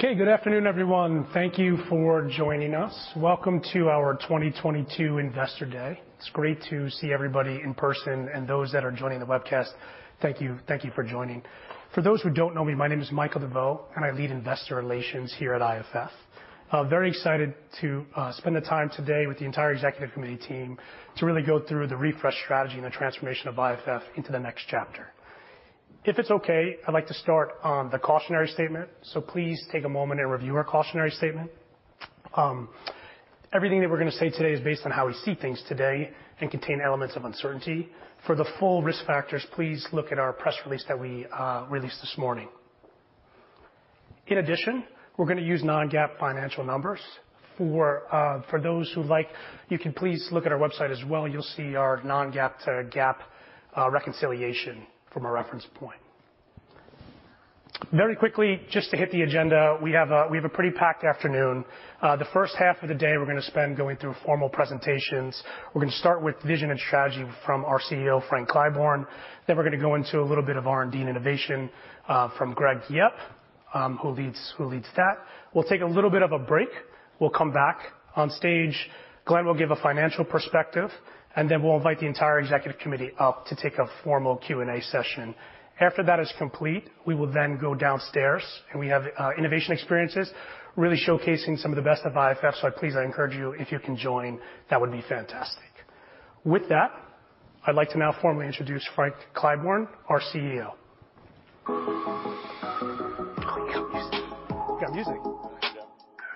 Okay, good afternoon, everyone. Thank you for joining us. Welcome to our 2022 Investor Day. It's great to see everybody in person and those that are joining the webcast. Thank you for joining. For those who don't know me, my name is Michael DeVeau, and I lead investor relations here at IFF. I'm very excited to spend the time today with the entire executive committee team to really go through the refresh strategy and the transformation of IFF into the next chapter. If it's okay, I'd like to start on the cautionary statement, so please take a moment and review our cautionary statement. Everything that we're gonna say today is based on how we see things today and contain elements of uncertainty. For the full risk factors, please look at our press release that we released this morning. In addition, we're gonna use non-GAAP financial numbers. For those who like, you can please look at our website as well. You'll see our non-GAAP to GAAP reconciliation from a reference point. Very quickly, just to hit the agenda, we have a pretty packed afternoon. The first half of the day we're gonna spend going through formal presentations. We're gonna start with vision and strategy from our CEO, Frank Clyburn, then we're gonna go into a little bit of R&D and innovation from Gregory Yep, who leads that. We'll take a little bit of a break. We'll come back on stage. Glenn will give a financial perspective, and then we'll invite the entire executive committee up to take a formal Q&A session. After that is complete, we will then go downstairs, and we have innovation experiences really showcasing some of the best of IFF. Please, I encourage you, if you can join, that would be fantastic. With that, I'd like to now formally introduce Frank Clyburn, our CEO. Oh, we got music. We got music.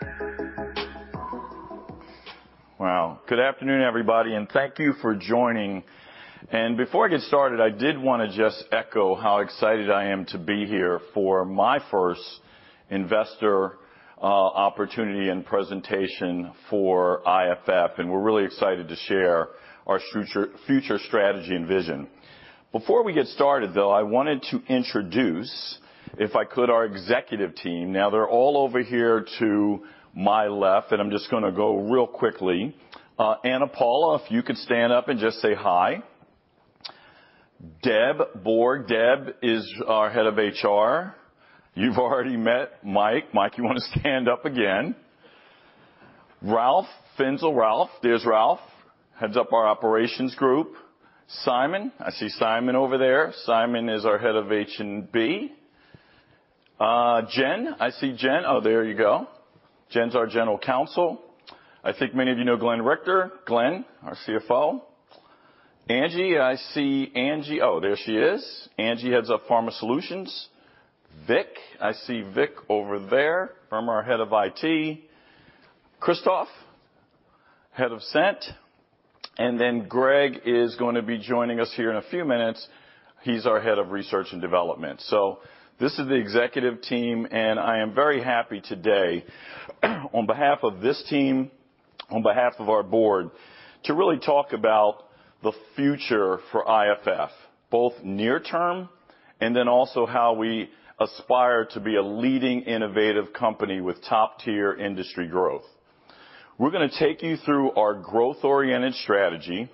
Yeah. Wow. Good afternoon, everybody, and thank you for joining. Before I get started, I did wanna just echo how excited I am to be here for my first investor, opportunity and presentation for IFF, we're really excited to share our future strategy and vision. Before we get started, though, I wanted to introduce, if I could, our executive team. Now, they're all over here to my left, and I'm just gonna go real quickly. Ana Paula, if you could stand up and just say hi. Deborah Borg. Deb is our head of HR. You've already met Mike. Mike, you wanna stand up again? Ralf Finzel. Ralf. There's Ralf. Heads up our operations group. Simon. I see Simon over there. Simon is our head of H&B. Jen. I see Jen. Oh, there you go. Jen's our general counsel. I think many of you know Glenn Richter. Glenn, our CFO. Angie, I see Angie. Oh, there she is. Angie heads up Pharma Solutions. Vic, I see Vic over there, former head of IT. Christophe, head of Scent, and then Greg is gonna be joining us here in a few minutes. He's our head of research and development. This is the executive team, and I am very happy today on behalf of this team, on behalf of our board to really talk about the future for IFF, both near term and then also how we aspire to be a leading innovative company with top-tier industry growth. We're gonna take you through our growth-oriented strategy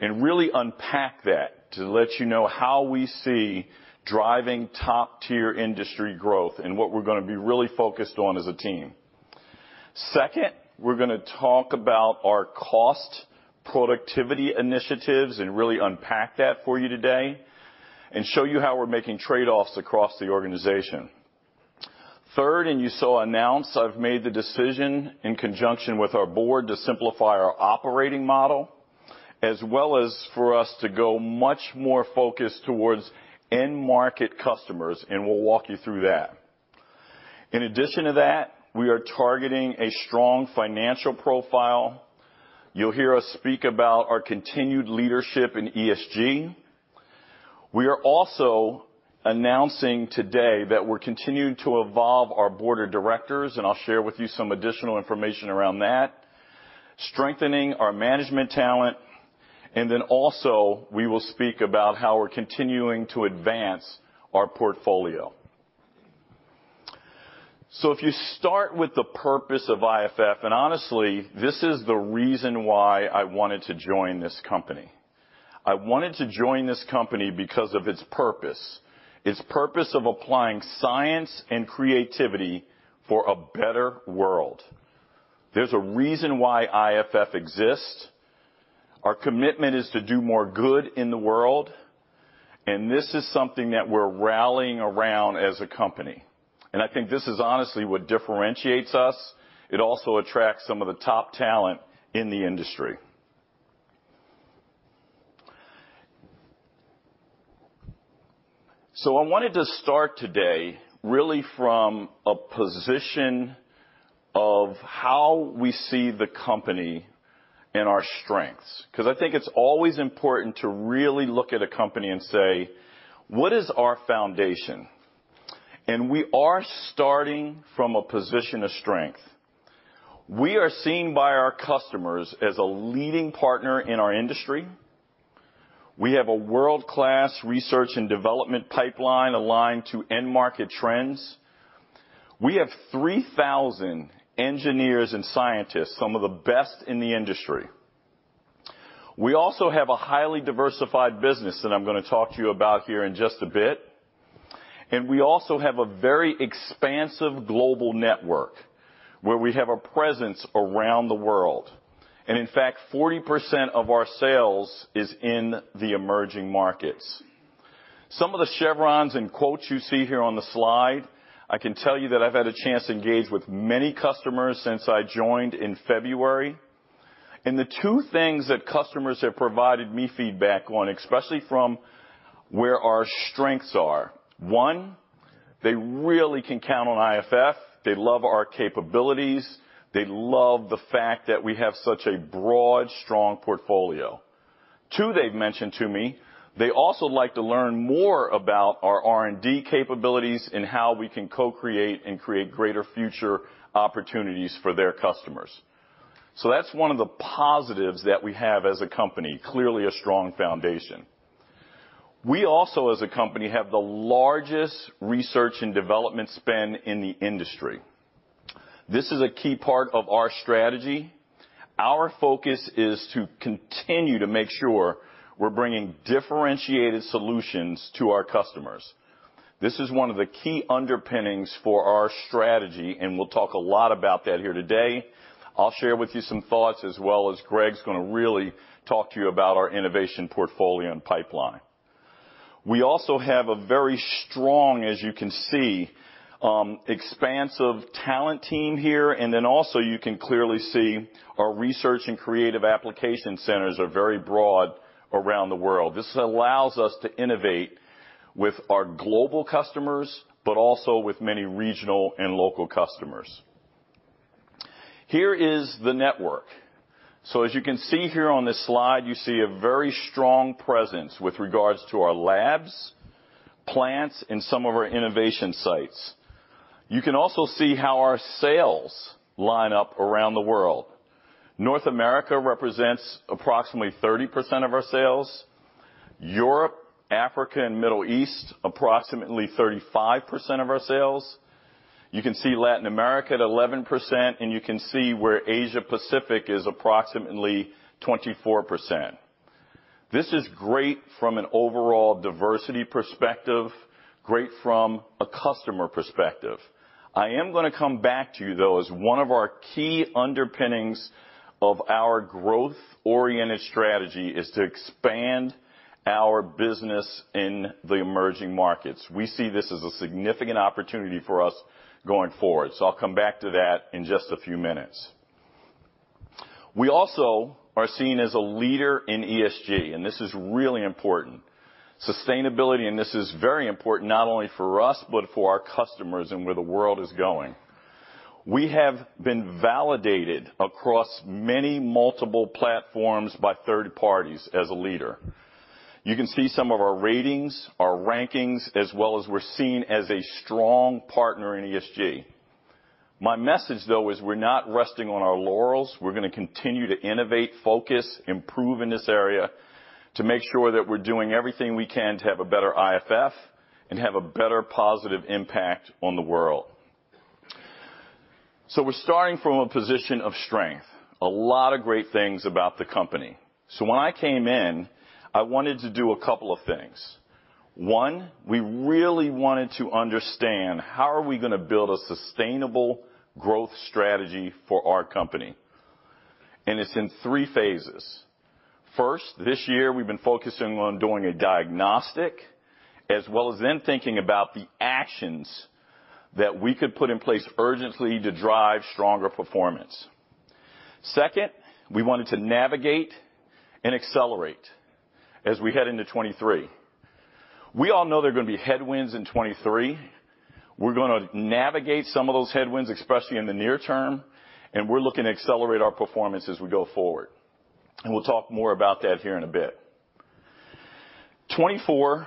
and really unpack that to let you know how we see driving top-tier industry growth and what we're gonna be really focused on as a team. Second, we're gonna talk about our cost productivity initiatives and really unpack that for you today and show you how we're making trade-offs across the organization. Third, you saw announced, I've made the decision in conjunction with our board to simplify our operating model, as well as for us to go much more focused towards end-market customers, and we'll walk you through that. In addition to that, we are targeting a strong financial profile. You'll hear us speak about our continued leadership in ESG. We are also announcing today that we're continuing to evolve our board of directors, and I'll share with you some additional information around that, strengthening our management talent, and then also we will speak about how we're continuing to advance our portfolio. If you start with the purpose of IFF, and honestly, this is the reason why I wanted to join this company. I wanted to join this company because of its purpose, its purpose of applying science and creativity for a better world. There's a reason why IFF exists. Our commitment is to do more good in the world, this is something that we're rallying around as a company. I think this is honestly what differentiates us. It also attracts some of the top talent in the industry. I wanted to start today really from a position of how we see the company and our strengths because I think it's always important to really look at a company and say, "What is our foundation?" We are starting from a position of strength. We are seen by our customers as a leading partner in our industry. We have a world-class research and development pipeline aligned to end market trends. We have 3,000 engineers and scientists, some of the best in the industry. We also have a highly diversified business that I'm gonna talk to you about here in just a bit. We also have a very expansive global network, where we have a presence around the world. In fact, 40% of our sales is in the emerging markets. Some of the chevrons and quotes you see here on the slide, I can tell you that I've had a chance to engage with many customers since I joined in February, and the two things that customers have provided me feedback on, especially from where our strengths are: one, they really can count on IFF. They love our capabilities. They love the fact that we have such a broad, strong portfolio. Two, they've mentioned to me, they also like to learn more about our R&D capabilities and how we can co-create and create greater future opportunities for their customers. That's one of the positives that we have as a company, clearly a strong foundation. We also, as a company, have the largest research and development spend in the industry. This is a key part of our strategy. Our focus is to continue to make sure we're bringing differentiated solutions to our customers. This is one of the key underpinnings for our strategy, and we'll talk a lot about that here today. I'll share with you some thoughts as well as Greg's gonna really talk to you about our innovation portfolio and pipeline. We also have a very strong, as you can see, expansive talent team here, and then also you can clearly see our research and creative application centers are very broad around the world. This allows us to innovate with our global customers, but also with many regional and local customers. Here is the network. As you can see here on this slide, you see a very strong presence with regards to our labs, plants, and some of our innovation sites. You can also see how our sales line up around the world. North America represents approximately 30% of our sales. Europe, Africa, and Middle East, approximately 35% of our sales. You can see Latin America at 11%, and you can see where Asia Pacific is approximately 24%. This is great from an overall diversity perspective, great from a customer perspective. I am gonna come back to you, though, as one of our key underpinnings of our growth-oriented strategy is to expand our business in the emerging markets. We see this as a significant opportunity for us going forward. I'll come back to that in just a few minutes. We also are seen as a leader in ESG, and this is really important. Sustainability, and this is very important not only for us, but for our customers and where the world is going. We have been validated across many multiple platforms by third parties as a leader. You can see some of our ratings, our rankings, as well as we're seen as a strong partner in ESG. My message, though, is we're not resting on our laurels. We're gonna continue to innovate, focus, improve in this area to make sure that we're doing everything we can to have a better IFF and have a better positive impact on the world. We're starting from a position of strength, a lot of great things about the company. When I came in, I wanted to do a couple of things. One, we really wanted to understand how are we gonna build a sustainable growth strategy for our company. It's in three phases. First, this year, we've been focusing on doing a diagnostic, as well as then thinking about the actions that we could put in place urgently to drive stronger performance. Second, we wanted to navigate and accelerate as we head into 23. We all know there are gonna be headwinds in 23. We're gonna navigate some of those headwinds, especially in the near term, and we're looking to accelerate our performance as we go forward. We'll talk more about that here in a bit. 2024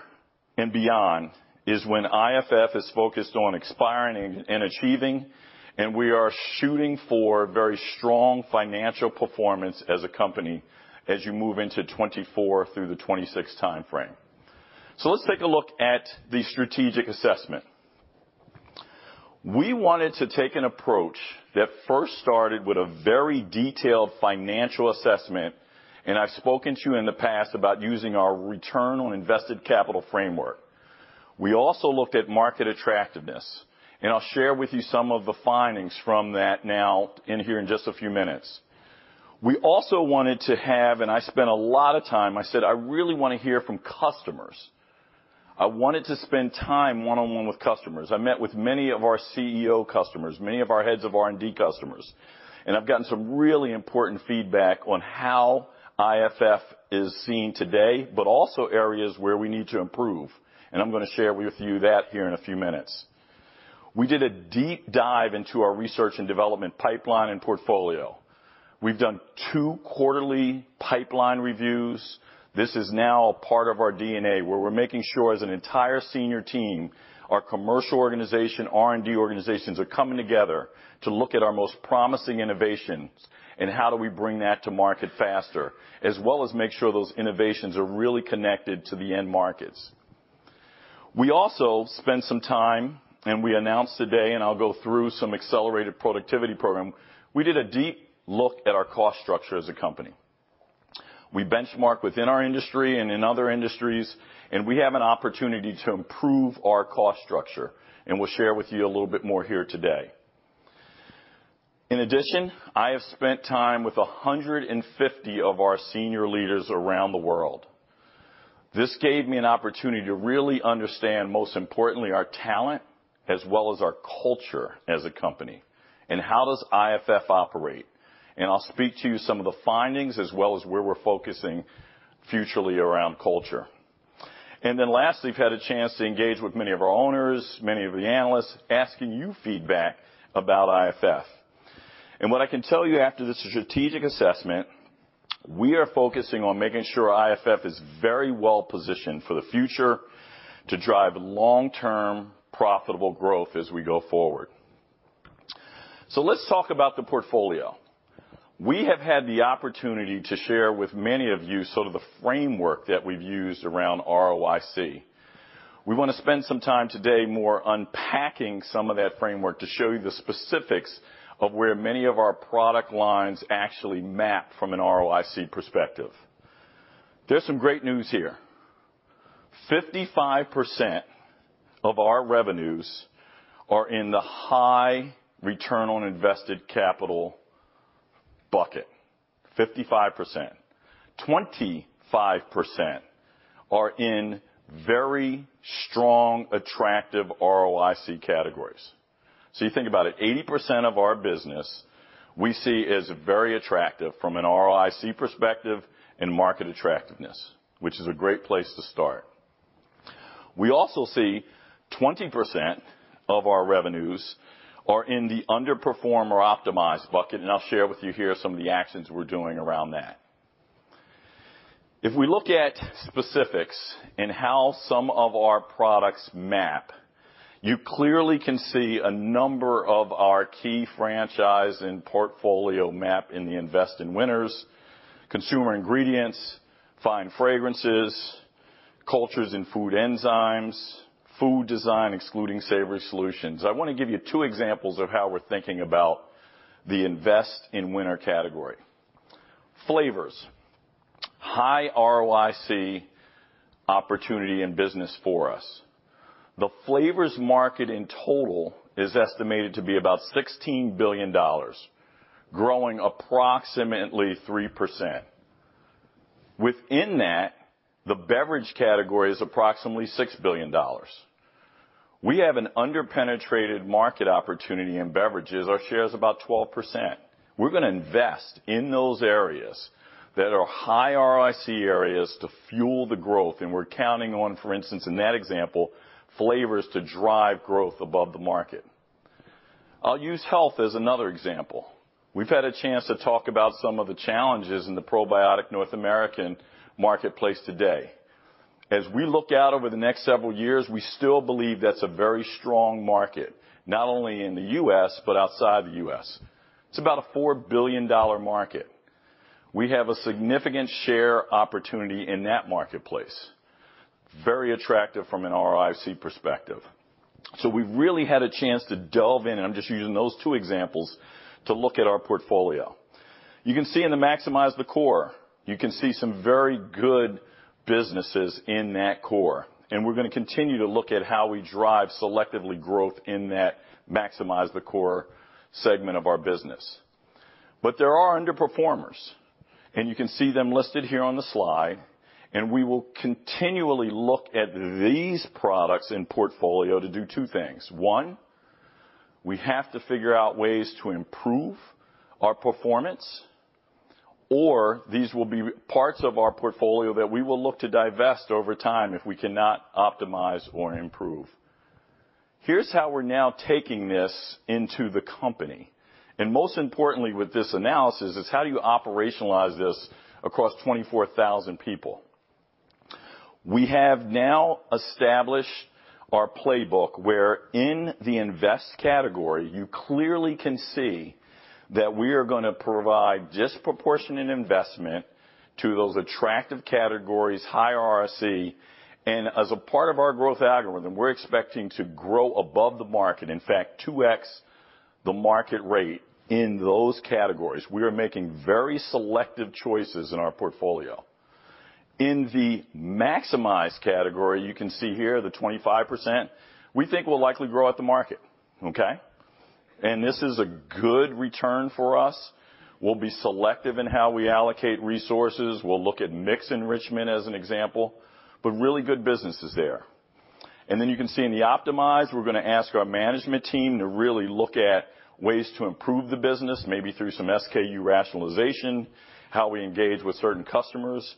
and beyond is when IFF is focused on expiring and achieving, and we are shooting for very strong financial performance as a company as you move into 2024 through the 2026 timeframe. Let's take a look at the strategic assessment. We wanted to take an approach that first started with a very detailed financial assessment, and I've spoken to you in the past about using our return on invested capital framework. We also looked at market attractiveness, and I'll share with you some of the findings from that now in here in just a few minutes. I spent a lot of time. I said, "I really wanna hear from customers." I wanted to spend time one-on-one with customers. I met with many of our CEO customers, many of our heads of R&D customers, and I've gotten some really important feedback on how IFF is seen today, but also areas where we need to improve. I'm gonna share with you that here in a few minutes. We did a deep dive into our research and development pipeline and portfolio. We've done two quarterly pipeline reviews. This is now a part of our DNA, where we're making sure as an entire senior team, our commercial organization, R&D organizations are coming together to look at our most promising innovations and how do we bring that to market faster, as well as make sure those innovations are really connected to the end markets. We also spent some time, and we announced today, and I'll go through some accelerated productivity program. We did a deep look at our cost structure as a company. We benchmark within our industry and in other industries, and we have an opportunity to improve our cost structure, and we'll share with you a little bit more here today. In addition, I have spent time with 150 of our senior leaders around the world. This gave me an opportunity to really understand, most importantly, our talent as well as our culture as a company, how does IFF operate. I'll speak to you some of the findings as well as where we're focusing futurally around culture. Lastly, we've had a chance to engage with many of our owners, many of the analysts, asking you feedback about IFF. What I can tell you after this strategic assessment, we are focusing on making sure IFF is very well positioned for the future to drive long-term profitable growth as we go forward. Let's talk about the portfolio. We have had the opportunity to share with many of you sort of the framework that we've used around ROIC. We wanna spend some time today more unpacking some of that framework to show you the specifics of where many of our product lines actually map from an ROIC perspective. There's some great news here. 55% of our revenues are in the high return on invested capital bucket. 55%. 25% are in very strong, attractive ROIC categories. You think about it, 80% of our business we see as very attractive from an ROIC perspective and market attractiveness, which is a great place to start. We also see 20% of our revenues are in the underperform or optimize bucket, and I'll share with you here some of the actions we're doing around that. If we look at specifics and how some of our products map, you clearly can see a number of our key franchise and portfolio map in the Invest in Winners: Consumer Ingredients, Fine Fragrances, Cultures and Food Enzymes, Food Design, excluding Savory Solutions. I want to give you two examples of how we're thinking about the Invest in Winner category. Flavors, high ROIC opportunity in business for us. The flavors market in total is estimated to be about $16 billion, growing approximately 3%. Within that, the beverage category is approximately $6 billion. We have an under-penetrated market opportunity in beverages. Our share is about 12%. We're going to invest in those areas that are high ROIC areas to fuel the growth, and we're counting on, for instance, in that example, flavors to drive growth above the market. I'll use health as another example. We've had a chance to talk about some of the challenges in the probiotic North American marketplace today. As we look out over the next several years, we still believe that's a very strong market, not only in the U.S., but outside the U.S.. It's about a $4 billion market. We have a significant share opportunity in that marketplace. Very attractive from an ROIC perspective. We've really had a chance to delve in, and I'm just using those two examples to look at our portfolio. You can see in the maximize the core. You can see some very good businesses in that core, and we're gonna continue to look at how we drive selectively growth in that maximize the core segment of our business. There are underperformers, and you can see them listed here on the slide, and we will continually look at these products in portfolio to do two things. One, we have to figure out ways to improve our performance, or these will be parts of our portfolio that we will look to divest over time if we cannot optimize or improve. Here's how we're now taking this into the company. Most importantly with this analysis is how do you operationalize this across 24,000 people? We have now established our playbook where in the invest category, you clearly can see that we are gonna provide disproportionate investment to those attractive categories, high ROIC. As a part of our growth algorithm, we're expecting to grow above the market. In fact, two times the market rate in those categories. We are making very selective choices in our portfolio. In the maximize category, you can see here the 25%, we think will likely grow at the market, okay? This is a good return for us. We'll be selective in how we allocate resources. We'll look at mix enrichment as an example, but really good businesses there. You can see in the optimize, we're gonna ask our management team to really look at ways to improve the business, maybe through some SKU rationalization, how we engage with certain customers,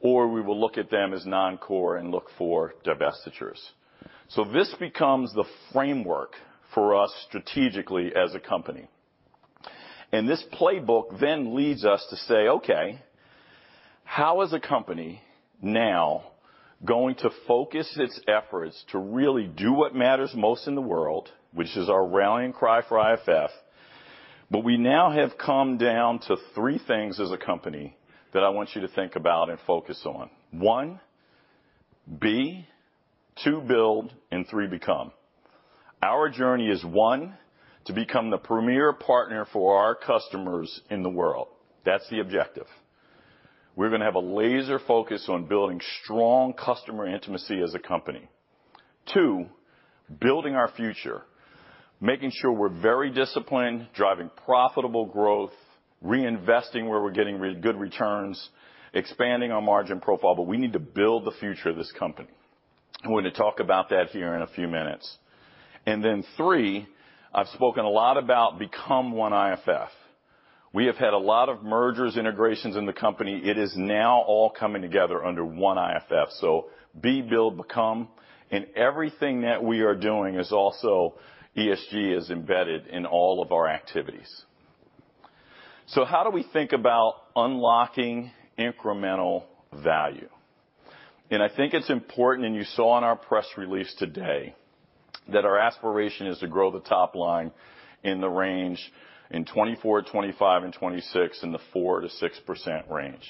or we will look at them as non-core and look for divestitures. This becomes the framework for us strategically as a company. This playbook then leads us to say, Okay, how is a company now going to focus its efforts to really do what matters most in the world, which is our rallying cry for IFF. We now have come down to three things as a company that I want you to think about and focus on. One, be, two, build, and three, become. Our journey is, one, to become the premier partner for our customers in the world. That's the objective. We're gonna have a laser focus on building strong customer intimacy as a company. Two, building our future, making sure we're very disciplined, driving profitable growth, reinvesting where we're getting re-good returns, expanding our margin profile. We need to build the future of this company. I'm going to talk about that here in a few minutes. Three, I've spoken a lot about become one IFF. We have had a lot of mergers, integrations in the company. It is now all coming together under one IFF. Be, build, become, and everything that we are doing is also ESG is embedded in all of our activities. How do we think about unlocking incremental value? I think it's important, and you saw in our press release today, that our aspiration is to grow the top line in the range in 2024, 2025, and 2026 in the 4%-6% range.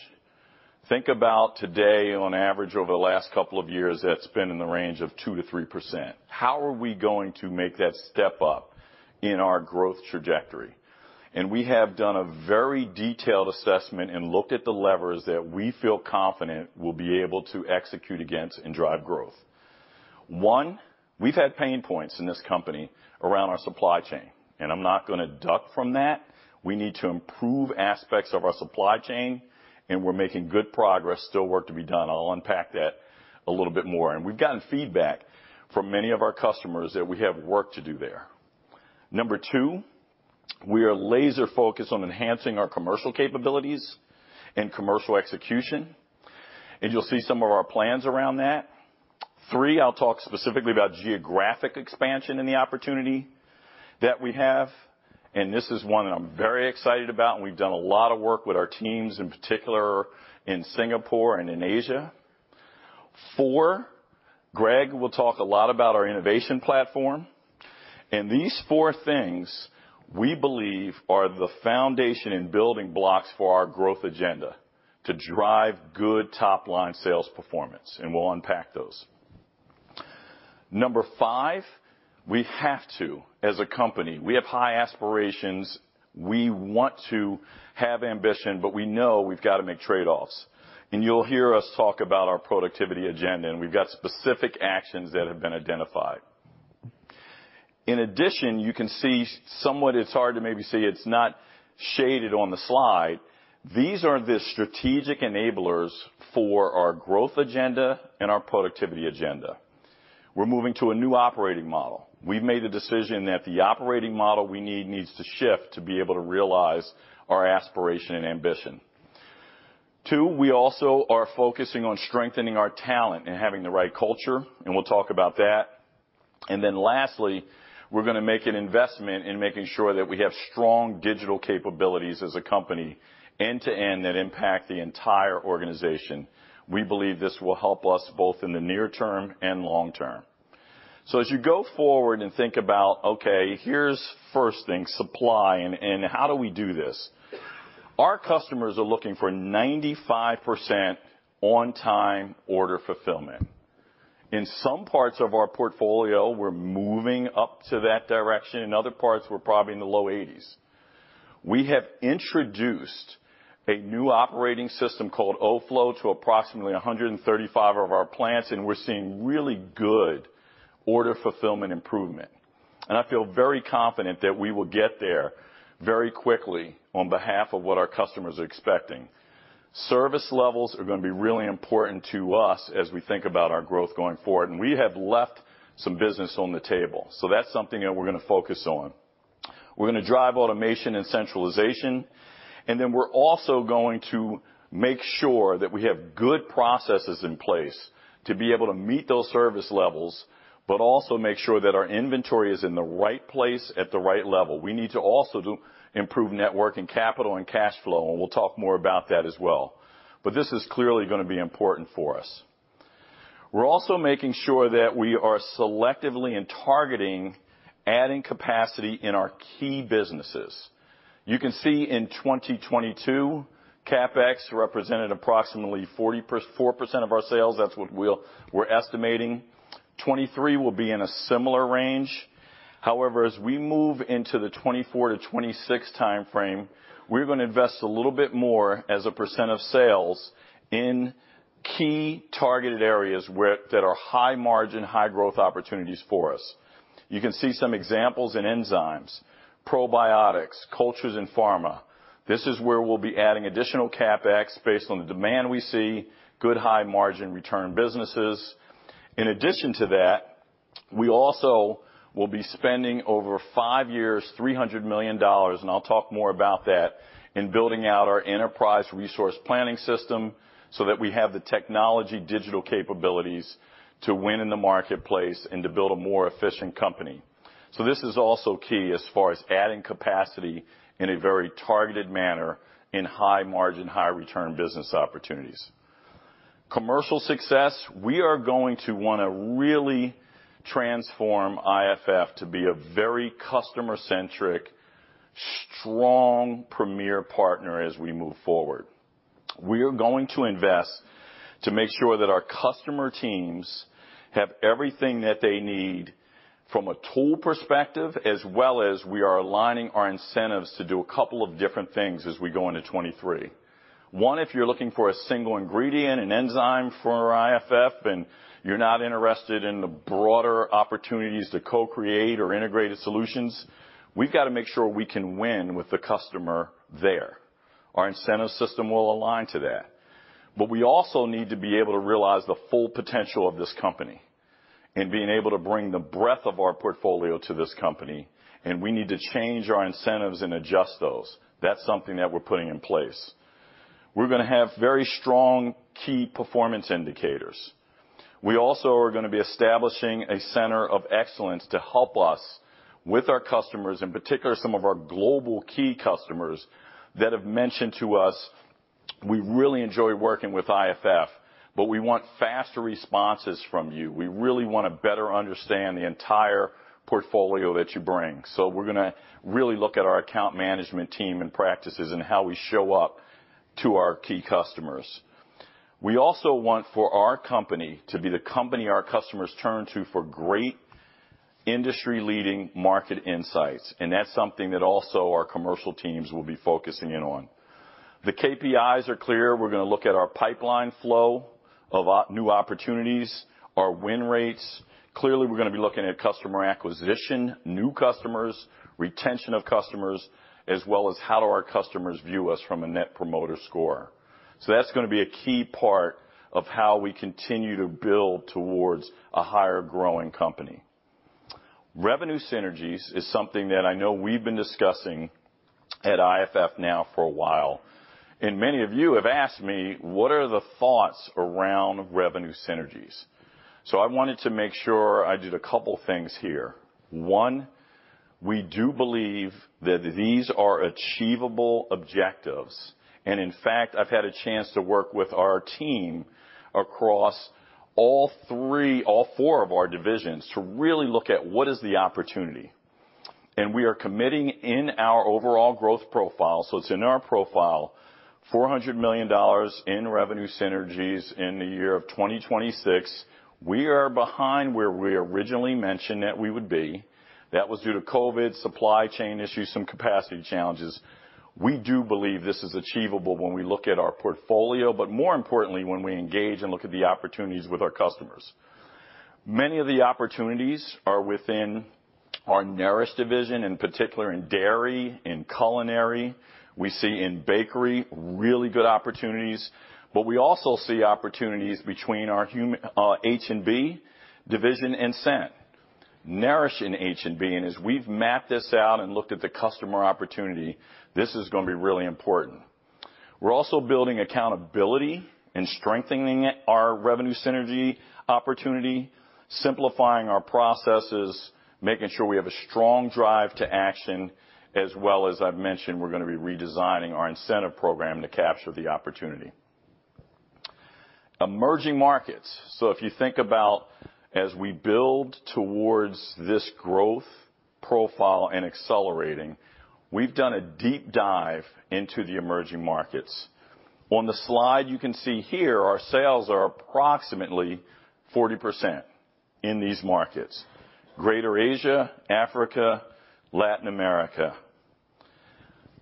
Think about today on average over the last couple of years that's been in the range of 2%-3%. How are we going to make that step up in our growth trajectory? We have done a very detailed assessment and looked at the levers that we feel confident we'll be able to execute against and drive growth. One, we've had pain points in this company around our supply chain. I'm not gonna duck from that. We need to improve aspects of our supply chain, and we're making good progress, still work to be done. I'll unpack that a little bit more. We've gotten feedback from many of our customers that we have work to do there. Number two, we are laser focused on enhancing our commercial capabilities and commercial execution. You'll see some of our plans around that. Three, I'll talk specifically about geographic expansion and the opportunity that we have. This is one that I'm very excited about, and we've done a lot of work with our teams, in particular in Singapore and in Asia. Four, Greg will talk a lot about our innovation platform. These four things we believe are the foundation and building blocks for our growth agenda to drive good top-line sales performance, and we'll unpack those. Number five, we have to, as a company, we have high aspirations. We want to have ambition, but we know we've got to make trade-offs. You'll hear us talk about our productivity agenda, and we've got specific actions that have been identified. In addition, you can see somewhat it's hard to maybe see it's not shaded on the slide, these are the strategic enablers for our growth agenda and our productivity agenda. We're moving to a new operating model. We've made the decision that the operating model we need needs to shift to be able to realize our aspiration and ambition. Two, we also are focusing on strengthening our talent and having the right culture, and we'll talk about that. Lastly, we're gonna make an investment in making sure that we have strong digital capabilities as a company end to end that impact the entire organization. We believe this will help us both in the near term and long term. As you go forward and think about, okay, here's first thing, supply, and how do we do this? Our customers are looking for 95% on-time order fulfillment. In some parts of our portfolio, we're moving up to that direction. In other parts, we're probably in the low 80s. We have introduced a new operating system called Oflow to approximately 135 of our plants, and we're seeing really good order fulfillment improvement. I feel very confident that we will get there very quickly on behalf of what our customers are expecting. Service levels are gonna be really important to us as we think about our growth going forward. We have left some business on the table. That's something that we're gonna focus on. We're gonna drive automation and centralization, and then we're also going to make sure that we have good processes in place to be able to meet those service levels, but also make sure that our inventory is in the right place at the right level. We need to also do improve network and capital and cash flow, and we'll talk more about that as well. This is clearly gonna be important for us. We're also making sure that we are selectively and targeting adding capacity in our key businesses. You can see in 2022, CapEx represented approximately 4% of our sales. That's what we're estimating. 2023 will be in a similar range. As we move into the 2024 to 2026 time frame, we're gonna invest a little bit more as a percent of sales in key targeted areas that are high margin, high growth opportunities for us. You can see some examples in enzymes, probiotics, cultures, and Pharma. This is where we'll be adding additional CapEx based on the demand we see, good high margin return businesses. In addition to that, we also will be spending over five years, $300 million, and I'll talk more about that, in building out our ERP system so that we have the technology digital capabilities to win in the marketplace and to build a more efficient company. This is also key as far as adding capacity in a very targeted manner in high margin, high return business opportunities. Commercial success, we are going to wanna really transform IFF to be a very customer-centric, strong premier partner as we move forward. We are going to invest to make sure that our customer teams have everything that they need from a tool perspective, as well as we are aligning our incentives to do a couple of different things as we go into 2023. One, if you're looking for a single ingredient, an enzyme for IFF, and you're not interested in the broader opportunities to co-create or integrated solutions, we've gotta make sure we can win with the customer there. Our incentive system will align to that. We also need to be able to realize the full potential of this company and being able to bring the breadth of our portfolio to this company, and we need to change our incentives and adjust those. That's something that we're putting in place. We're gonna have very strong key performance indicators. We also are gonna be establishing a center of excellence to help us with our customers, in particular, some of our global key customers that have mentioned to us, "We really enjoy working with IFF, but we want faster responses from you. We really wanna better understand the entire portfolio that you bring." We're gonna really look at our account management team and practices and how we show up to our key customers. We also want for our company to be the company our customers turn to for great industry-leading market insights. That's something that also our commercial teams will be focusing in on. The KPIs are clear. We're going to look at our pipeline flow of new opportunities, our win rates. Clearly, we're going to be looking at customer acquisition, new customers, retention of customers, as well as how do our customers view us from a net promoter score. That's going to be a key part of how we continue to build towards a higher growing company. Revenue synergies is something that I know we've been discussing at IFF now for a while. Many of you have asked me what are the thoughts around revenue synergies. I wanted to make sure I did a couple things here. We do believe that these are achievable objectives, in fact, I've had a chance to work with our team across all four of our divisions to really look at what is the opportunity. We are committing in our overall growth profile, so it's in our profile, $400 million in revenue synergies in the year of 2026. We are behind where we originally mentioned that we would be. That was due to COVID, supply chain issues, some capacity challenges. We do believe this is achievable when we look at our portfolio, but more importantly, when we engage and look at the opportunities with our customers. Many of the opportunities are within our Nourish division, in particular in dairy, in culinary. We see in bakery really good opportunities, but we also see opportunities between our human H&B division and Scent. Nourish and H&B. As we've mapped this out and looked at the customer opportunity, this is gonna be really important. We're also building accountability and strengthening our revenue synergy opportunity, simplifying our processes, making sure we have a strong drive to action, as well as, I've mentioned, we're gonna be redesigning our incentive program to capture the opportunity. Emerging markets. If you think about as we build towards this growth profile and accelerating, we've done a deep dive into the emerging markets. On the slide, you can see here our sales are approximately 40% in these markets, Greater Asia, Africa, Latin America.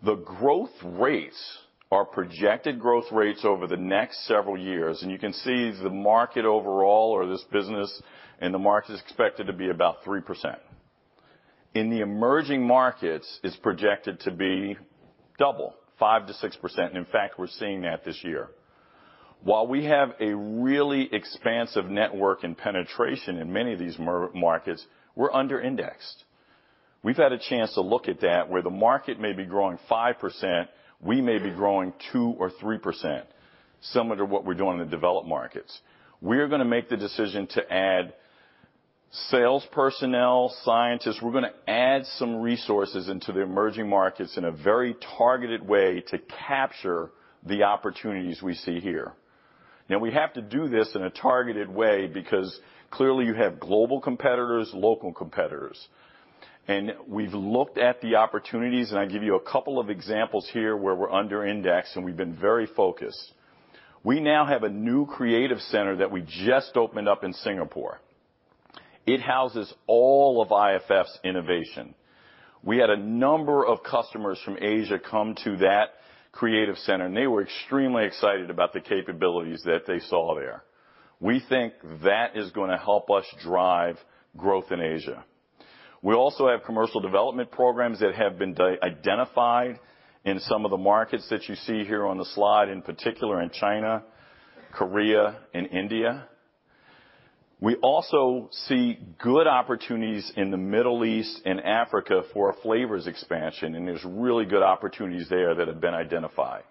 The growth rates are projected growth rates over the next several years, and you can see the market overall or this business in the market is expected to be about 3%. In the emerging markets, it's projected to be double, 5%-6%. In fact, we're seeing that this year. While we have a really expansive network and penetration in many of these markets, we're under-indexed. We've had a chance to look at that, where the market may be growing 5%, we may be growing 2% or 3%, similar to what we're doing in the developed markets. We're gonna make the decision to add sales personnel, scientists. We're gonna add some resources into the emerging markets in a very targeted way to capture the opportunities we see here. We have to do this in a targeted way because clearly you have global competitors, local competitors. We've looked at the opportunities, and I give you a couple of examples here where we're under index and we've been very focused. We now have a new creative center that we just opened up in Singapore. It houses all of IFF's innovation. We had a number of customers from Asia come to that creative center. They were extremely excited about the capabilities that they saw there. We think that is gonna help us drive growth in Asia. We also have commercial development programs that have been identified in some of the markets that you see here on the slide, in particular in China, Korea, and India. We also see good opportunities in the Middle East and Africa for a flavors expansion. There's really good opportunities there that have been identified.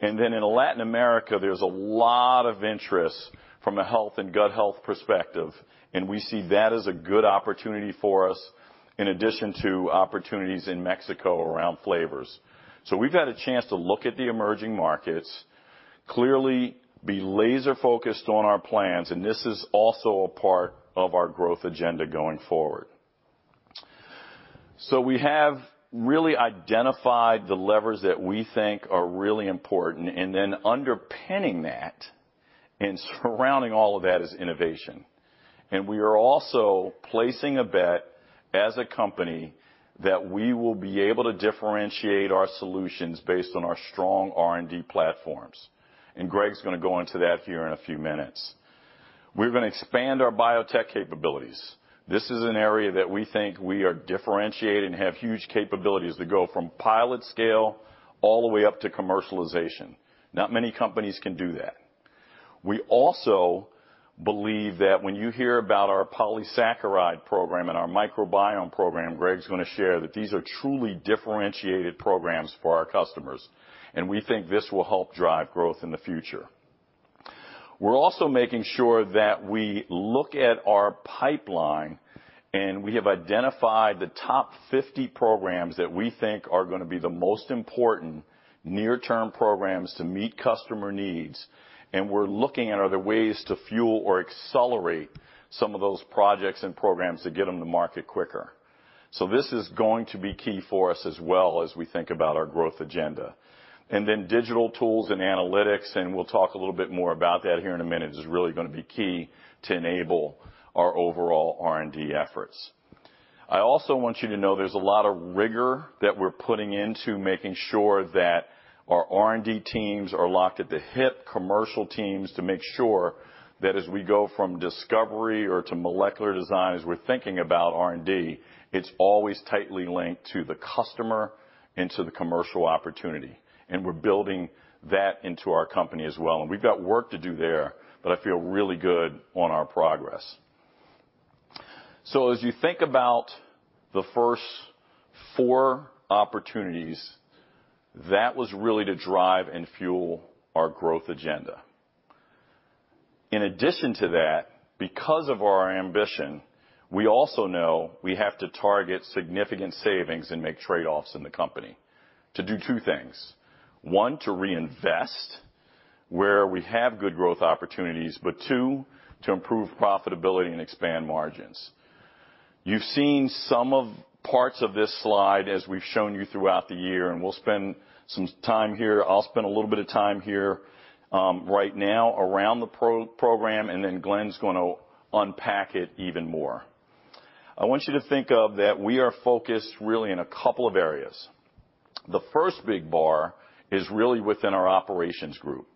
In Latin America, there's a lot of interest from a health and gut health perspective, and we see that as a good opportunity for us in addition to opportunities in Mexico around flavors. We've had a chance to look at the emerging markets. Clearly, be laser focused on our plans, and this is also a part of our growth agenda going forward. We have really identified the levers that we think are really important, and then underpinning that and surrounding all of that is innovation. We are also placing a bet as a company that we will be able to differentiate our solutions based on our strong R&D platforms. Greg's gonna go into that here in a few minutes. We're gonna expand our biotech capabilities. This is an area that we think we are differentiated and have huge capabilities to go from pilot scale all the way up to commercialization. Not many companies can do that. We also believe that when you hear about our polysaccharide program and our microbiome program, Greg's gonna share that these are truly differentiated programs for our customers, and we think this will help drive growth in the future. We're also making sure that we look at our pipeline, and we have identified the top 50 programs that we think are gonna be the most important near-term programs to meet customer needs, and we're looking at other ways to fuel or accelerate some of those projects and programs to get them to market quicker. This is going to be key for us as well as we think about our growth agenda. Then digital tools and analytics, and we'll talk a little bit more about that here in a minute, is really gonna be key to enable our overall R&D efforts. I also want you to know there's a lot of rigor that we're putting into making sure that our R&D teams are locked at the hip, commercial teams, to make sure that as we go from discovery or to molecular design, as we're thinking about R&D, it's always tightly linked to the customer and to the commercial opportunity. We're building that into our company as well. We've got work to do there, but I feel really good on our progress. As you think about the first four opportunities, that was really to drive and fuel our growth agenda. In addition to that, because of our ambition, we also know we have to target significant savings and make trade-offs in the company to do two things. One, to reinvest where we have good growth opportunities, but two, to improve profitability and expand margins. You've seen some of parts of this slide as we've shown you throughout the year, and we'll spend some time here. I'll spend a little bit of time here right now around the pro-program, and then Glenn's gonna unpack it even more. I want you to think of that we are focused really in a couple of areas. The first big bar is really within our operations group.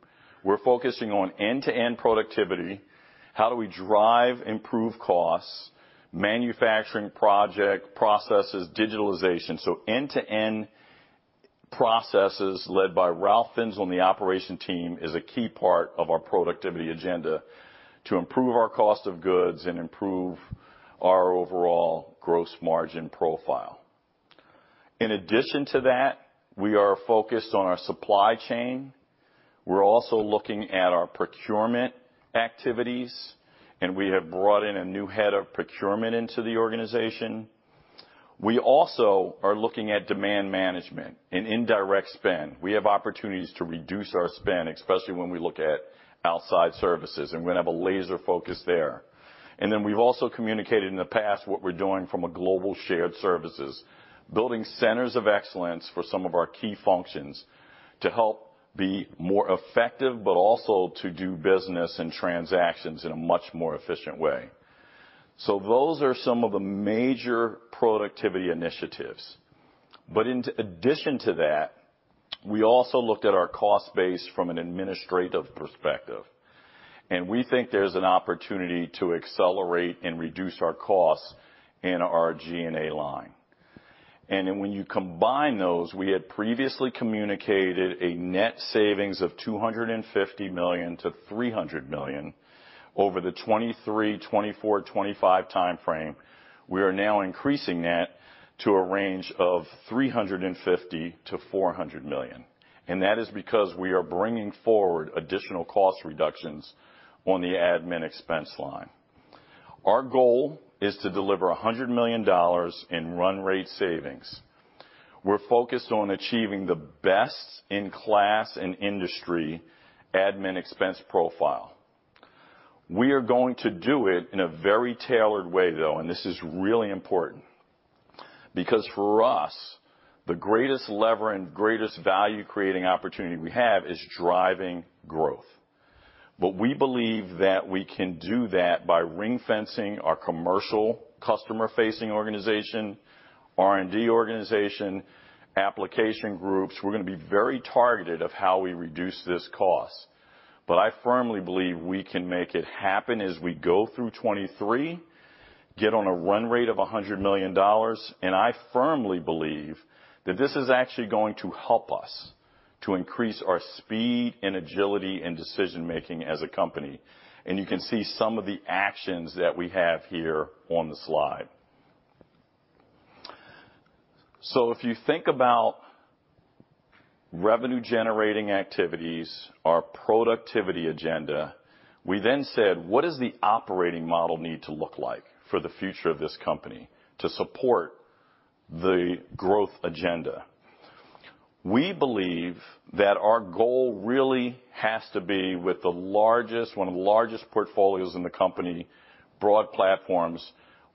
We're focusing on end-to-end productivity, how do we drive improved costs, manufacturing project, processes, digitalization. End-to-end processes led by Ralf Finzel on the operation team is a key part of our productivity agenda to improve our cost of goods and improve our overall gross margin profile. In addition to that, we are focused on our supply chain. We're also looking at our procurement activities, and we have brought in a new head of procurement into the organization. We also are looking at demand management and indirect spend. We have opportunities to reduce our spend, especially when we look at outside services, and we're gonna have a laser focus there. We've also communicated in the past what we're doing from a global shared services, building centers of excellence for some of our key functions to help be more effective, but also to do business and transactions in a much more efficient way. Those are some of the major productivity initiatives. In addition to that, we also looked at our cost base from an administrative perspective, and we think there's an opportunity to accelerate and reduce our costs in our G&A line. When you combine those, we had previously communicated a net savings of $250 million-$300 million over the 2023, 2024, 2025 timeframe. We are now increasing that to a range of $350 million-$400 million. That is because we are bringing forward additional cost reductions on the admin expense line. Our goal is to deliver $100 million in run rate savings. We're focused on achieving the best in class and industry admin expense profile. We are going to do it in a very tailored way, though, and this is really important. For us, the greatest lever and greatest value-creating opportunity we have is driving growth. We believe that we can do that by ring-fencing our commercial customer-facing organization, R&D organization, application groups. We're gonna be very targeted of how we reduce this cost. I firmly believe we can make it happen as we go through 2023, get on a run rate of $100 million. I firmly believe that this is actually going to help us to increase our speed and agility in decision-making as a company. You can see some of the actions that we have here on the slide. If you think about revenue-generating activities, our productivity agenda, we then said, "What does the operating model need to look like for the future of this company to support the growth agenda. We believe that our goal really has to be with the largest, one of the largest portfolios in the company, broad platforms.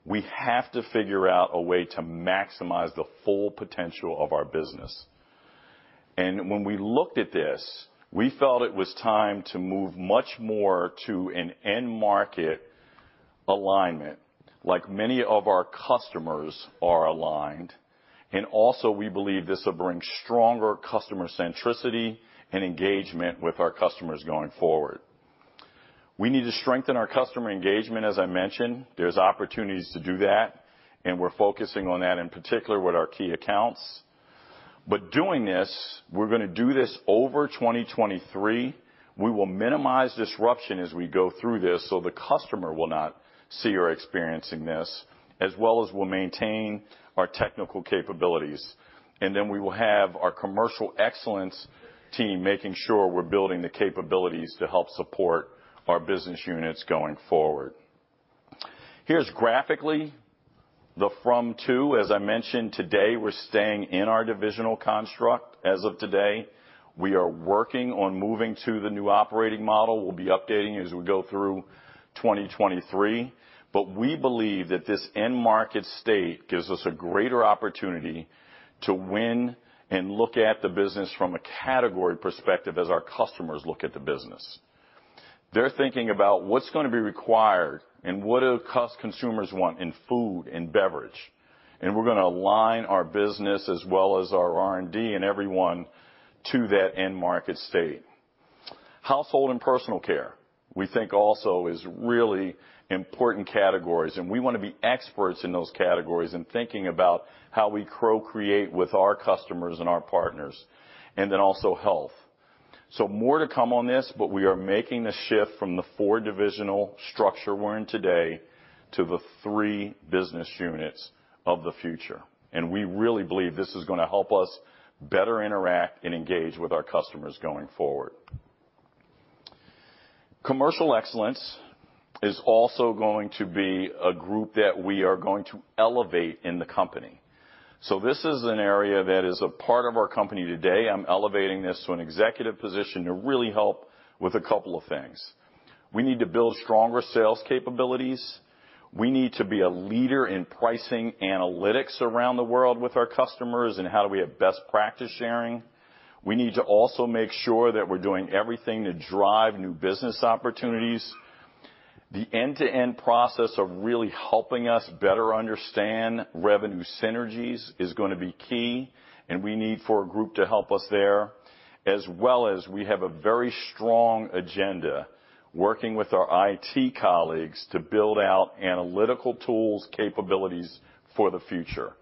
We have to figure out a way to maximize the full potential of our business. When we looked at this, we felt it was time to move much more to an end market alignment, like many of our customers are aligned. Also, we believe this will bring stronger customer centricity and engagement with our customers going forward. We need to strengthen our customer engagement. As I mentioned, there's opportunities to do that, and we're focusing on that, in particular with our key accounts. Doing this, we're gonna do this over 2023. We will minimize disruption as we go through this, so the customer will not see or experiencing this, as well as we'll maintain our technical capabilities. Then we will have our commercial excellence team making sure we're building the capabilities to help support our business units going forward. Here's graphically the from to. As I mentioned today, we're staying in our divisional construct. As of today, we are working on moving to the new operating model. We'll be updating you as we go through 2023. We believe that this end market state gives us a greater opportunity to win and look at the business from a category perspective as our customers look at the business. They're thinking about what's gonna be required and what do consumers want in food and beverage. We're gonna align our business as well as our R&D and everyone to that end market state. Household and personal care, we think also is really important categories, and we wanna be experts in those categories in thinking about how we co-create with our customers and our partners, and then also health. More to come on this, but we are making the shift from the four divisional structure we're in today to the three business units of the future. We really believe this is gonna help us better interact and engage with our customers going forward. Commercial excellence is also going to be a group that we are going to elevate in the company. This is an area that is a part of our company today. I'm elevating this to an executive position to really help with a couple of things. We need to build stronger sales capabilities. We need to be a leader in pricing analytics around the world with our customers and how do we have best practice sharing. We need to also make sure that we're doing everything to drive new business opportunities. The end-to-end process of really helping us better understand revenue synergies is gonna be key, and we need for a group to help us there. As well as we have a very strong agenda, working with our IT colleagues to build out analytical tools capabilities for the future.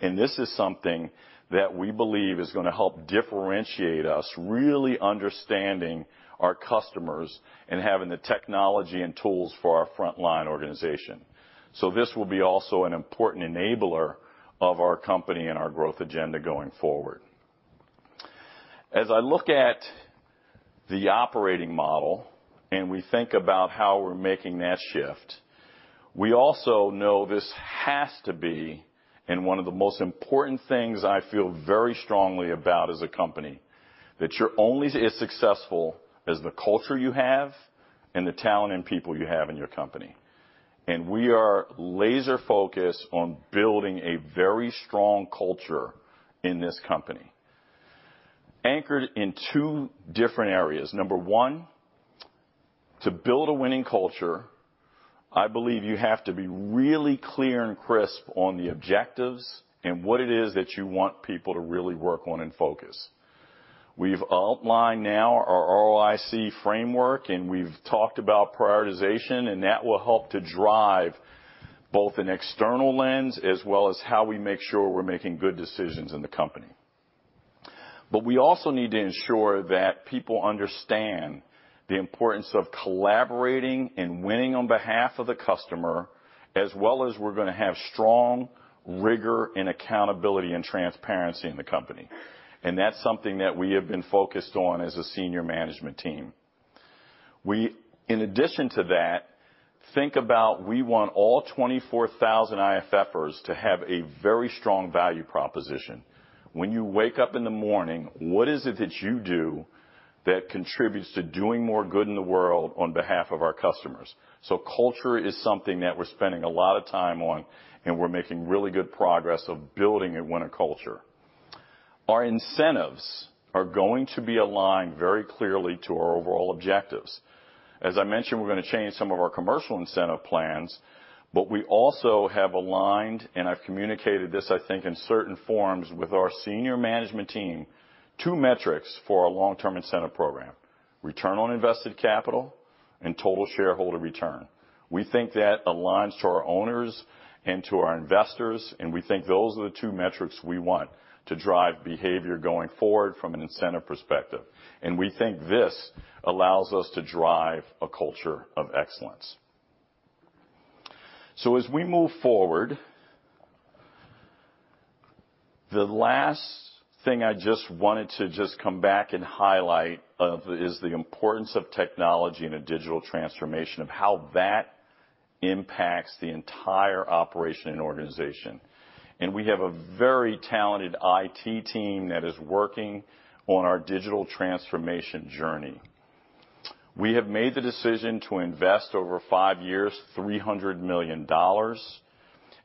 This is something that we believe is gonna help differentiate us, really understanding our customers and having the technology and tools for our frontline organization. This will be also an important enabler of our company and our growth agenda going forward. As I look at the operating model and we think about how we're making that shift, we also know this has to be, and one of the most important things I feel very strongly about as a company, that you're only as successful as the culture you have and the talent and people you have in your company. We are laser-focused on building a very strong culture in this company, anchored in two different areas. Number one, to build a winning culture, I believe you have to be really clear and crisp on the objectives and what it is that you want people to really work on and focus. We've outlined now our ROIC framework, and we've talked about prioritization, and that will help to drive both an external lens as well as how we make sure we're making good decisions in the company. We also need to ensure that people understand the importance of collaborating and winning on behalf of the customer, as well as we're gonna have strong rigor and accountability and transparency in the company. That's something that we have been focused on as a senior management team. We, in addition to that, think about we want all 24,000 IFEffers to have a very strong value proposition. When you wake up in the morning, what is it that you do that contributes to doing more good in the world on behalf of our customers? Culture is something that we're spending a lot of time on, and we're making really good progress of building a winner culture. Our incentives are going to be aligned very clearly to our overall objectives. As I mentioned, we're gonna change some of our commercial incentive plans, but we also have aligned, and I've communicated this, I think in certain forms with our senior management team, two metrics for our long-term incentive program, return on invested capital and total shareholder return. We think that aligns to our owners and to our investors, and we think those are the two metrics we want to drive behavior going forward from an incentive perspective. We think this allows us to drive a culture of excellence. As we move forward. The last thing I just wanted to just come back and highlight of is the importance of technology in a digital transformation, of how that impacts the entire operation and organization. We have a very talented IT team that is working on our digital transformation journey. We have made the decision to invest over five years, $300 million.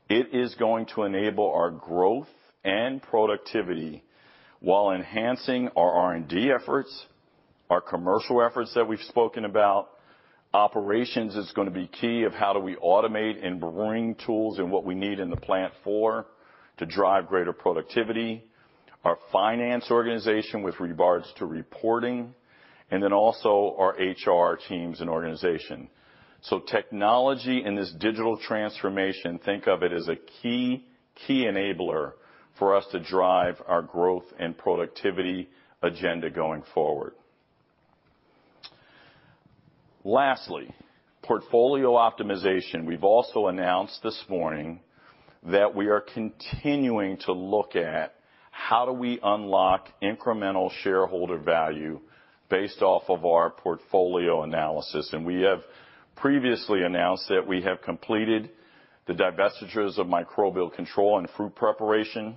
It is going to enable our growth and productivity while enhancing our R&D efforts, our commercial efforts that we've spoken about. Operations is gonna be key of how do we automate and bring tools and what we need in the plant for to drive greater productivity, our finance organization with regards to reporting, and then also our HR teams and organization. Technology in this digital transformation, think of it as a key enabler for us to drive our growth and productivity agenda going forward. Lastly, portfolio optimization. We've also announced this morning that we are continuing to look at how do we unlock incremental shareholder value based off of our portfolio analysis. We have previously announced that we have completed the divestitures of Microbial Control and fruit preparation.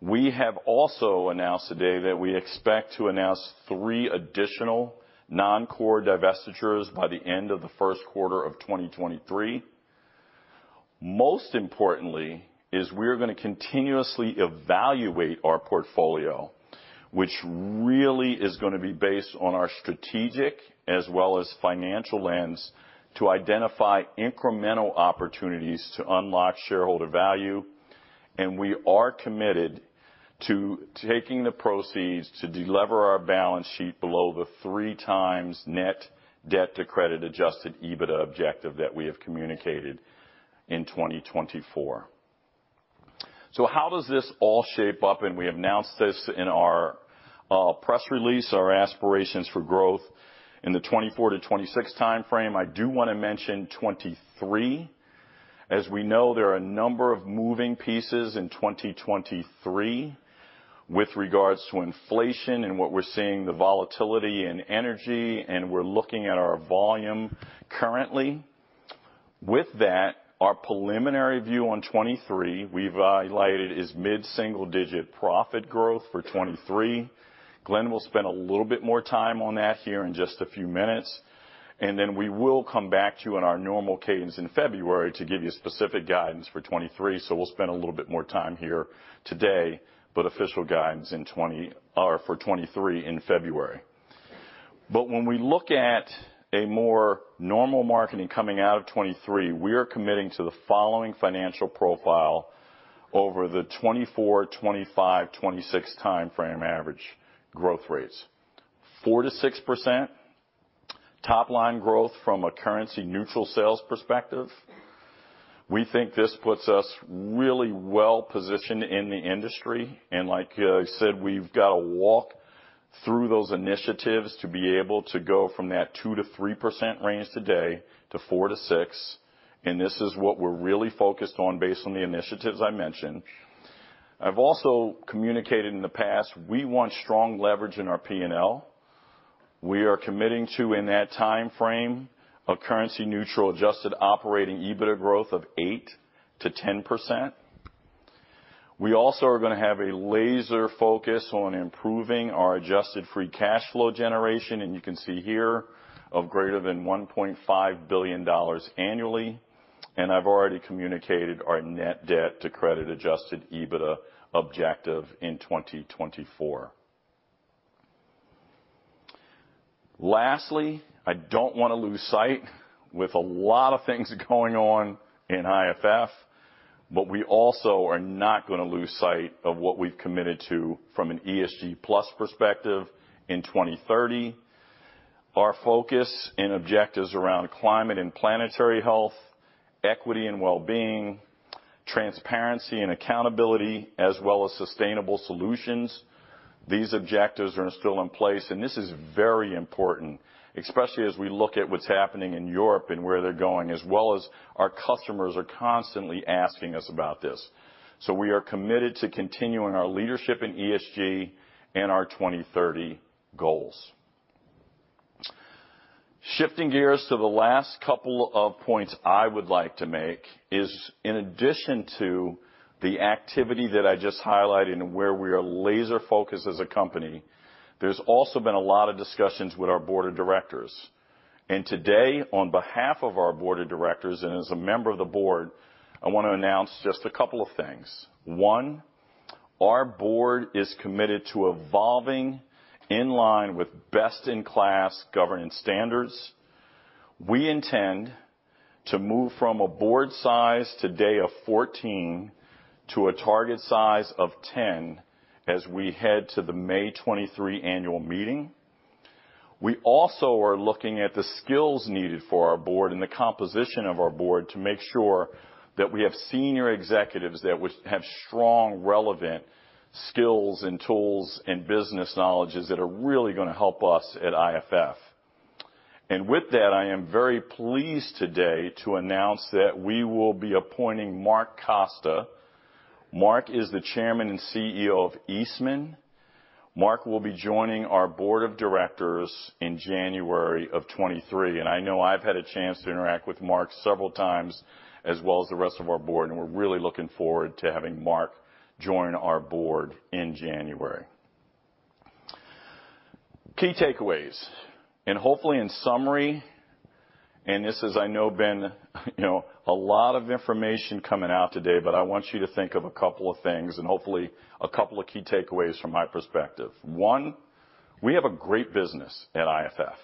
We have also announced today that we expect to announce three additional non-core divestitures by the end of the Q1 of 2023. Most importantly is we're gonna continuously evaluate our portfolio, which really is gonna be based on our strategic as well as financial lens to identify incremental opportunities to unlock shareholder value. We are committed to taking the proceeds to delever our balance sheet below the three times net debt to credit-adjusted EBITDA objective that we have communicated in 2024. How does this all shape up? We announced this in our press release, our aspirations for growth in the 2024-2026 time frame. I do wanna mention 2023. As we know, there are a number of moving pieces in 2023 with regards to inflation and what we're seeing, the volatility in energy, and we're looking at our volume currently. With that, our preliminary view on 2023, we've highlighted, is mid-single-digit profit growth for 2023. Glenn will spend a little bit more time on that here in just a few minutes, and then we will come back to you in our normal cadence in February to give you specific guidance for 2023. We'll spend a little bit more time here today, official guidance for 2023 in February. When we look at a more normal marketing coming out of 2023, we are committing to the following financial profile over the 2024, 2025, 2026 time frame average growth rates. 4%-6% top line growth from a currency neutral sales perspective. We think this puts us really well positioned in the industry, and like I said, we've got to walk through those initiatives to be able to go from that 2%-3% range today to 4%-6%. This is what we're really focused on based on the initiatives I mentioned. I've also communicated in the past, we want strong leverage in our P&L. We are committing to, in that time frame, a currency neutral adjusted operating EBITDA growth of 8%-10%. You can see here of greater than $1.5 billion annually. I've already communicated our net debt to credit-adjusted EBITDA objective in 2024. Lastly, I don't wanna lose sight with a lot of things going on in IFF, but we also are not gonna lose sight of what we've committed to from an ESG plus perspective in 2030. Our focus and objectives around climate and planetary health, equity and well-being, transparency and accountability, as well as sustainable solutions. These objectives are still in place, and this is very important, especially as we look at what's happening in Europe and where they're going, as well as our customers are constantly asking us about this. We are committed to continuing our leadership in ESG and our 2030 goals. Shifting gears to the last couple of points I would like to make is in addition to the activity that I just highlighted and where we are laser focused as a company, there's also been a lot of discussions with our board of directors. Today, on behalf of our board of directors and as a member of the board, I want to announce just a couple of things. One, our board is committed to evolving in line with best-in-class governance standards. We intend to move from a board size today of 14 to a target size of 10 as we head to the May 2023 annual meeting. We also are looking at the skills needed for our board and the composition of our board to make sure that we have senior executives that would have strong, relevant skills and tools and business knowledges that are really going to help us at IFF. With that, I am very pleased today to announce that we will be appointing Mark Costa. Mark is the Chairman and CEO of Eastman. Mark will be joining our board of directors in January of 2023. I know I've had a chance to interact with Mark several times, as well as the rest of our board, and we're really looking forward to having Mark join our board in January. Key takeaways. Hopefully in summary, this is I know, Ben, you know, a lot of information coming out today, but I want you to think of a couple of things and hopefully a couple of key takeaways from my perspective. One, we have a great business at IFF.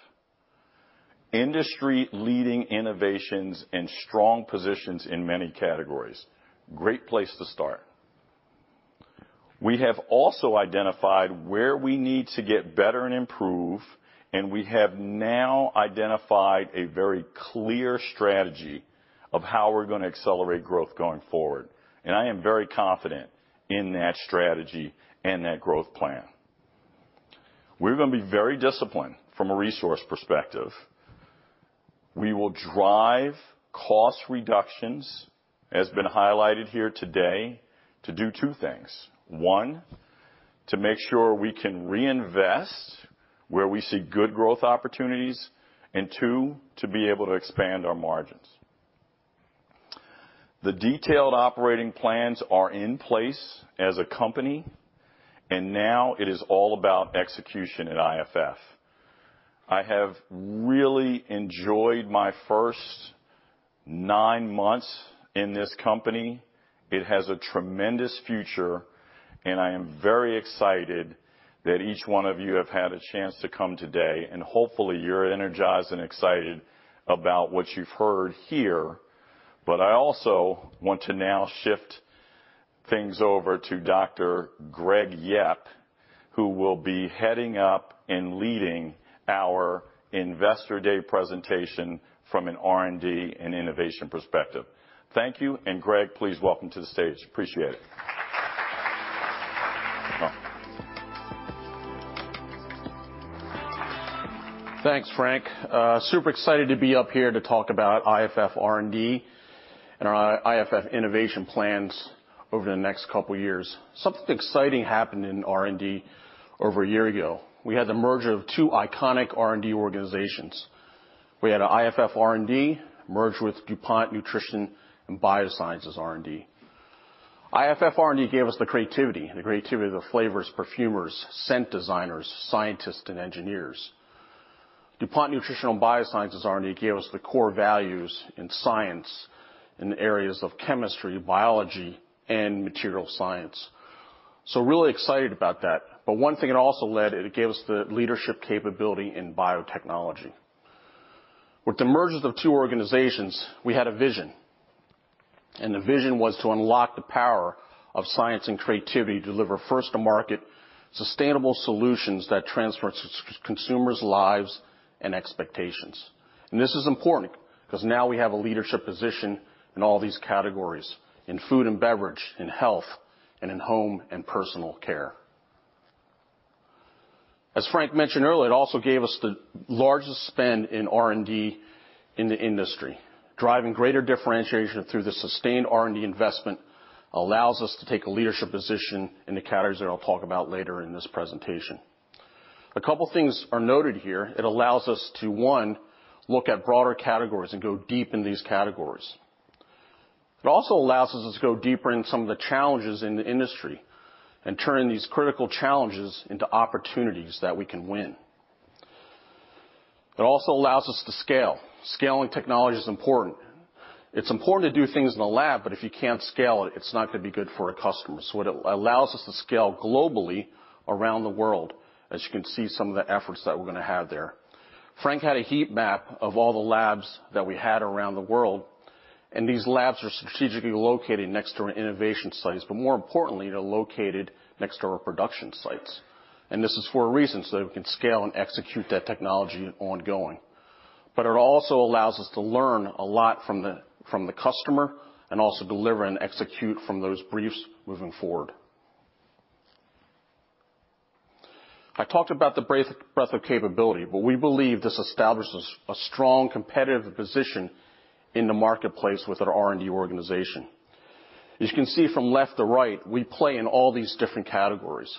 Industry-leading innovations and strong positions in many categories. Great place to start. We have also identified where we need to get better and improve. We have now identified a very clear strategy of how we're gonna accelerate growth going forward. I am very confident in that strategy and that growth plan. We're gonna be very disciplined from a resource perspective. We will drive cost reductions, as been highlighted here today, to do two things. One, to make sure we can reinvest where we see good growth opportunities. Two, to be able to expand our margins. The detailed operating plans are in place as a company. Now it is all about execution at IFF. I have really enjoyed my first 9 months in this company. It has a tremendous future. I am very excited that each one of you have had a chance to come today, and hopefully you're energized and excited about what you've heard here. I also want to now shift things over to Dr. Greg Yep, who will be heading up and leading our investor day presentation from an R&D and innovation perspective. Thank you. Greg, please welcome to the stage. Appreciate it. Thanks, Frank. Super excited to be up here to talk about IFF R&D and our IFF innovation plans over the next couple years. Something exciting happened in R&D over a year ago. We had the merger of two iconic R&D organizations. We had a IFF R&D merged with DuPont Nutrition & Biosciences R&D. IFF R&D gave us the creativity of the flavors, perfumers, scent designers, scientists, and engineers. DuPont Nutrition & Biosciences R&D gave us the core values in science in the areas of chemistry, biology, and material science. Really excited about that. One thing it also led, it gave us the leadership capability in biotechnology. With the mergers of two organizations, we had a vision, and the vision was to unlock the power of science and creativity to deliver first to market sustainable solutions that transform consumers' lives and expectations. This is important 'cause now we have a leadership position in all these categories, in food and beverage, in health, and in home and personal care. As Frank mentioned earlier, it also gave us the largest spend in R&D in the industry. Driving greater differentiation through the sustained R&D investment allows us to take a leadership position in the categories that I'll talk about later in this presentation. A couple things are noted here. It allows us to, one, look at broader categories and go deep in these categories. It also allows us to go deeper in some of the challenges in the industry and turn these critical challenges into opportunities that we can win. It also allows us to scale. Scaling technology is important. It's important to do things in the lab, but if you can't scale it's not gonna be good for a customer. It allows us to scale globally around the world as you can see some of the efforts that we're gonna have there. Frank had a heat map of all the labs that we had around the world. These labs are strategically located next to our innovation sites, but more importantly, they're located next to our production sites. This is for a reason, so that we can scale and execute that technology ongoing. It also allows us to learn a lot from the customer and also deliver and execute from those briefs moving forward. I talked about the breadth of capability. We believe this establishes a strong competitive position in the marketplace with our R&D organization. As you can see from left to right, we play in all these different categories.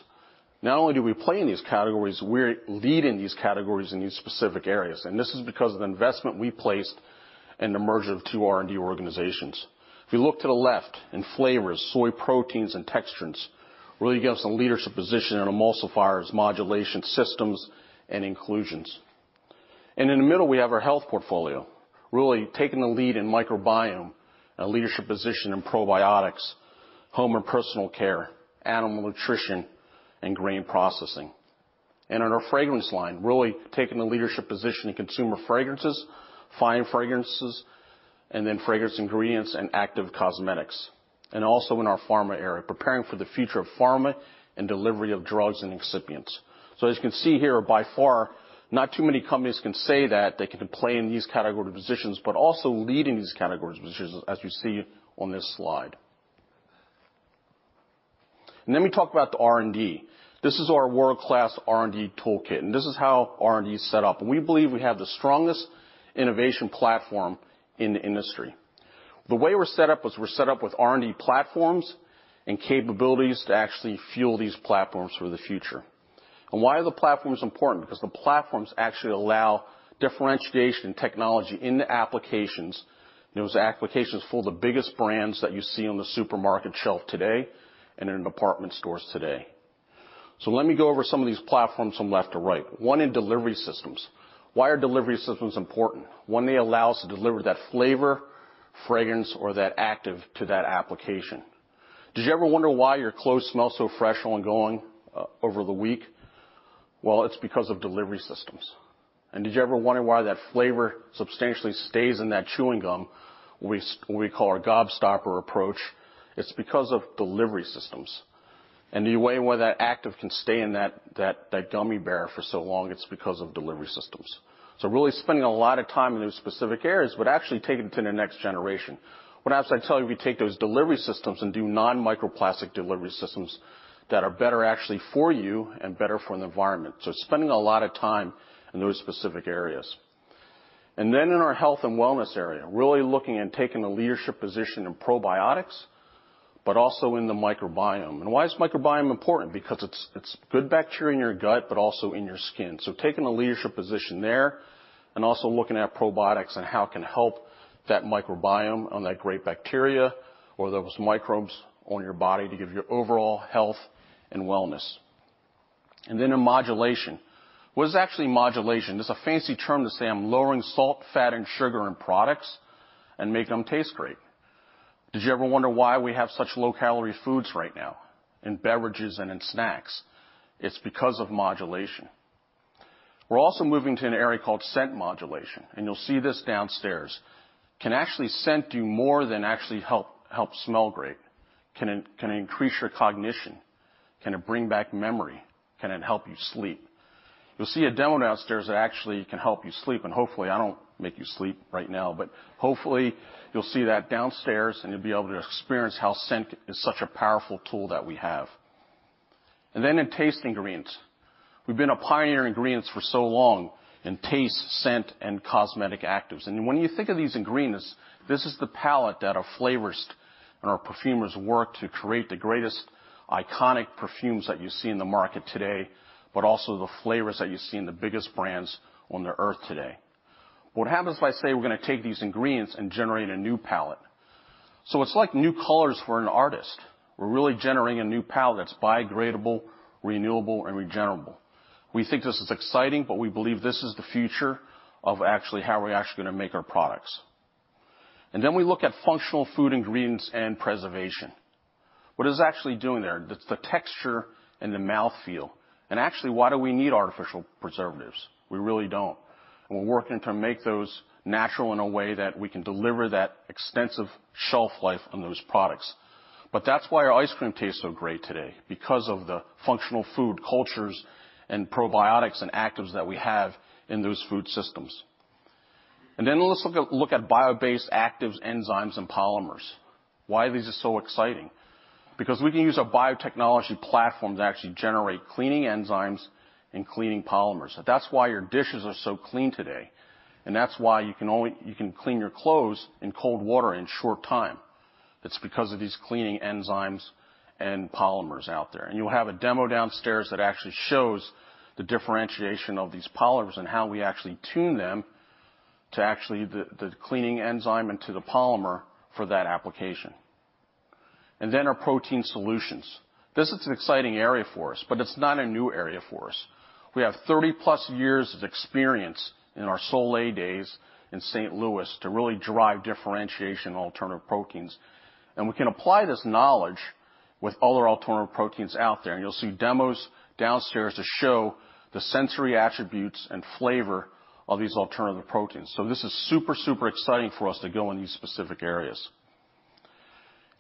Not only do we play in these categories, we're leading these categories in these specific areas. This is because of the investment we placed in the merger of two R&D organizations. If you look to the left in flavors, soy proteins and texturants really give us a leadership position in emulsifiers, modulation systems, and inclusions. In the middle, we have our health portfolio, really taking the lead in microbiome, a leadership position in probiotics, home and personal care, animal nutrition, and grain processing. In our fragrance line, really taking a leadership position in consumer fragrances, Fine Fragrances, and then fragrance ingredients and cosmetic actives. Also in our Pharma Solutions, preparing for the future of pharma and delivery of drugs and excipients. As you can see here, by far, not too many companies can say that they can play in these category positions, but also lead in these category positions as you see on this slide. Let me talk about the R&D. This is our world-class R&D toolkit, and this is how R&D is set up. We believe we have the strongest innovation platform in the industry. The way we're set up is we're set up with R&D platforms and capabilities to actually fuel these platforms for the future. Why are the platforms important? Because the platforms actually allow differentiation technology into applications. Those applications for the biggest brands that you see on the supermarket shelf today and in department stores today. Let me go over some of these platforms from left to right. One in delivery systems. Why are delivery systems important? One, they allow us to deliver that flavor, fragrance, or that active to that application. Did you ever wonder why your clothes smell so fresh on going over the week? Well, it's because of delivery systems. Did you ever wonder why that flavor substantially stays in that chewing gum, what we call our Gobstoppers approach? It's because of delivery systems. The way why that active can stay in that gummy bear for so long, it's because of delivery systems. Really spending a lot of time in those specific areas, but actually taking it to the next generation. What happens if I tell you we take those delivery systems and do non-microplastic delivery systems that are better actually for you and better for the environment? Spending a lot of time in those specific areas. Then in our health and wellness area, really looking and taking a leadership position in probiotics, but also in the microbiome. Why is microbiome important? Because it's good bacteria in your gut, but also in your skin. Taking a leadership position there and also looking at probiotics and how it can help that microbiome on that great bacteria or those microbes on your body to give your overall health and wellness. Then in modulation. What is actually modulation? It's a fancy term to say I'm lowering salt, fat, and sugar in products and making them taste great. Did you ever wonder why we have such low-calorie foods right now in beverages and in snacks? It's because of modulation. We're also moving to an area called scent modulation, you'll see this downstairs. Can actually Scent do more than actually help smell great? Can it increase your cognition? Can it bring back memory? Can it help you sleep? You'll see a demo downstairs that actually can help you sleep, and hopefully, I don't make you sleep right now, but hopefully, you'll see that downstairs, and you'll be able to experience how Scent is such a powerful tool that we have. In taste ingredients. We've been a pioneer in ingredients for so long in taste, scent, and cosmetic actives. When you think of these ingredients, this is the palette that our flavors and our perfumers work to create the greatest iconic perfumes that you see in the market today, but also the flavors that you see in the biggest brands on the earth today. What happens if I say we're gonna take these ingredients and generate a new palette? It's like new colors for an artist. We're really generating a new palette that's biodegradable, renewable, and regenerable. We think this is exciting, we believe this is the future of actually how we're actually gonna make our products. We look at functional food ingredients and preservation. What is it actually doing there? The texture and the mouthfeel. Actually, why do we need artificial preservatives? We really don't. We're working to make those natural in a way that we can deliver that extensive shelf life on those products. That's why our ice cream tastes so great today, because of the functional food cultures and probiotics and actives that we have in those food systems. Let's look at bio-based actives, enzymes, and polymers. Why this is so exciting? Because we can use our biotechnology platform to actually generate cleaning enzymes and cleaning polymers. That's why your dishes are so clean today. That's why you can clean your clothes in cold water in short time. It's because of these cleaning enzymes and polymers out there. You'll have a demo downstairs that actually shows the differentiation of these polymers and how we actually tune them to actually the cleaning enzyme into the polymer for that application. Then our protein solutions. This is an exciting area for us, but it's not a new area for us. We have 30 plus years of experience in our Solae days in St. Louis to really drive differentiation on alternative proteins. We can apply this knowledge with other alternative proteins out there. You'll see demos downstairs that show the sensory attributes and flavor of these alternative proteins. This is super exciting for us to go in these specific areas.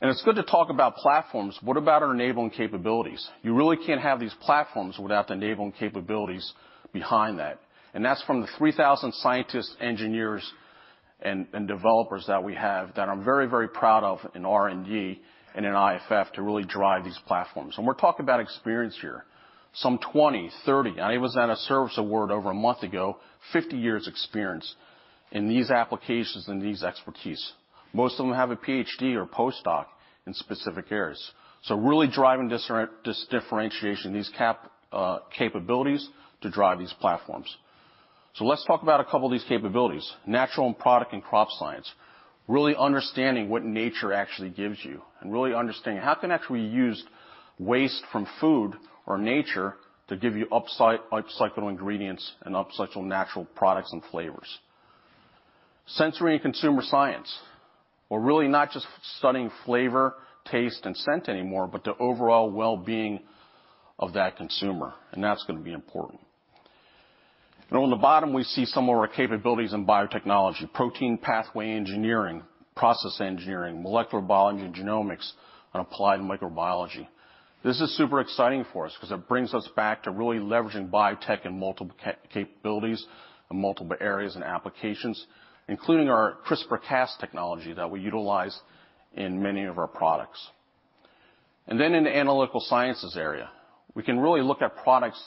It's good to talk about platforms. What about our enabling capabilities? You really can't have these platforms without the enabling capabilities behind that. That's from the 3,000 scientists, engineers, and developers that we have that I'm very, very proud of in R&D and in IFF to really drive these platforms. We're talking about experience here. Some 20, 30, I was at a service award over a month ago, 50 years experience in these applications and these expertise. Most of them have a PhD or postdoc in specific areas. Really driving this dis-differentiation, these capabilities to drive these platforms. Let's talk about a couple of these capabilities, natural and product and crop science. Really understanding what nature actually gives you and really understanding how can actually use waste from food or nature to give you upcycled ingredients and upcycled natural products and flavors. Sensory and consumer science. We're really not just studying flavor, taste, and scent anymore, but the overall well-being of that consumer, and that's gonna be important. On the bottom, we see some of our capabilities in biotechnology, protein pathway engineering, process engineering, molecular biology and genomics, and applied microbiology. This is super exciting for us because it brings us back to really leveraging biotech and multiple capabilities in multiple areas and applications, including our CRISPR-Cas technology that we utilize in many of our products. In the analytical sciences area, we can really look at products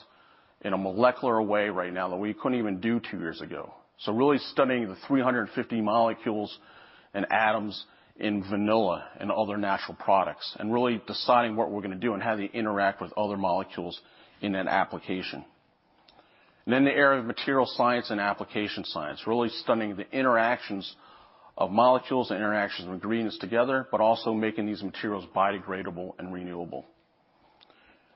in a molecular way right now that we couldn't even do two years ago. Really studying the 350 molecules and atoms in vanilla and other natural products, and really deciding what we're gonna do and how they interact with other molecules in that application. The area of material science and application science, really studying the interactions of molecules, the interactions of ingredients together, but also making these materials biodegradable and renewable.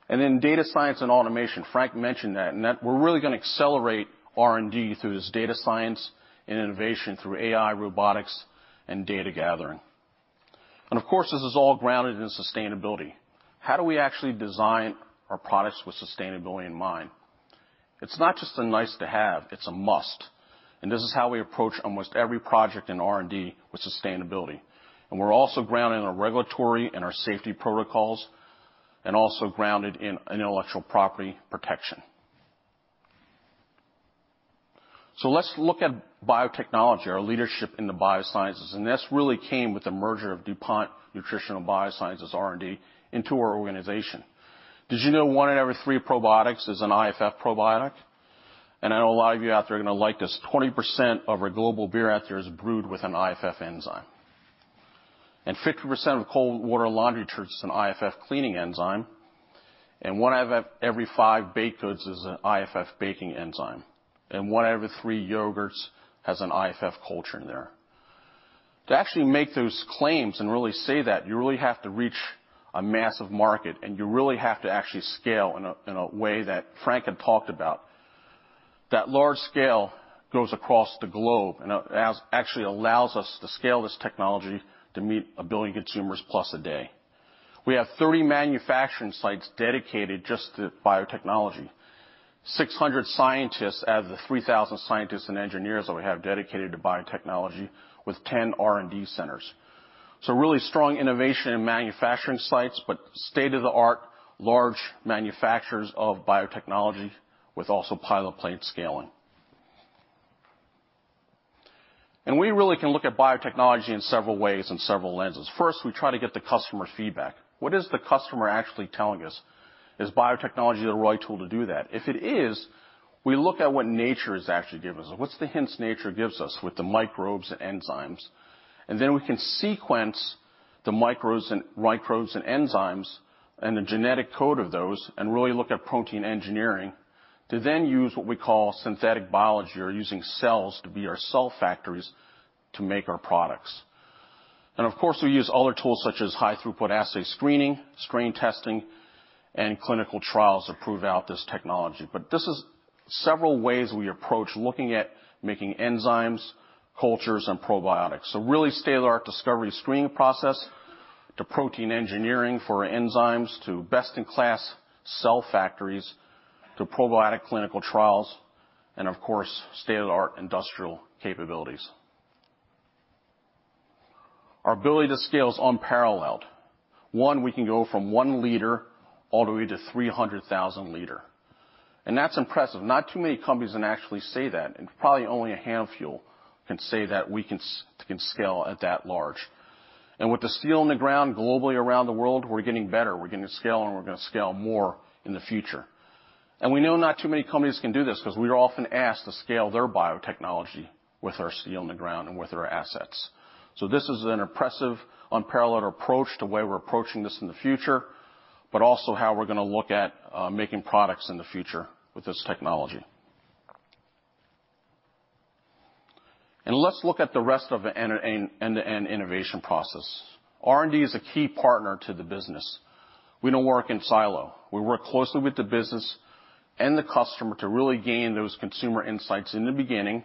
Data science and automation. Frank mentioned that, and that we're really gonna accelerate R&D through this data science and innovation through AI, robotics, and data gathering. This is all grounded in sustainability. How do we actually design our products with sustainability in mind? It's not just a nice-to-have, it's a must, and this is how we approach almost every project in R&D with sustainability. We're also grounded in our regulatory and our safety protocols, and also grounded in intellectual property protection. Let's look at biotechnology, our leadership in the biosciences. This really came with the merger of DuPont Nutrition & Biosciences R&D into our organization. Did you know one in every three probiotics is an IFF probiotic? I know a lot of you out there are gonna like this. 20% of our global beer out there is brewed with an IFF enzyme. 50% of cold water laundry detergent is an IFF cleaning enzyme. One out of every five baked goods is an IFF baking enzyme. One out of every three yogurts has an IFF culture in there. To actually make those claims and really say that, you really have to reach a massive market, you really have to actually scale in a way that Frank had talked about. That large scale goes across the globe actually allows us to scale this technology to meet one billion consumers plus a day. We have 30 manufacturing sites dedicated just to biotechnology. 600 scientists out of the 3,000 scientists and engineers that we have dedicated to biotechnology with 10 R&D centers. Really strong innovation in manufacturing sites, but state-of-the-art large manufacturers of biotechnology with also pilot plant scaling. We really can look at biotechnology in several ways, in several lenses. First, we try to get the customer feedback. What is the customer actually telling us? Is biotechnology the right tool to do that? If it is, we look at what nature has actually given us, or what's the hints nature gives us with the microbes and enzymes, then we can sequence the micros and microbes and enzymes and the genetic code of those, and really look at protein engineering to then use what we call synthetic biology or using cells to be our cell factories to make our products. Of course, we use other tools such as high throughput assay screening, strain testing, and clinical trials to prove out this technology. This is several ways we approach looking at making enzymes, cultures, and probiotics. Really state-of-the-art discovery screening process to protein engineering for our enzymes, to best-in-class cell factories, to probiotic clinical trials and of course, state-of-the-art industrial capabilities. Our ability to scale is unparalleled. One, we can go from one liter all the way to 300,000 liter. That's impressive. Not too many companies can actually say that, and probably only a handful can say that we can scale at that large. With the steel in the ground globally around the world, we're getting better. We're gonna scale and we're gonna scale more in the future. We know not too many companies can do this 'cause we are often asked to scale their biotechnology with our steel in the ground and with our assets. This is an impressive, unparalleled approach to the way we're approaching this in the future, but also how we're gonna look at making products in the future with this technology. Let's look at the rest of the end-to-end innovation process. R&D is a key partner to the business. We don't work in silo. We work closely with the business and the customer to really gain those consumer insights in the beginning.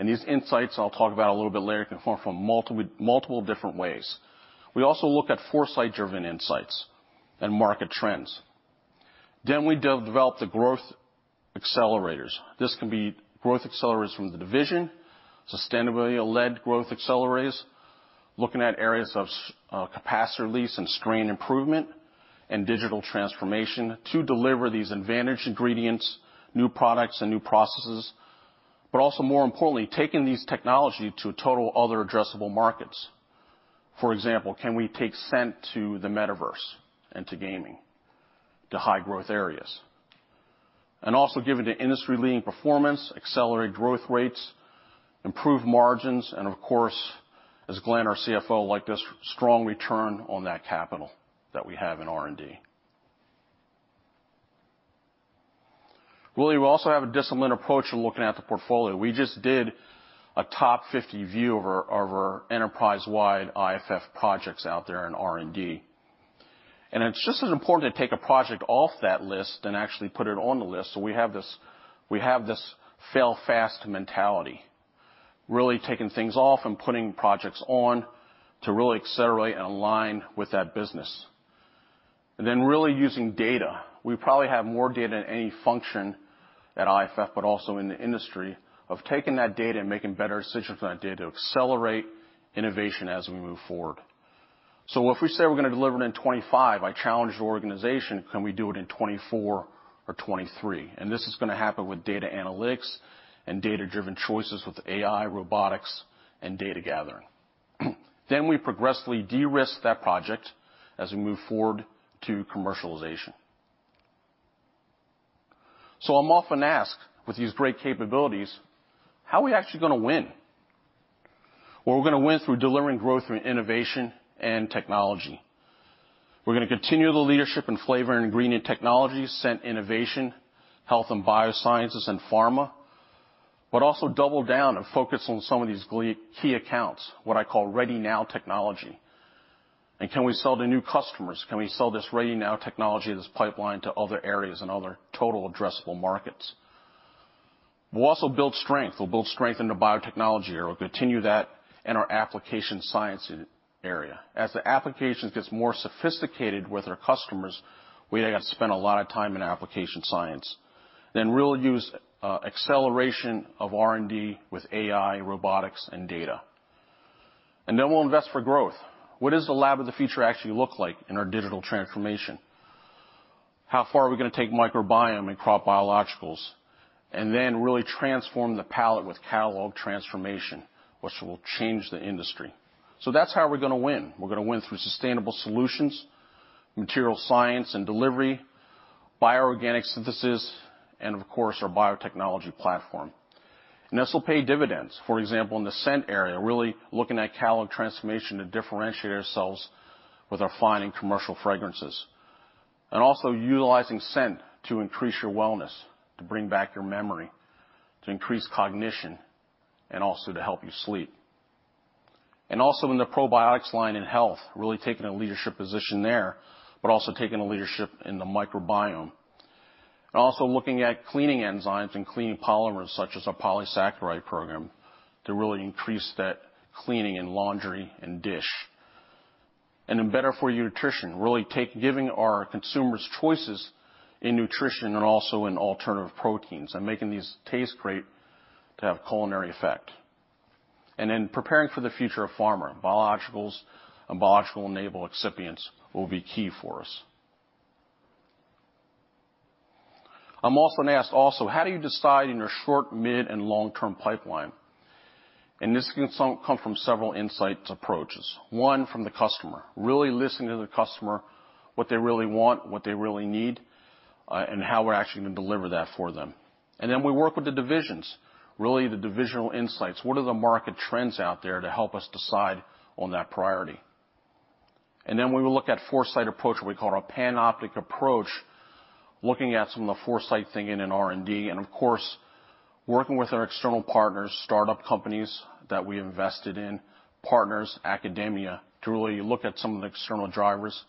These insights, I'll talk about a little bit later, can form from multiple different ways. We also look at foresight-driven insights and market trends. We develop the growth accelerators. This can be growth accelerators from the division, sustainability-led growth accelerators, looking at areas of CapEx and strain improvement and digital transformation to deliver these advantage ingredients, new products and new processes, but also more importantly, taking these technology to a total other addressable markets. For example, can we take Scent to the metaverse and to gaming, to high growth areas? Also given the industry-leading performance, accelerated growth rates, improved margins, and of course, as Glenn, our CFO, liked this strong return on that capital that we have in R&D. Really, we also have a disciplined approach in looking at the portfolio. We just did a top 50 view of our, of our enterprise-wide IFF projects out there in R&D. It's just as important to take a project off that list than actually put it on the list. We have this, we have this fail-fast mentality, really taking things off and putting projects on to really accelerate and align with that business. Then really using data. We probably have more data than any function at IFF, but also in the industry of taking that data and making better decisions on that data to accelerate innovation as we move forward. If we say we're gonna deliver it in 2025, I challenge the organization, can we do it in 2024 or 2023? This is going to happen with data analytics and data-driven choices with AI, robotics, and data gathering. We progressively de-risk that project as we move forward to commercialization. I'm often asked with these great capabilities, how are we actually going to win? Well, we're going to win through delivering growth through innovation and technology. We're going to continue the leadership in flavor and ingredient technologies, scent innovation, Health & Biosciences and pharma, but also double down and focus on some of these key accounts, what I call ready now technology. Can we sell to new customers? Can we sell this ready now technology, this pipeline, to other areas and other total addressable markets? We'll also build strength. We'll build strength in the biotechnology area. We'll continue that in our application science area. As the applications gets more sophisticated with our customers, we have spent a lot of time in application science. We'll use acceleration of R&D with AI, robotics, and data. We'll invest for growth. What is the lab of the future actually look like in our digital transformation? How far are we gonna take microbiome and crop biologicals? Really transform the palette with catalog transformation, which will change the industry. That's how we're gonna win. We're gonna win through sustainable solutions, material science and delivery, bioorganic synthesis, and of course, our biotechnology platform. This will pay dividends. For example, in the Scent area, really looking at catalog transformation to differentiate ourselves with our Fine Fragrances and commercial fragrances. Also utilizing Scent to increase your wellness, to bring back your memory, to increase cognition, and also to help you sleep. Also in the probiotics line in health, really taking a leadership position there, but also taking a leadership in the microbiome. Also looking at cleaning enzymes and cleaning polymers, such as our polysaccharide program, to really increase that cleaning in laundry and dish. In better for you nutrition, really take giving our consumers choices in nutrition and also in alternative proteins and making these taste great to have culinary effect. In preparing for the future of pharma, biologicals and biological enable excipients will be key for us. I'm often asked also, how do you decide in your short, mid, and long-term pipeline? This can come from several insights approaches. One, from the customer. Really listening to the customer, what they really want, what they really need, and how we're actually gonna deliver that for them. We work with the divisions, really the divisional insights. What are the market trends out there to help us decide on that priority? We will look at foresight approach, what we call a panoptic approach, looking at some of the foresight thinking in R&D, and of course, working with our external partners, startup companies that we invested in, partners, academia, to really look at some of the external drivers.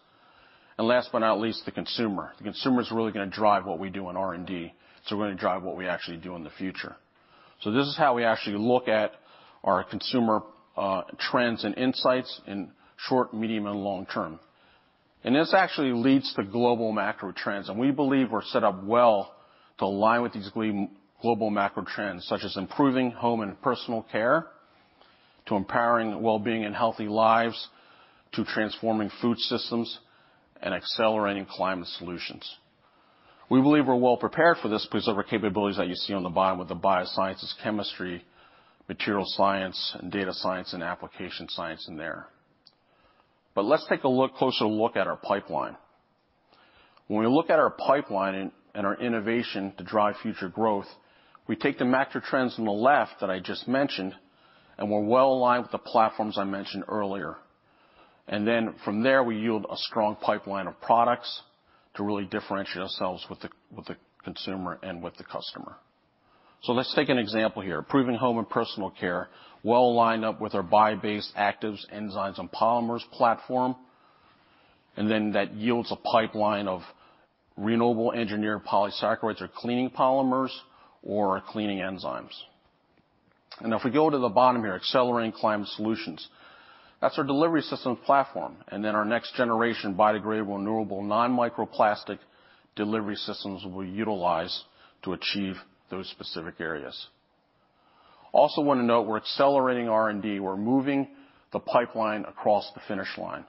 Last but not least, the consumer. The consumer is really gonna drive what we do in R&D, so we're gonna drive what we actually do in the future. This is how we actually look at our consumer trends and insights in short, medium, and long term. This actually leads to global macro trends, and we believe we're set up well to align with these global macro trends, such as improving home and personal care, to empowering wellbeing and healthy lives, to transforming food systems and accelerating climate solutions. We believe we're well prepared for this because of our capabilities that you see on the bottom with the biosciences, chemistry, material science, and data science and application science in there. Let's take a closer look at our pipeline. When we look at our pipeline and our innovation to drive future growth, we take the macro trends on the left that I just mentioned, and we're well aligned with the platforms I mentioned earlier. From there, we yield a strong pipeline of products to really differentiate ourselves with the consumer and with the customer. Let's take an example here. Improving home and personal care, well lined up with our bio-based actives, enzymes, and polymers platform. That yields a pipeline of renewable engineered polysaccharides or cleaning polymers or cleaning enzymes. If we go to the bottom here, accelerating climate solutions, that's our delivery system platform, and then our next generation biodegradable, renewable, non-microplastic delivery systems we utilize to achieve those specific areas. Also want to note we're accelerating R&D. We're moving the pipeline across the finish line.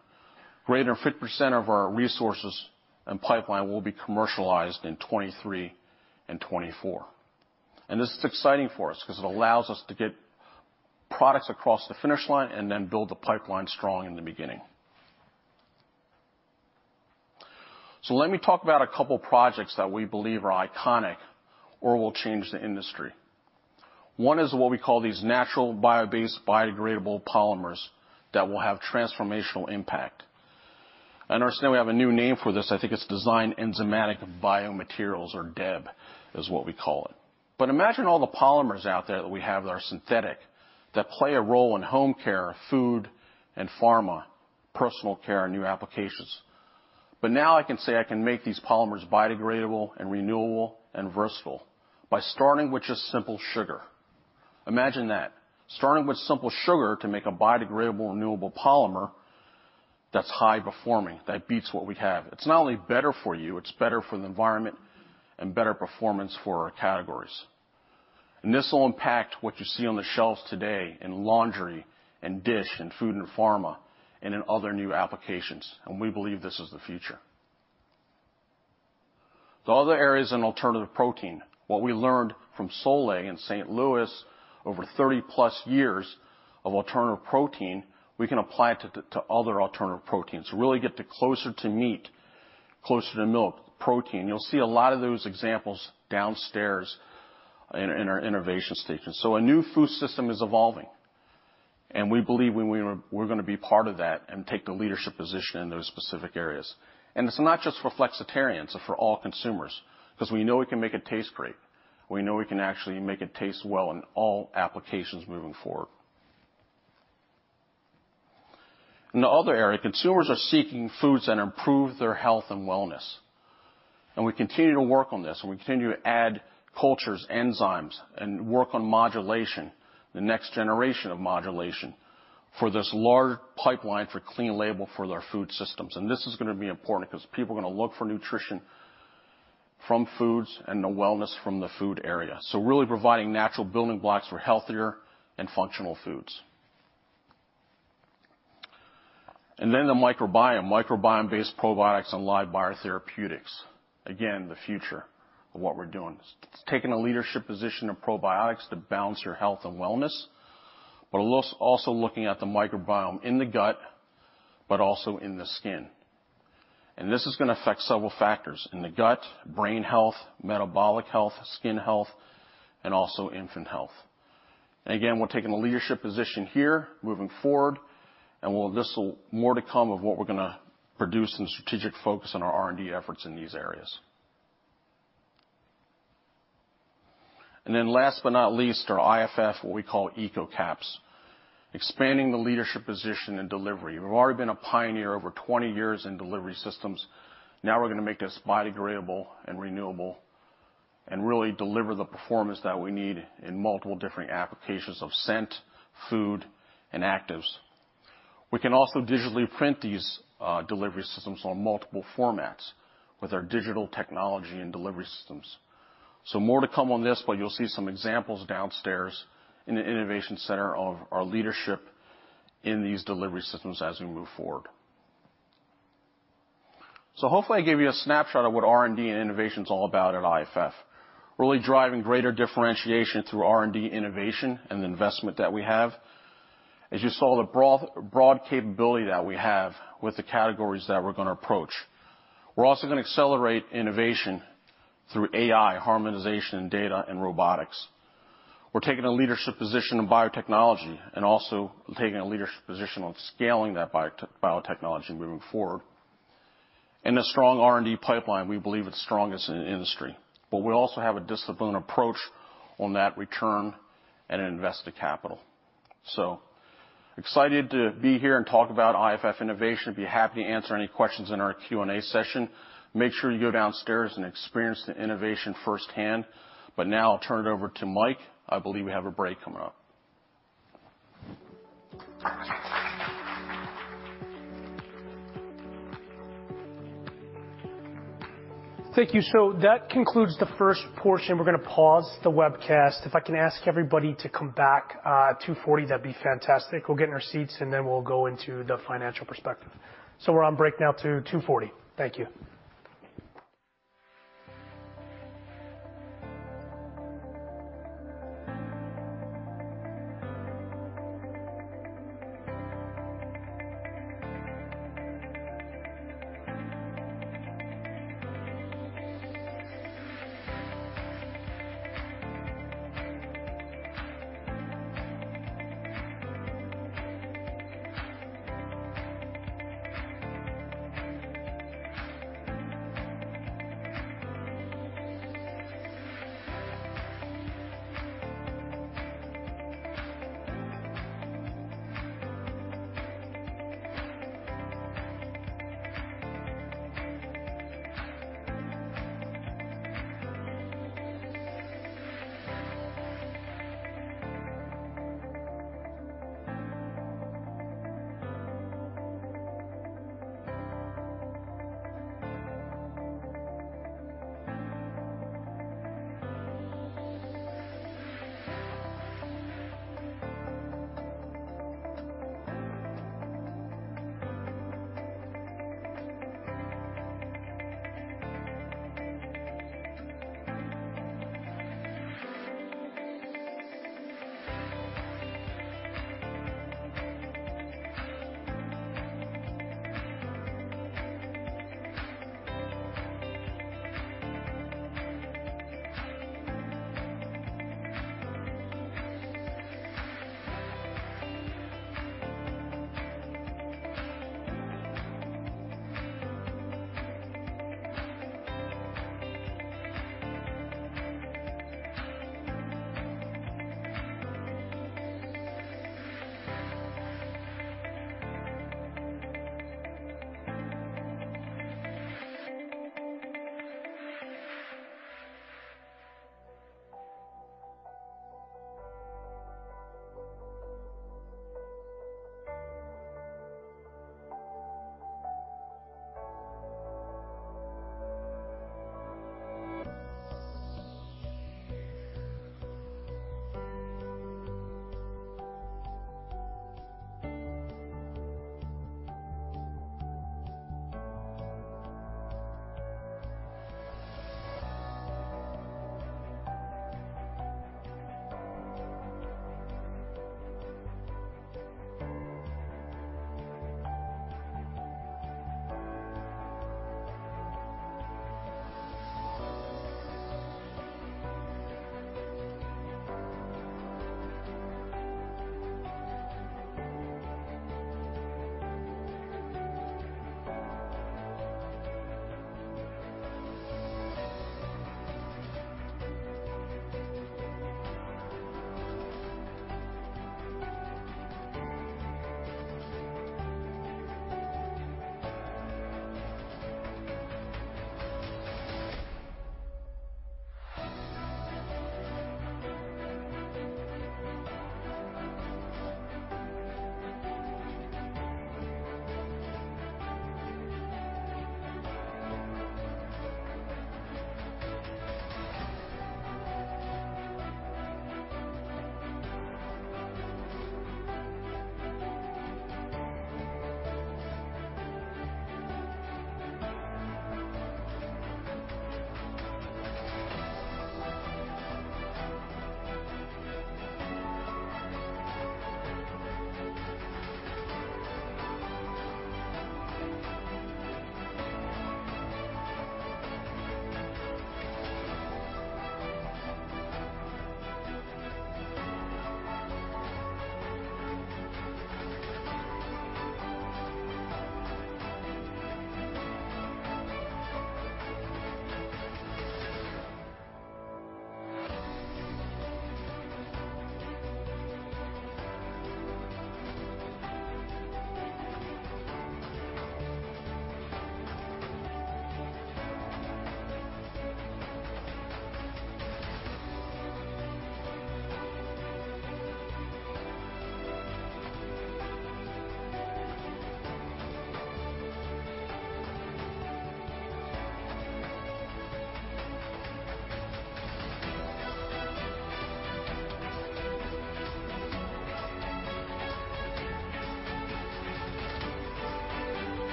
Greater than 50% of our resources and pipeline will be commercialized in 2023 and 2024. This is exciting for us because it allows us to get products across the finish line and then build the pipeline strong in the beginning. Let me talk about a couple projects that we believe are iconic or will change the industry. One is what we call these natural bio-based biodegradable polymers that will have transformational impact. I understand we have a new name for this. I think it's designed enzymatic biomaterials, or DEB is what we call it. Imagine all the polymers out there that we have that are synthetic, that play a role in home care, food and pharma, personal care, and new applications. Now I can say I can make these polymers biodegradable and renewable and versatile by starting with just simple sugar. Imagine that. Starting with simple sugar to make a biodegradable renewable polymer that's high performing, that beats what we have. It's not only better for you, it's better for the environment and better performance for our categories. This will impact what you see on the shelves today in laundry and dish and food and pharma and in other new applications, and we believe this is the future. The other area is in alternative protein. What we learned from Solae in St. Louis over 30-plus years of alternative protein, we can apply to other alternative proteins, really get to closer to meat, closer to milk protein. You'll see a lot of those examples downstairs in our innovation station. A new food system is evolving. We believe we're gonna be part of that and take the leadership position in those specific areas. It's not just for flexitarians, it's for all consumers, because we know we can make it taste great. We know we can actually make it taste well in all applications moving forward. In the other area, consumers are seeking foods that improve their health and wellness. We continue to work on this, and we continue to add cultures, enzymes, and work on modulation, the next generation of modulation, for this large pipeline for clean label for their food systems. This is gonna be important because people are gonna look for nutrition from foods and the wellness from the food area. Really providing natural building blocks for healthier and functional foods. Then the microbiome-based probiotics and live biotherapeutics. Again, the future of what we're doing. It's taking a leadership position of probiotics to balance your health and wellness, but also looking at the microbiome in the gut, but also in the skin. This is gonna affect several factors in the gut, brain health, metabolic health, skin health, and also infant health. Again, we're taking a leadership position here moving forward. More to come of what we're gonna produce and strategic focus on our R&D efforts in these areas. Last but not least, our IFF, what we call EcoCAS, expanding the leadership position in delivery. We've already been a pioneer over 20 years in delivery systems. Now we're gonna make this biodegradable and renewable and really deliver the performance that we need in multiple different applications of scent, food, and actives. We can also digitally print these delivery systems on multiple formats with our digital technology and delivery systems. More to come on this, but you'll see some examples downstairs in the innovation center of our leadership in these delivery systems as we move forward. Hopefully, I gave you a snapshot of what R&D and innovation's all about at IFF. Really driving greater differentiation through R&D innovation and the investment that we have. As you saw, the broad capability that we have with the categories that we're gonna approach. We're also gonna accelerate innovation through AI, harmonization, data, and robotics. We're taking a leadership position in biotechnology and also taking a leadership position on scaling that biotechnology moving forward. In a strong R&D pipeline, we believe it's strongest in the industry. We also have a disciplined approach on that return and invested capital. Excited to be here and talk about IFF innovation. Be happy to answer any questions in our Q&A session. Make sure you go downstairs and experience the innovation firsthand. Now I'll turn it over to Mike. I believe we have a break coming up. Thank you. That concludes the first portion. We're gonna pause the webcast. If I can ask everybody to come back, 2:40 P.M., that'd be fantastic. We'll get in our seats, and then we'll go into the financial perspective. We're on break now to 2:40 P.M.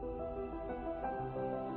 Thank you.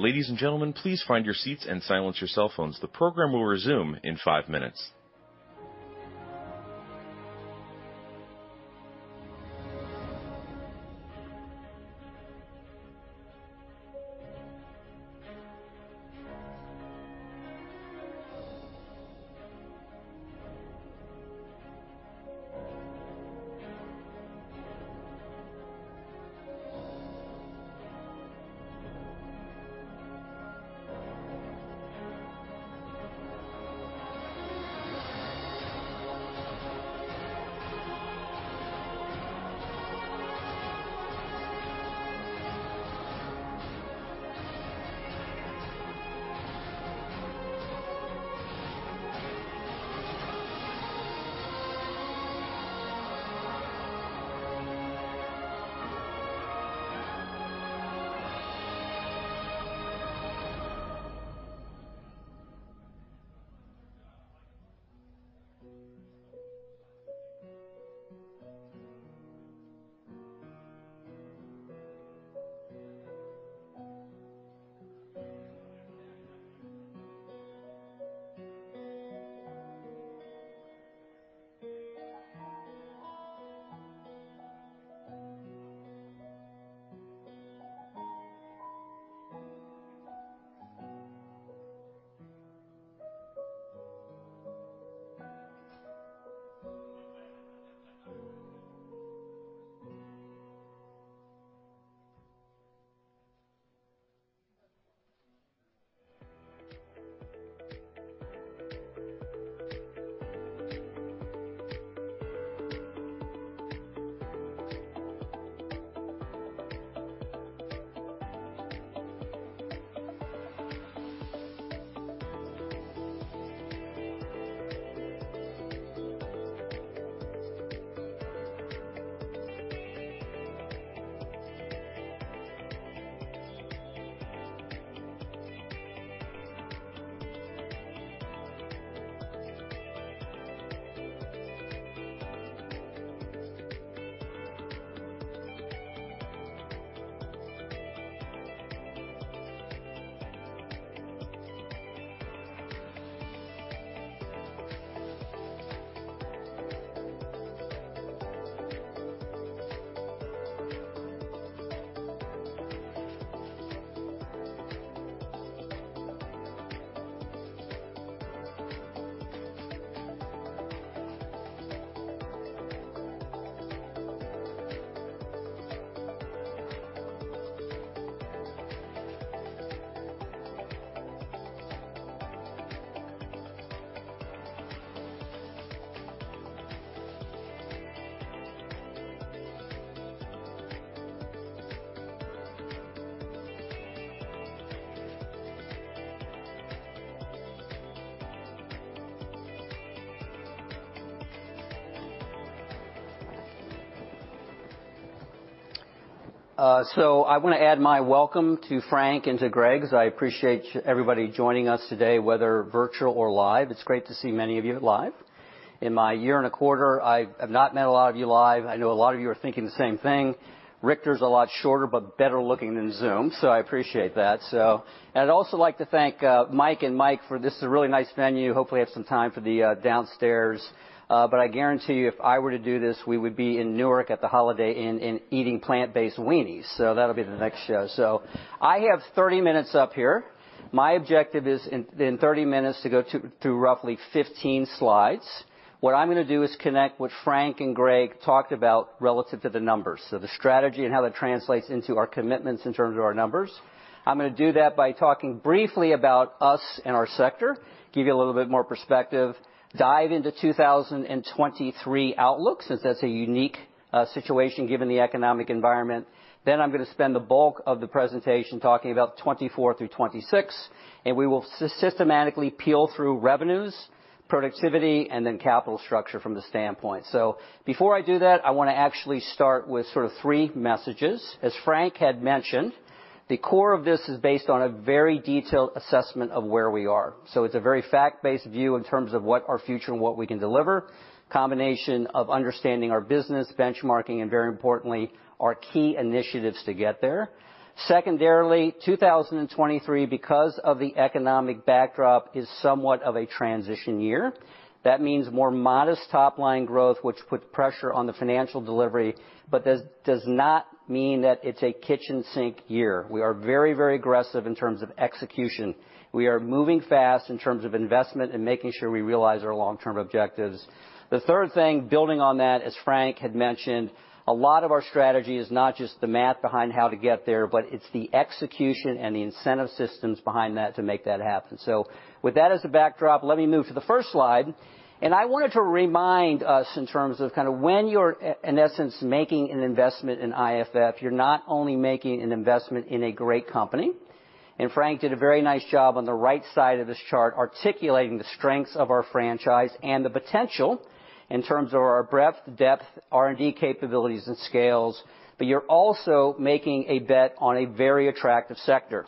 Ladies and gentlemen, please find your seats and silence your cell phones. The program will resume in five minutes. I wanna add my welcome to Frank and to Greg's. I appreciate everybody joining us today, whether virtual or live. It's great to see many of you live. In my year and a quarter, I have not met a lot of you live. I know a lot of you are thinking the same thing. Richter's a lot shorter but better looking than Zoom, so I appreciate that. I'd also like to thank Mike and Mike for this is a really nice venue. Hopefully, have some time for the downstairs. I guarantee you, if I were to do this, we would be in Newark at the Holiday Inn and eating plant-based weenies. That'll be the next show. I have 30 minutes up here. My objective is in 30 minutes to go through roughly 15 slides. What I'm gonna do is connect what Frank and Greg talked about relative to the numbers. The strategy and how that translates into our commitments in terms of our numbers. I'm gonna do that by talking briefly about us and our sector, give you a little bit more perspective, dive into 2023 outlooks, since that's a unique situation given the economic environment. I'm gonna spend the bulk of the presentation talking about 2024 through 2026, and we will systematically peel through revenues, productivity, and then capital structure from the standpoint. Before I do that, I wanna actually start with sort of three messages. As Frank had mentioned. The core of this is based on a very detailed assessment of where we are. It's a very fact-based view in terms of what our future and what we can deliver, combination of understanding our business benchmarking, and very importantly, our key initiatives to get there. Secondarily, 2023, because of the economic backdrop, is somewhat of a transition year. That means more modest top-line growth, which puts pressure on the financial delivery, but does not mean that it's a kitchen sink year. We are very aggressive in terms of execution. We are moving fast in terms of investment and making sure we realize our long-term objectives. The third thing, building on that, as Frank had mentioned, a lot of our strategy is not just the math behind how to get there, but it's the execution and the incentive systems behind that to make that happen. With that as a backdrop, let me move to the first slide. I wanted to remind us in terms of kind of when you're in essence, making an investment in IFF, you're not only making an investment in a great company, and Frank did a very nice job on the right side of this chart, articulating the strengths of our franchise and the potential in terms of our breadth, depth, R&D capabilities and scales, but you're also making a bet on a very attractive sector.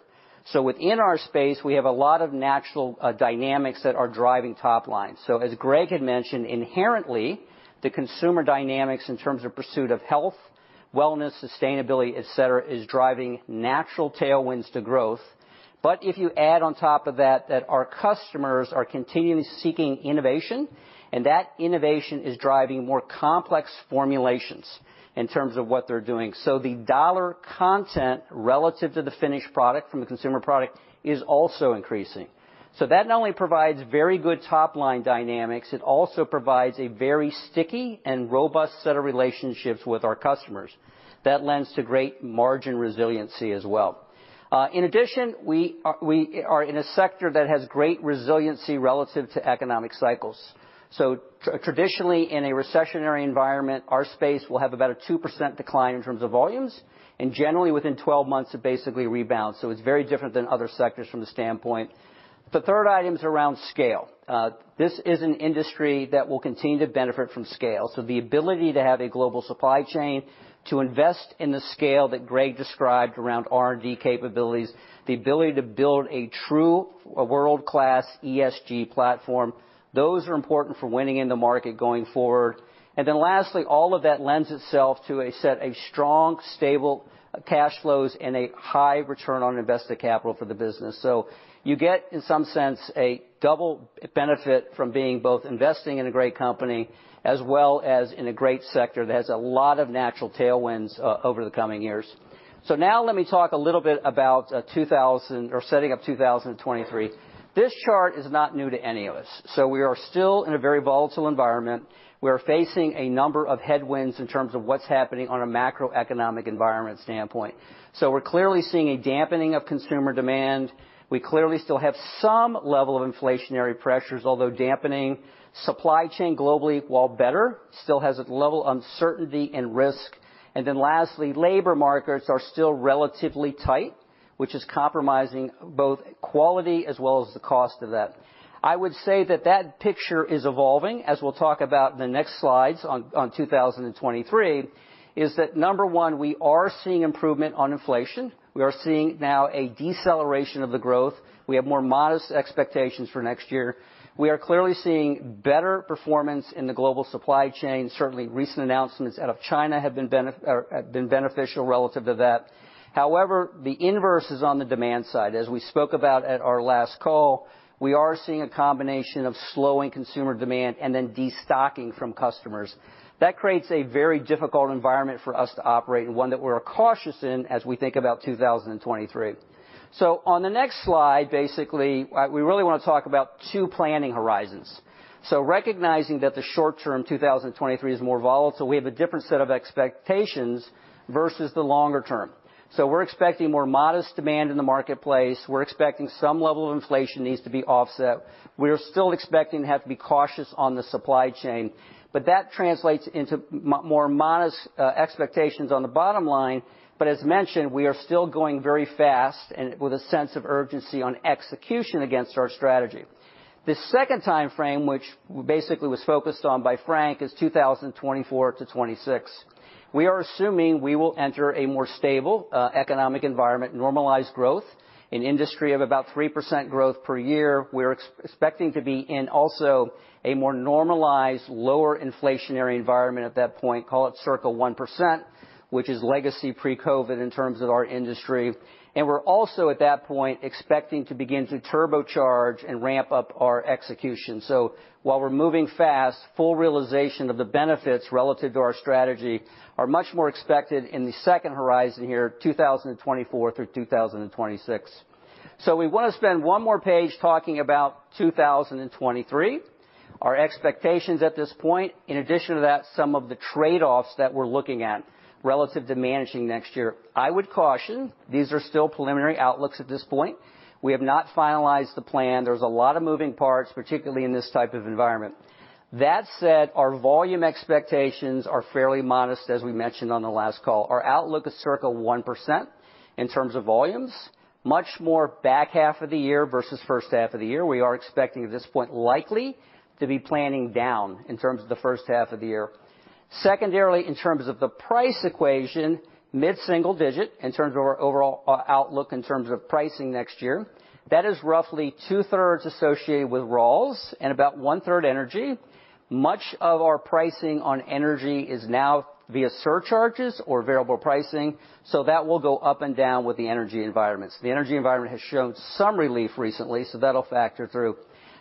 Within our space, we have a lot of natural dynamics that are driving top line. As Greg had mentioned, inherently, the consumer dynamics in terms of pursuit of health, wellness, sustainability, et cetera, is driving natural tailwinds to growth. If you add on top of that our customers are continually seeking innovation, and that innovation is driving more complex formulations in terms of what they're doing. The dollar content relative to the finished product from the consumer product is also increasing. That not only provides very good top-line dynamics, it also provides a very sticky and robust set of relationships with our customers. That lends to great margin resiliency as well. In addition, we are in a sector that has great resiliency relative to economic cycles. Traditionally, in a recessionary environment, our space will have about a 2% decline in terms of volumes, and generally within 12 months, it basically rebounds. It's very different than other sectors from the standpoint. The third item is around scale. This is an industry that will continue to benefit from scale. The ability to have a global supply chain, to invest in the scale that Greg described around R&D capabilities, the ability to build a true world-class ESG platform, those are important for winning in the market going forward. Lastly, all of that lends itself to a strong, stable cash flows and a high return on invested capital for the business. You get, in some sense, a double benefit from being both investing in a great company as well as in a great sector that has a lot of natural tailwinds over the coming years. Now let me talk a little bit about setting up 2023. This chart is not new to any of us. We are still in a very volatile environment. We are facing a number of headwinds in terms of what's happening on a macroeconomic environment standpoint. We're clearly seeing a dampening of consumer demand. We clearly still have some level of inflationary pressures, although dampening. Supply chain globally, while better, still has its level of uncertainty and risk. Lastly, labor markets are still relatively tight, which is compromising both quality as well as the cost of that. I would say that that picture is evolving, as we'll talk about in the next slides on 2023, is that number one, we are seeing improvement on inflation. We are seeing now a deceleration of the growth. We have more modest expectations for next year. We are clearly seeing better performance in the global supply chain. Certainly, recent announcements out of China have been beneficial relative to that. However, the inverse is on the demand side. As we spoke about at our last call, we are seeing a combination of slowing consumer demand and then destocking from customers. That creates a very difficult environment for us to operate and one that we're cautious in as we think about 2023. On the next slide, basically, we really wanna talk about two planning horizons. Recognizing that the short term, 2023 is more volatile, we have a different set of expectations versus the longer term. We're expecting more modest demand in the marketplace. We're expecting some level of inflation needs to be offset. We're still expecting to have to be cautious on the supply chain. That translates into more modest expectations on the bottom line. As mentioned, we are still going very fast and with a sense of urgency on execution against our strategy. The second time frame, which basically was focused on by Frank, is 2024 to 2026. We are assuming we will enter a more stable economic environment, normalized growth, an industry of about 3% growth per year. We're expecting to be in also a more normalized, lower inflationary environment at that point, call it circle 1%, which is legacy pre-COVID in terms of our industry. We're also at that point, expecting to begin to turbocharge and ramp up our execution. While we're moving fast, full realization of the benefits relative to our strategy are much more expected in the second horizon here, 2024 through 2026. We want to spend one more page talking about 2023, our expectations at this point. In addition to that, some of the trade-offs that we're looking at relative to managing next year. I would caution, these are still preliminary outlooks at this point. We have not finalized the plan. There's a lot of moving parts, particularly in this type of environment. That said, our volume expectations are fairly modest, as we mentioned on the last call. Our outlook is circle 1% in terms of volumes, much more back half of the year versus first half of the year. We are expecting at this point likely to be planning down in terms of the first half of the year. Secondarily, in terms of the price equation, mid-single digit in terms of our overall outlook in terms of pricing next year. That is roughly two-thirds associated with Rawls and about one-third energy. Much of our pricing on energy is now via surcharges or variable pricing, that will go up and down with the energy environments. The energy environment has shown some relief recently, that'll factor through.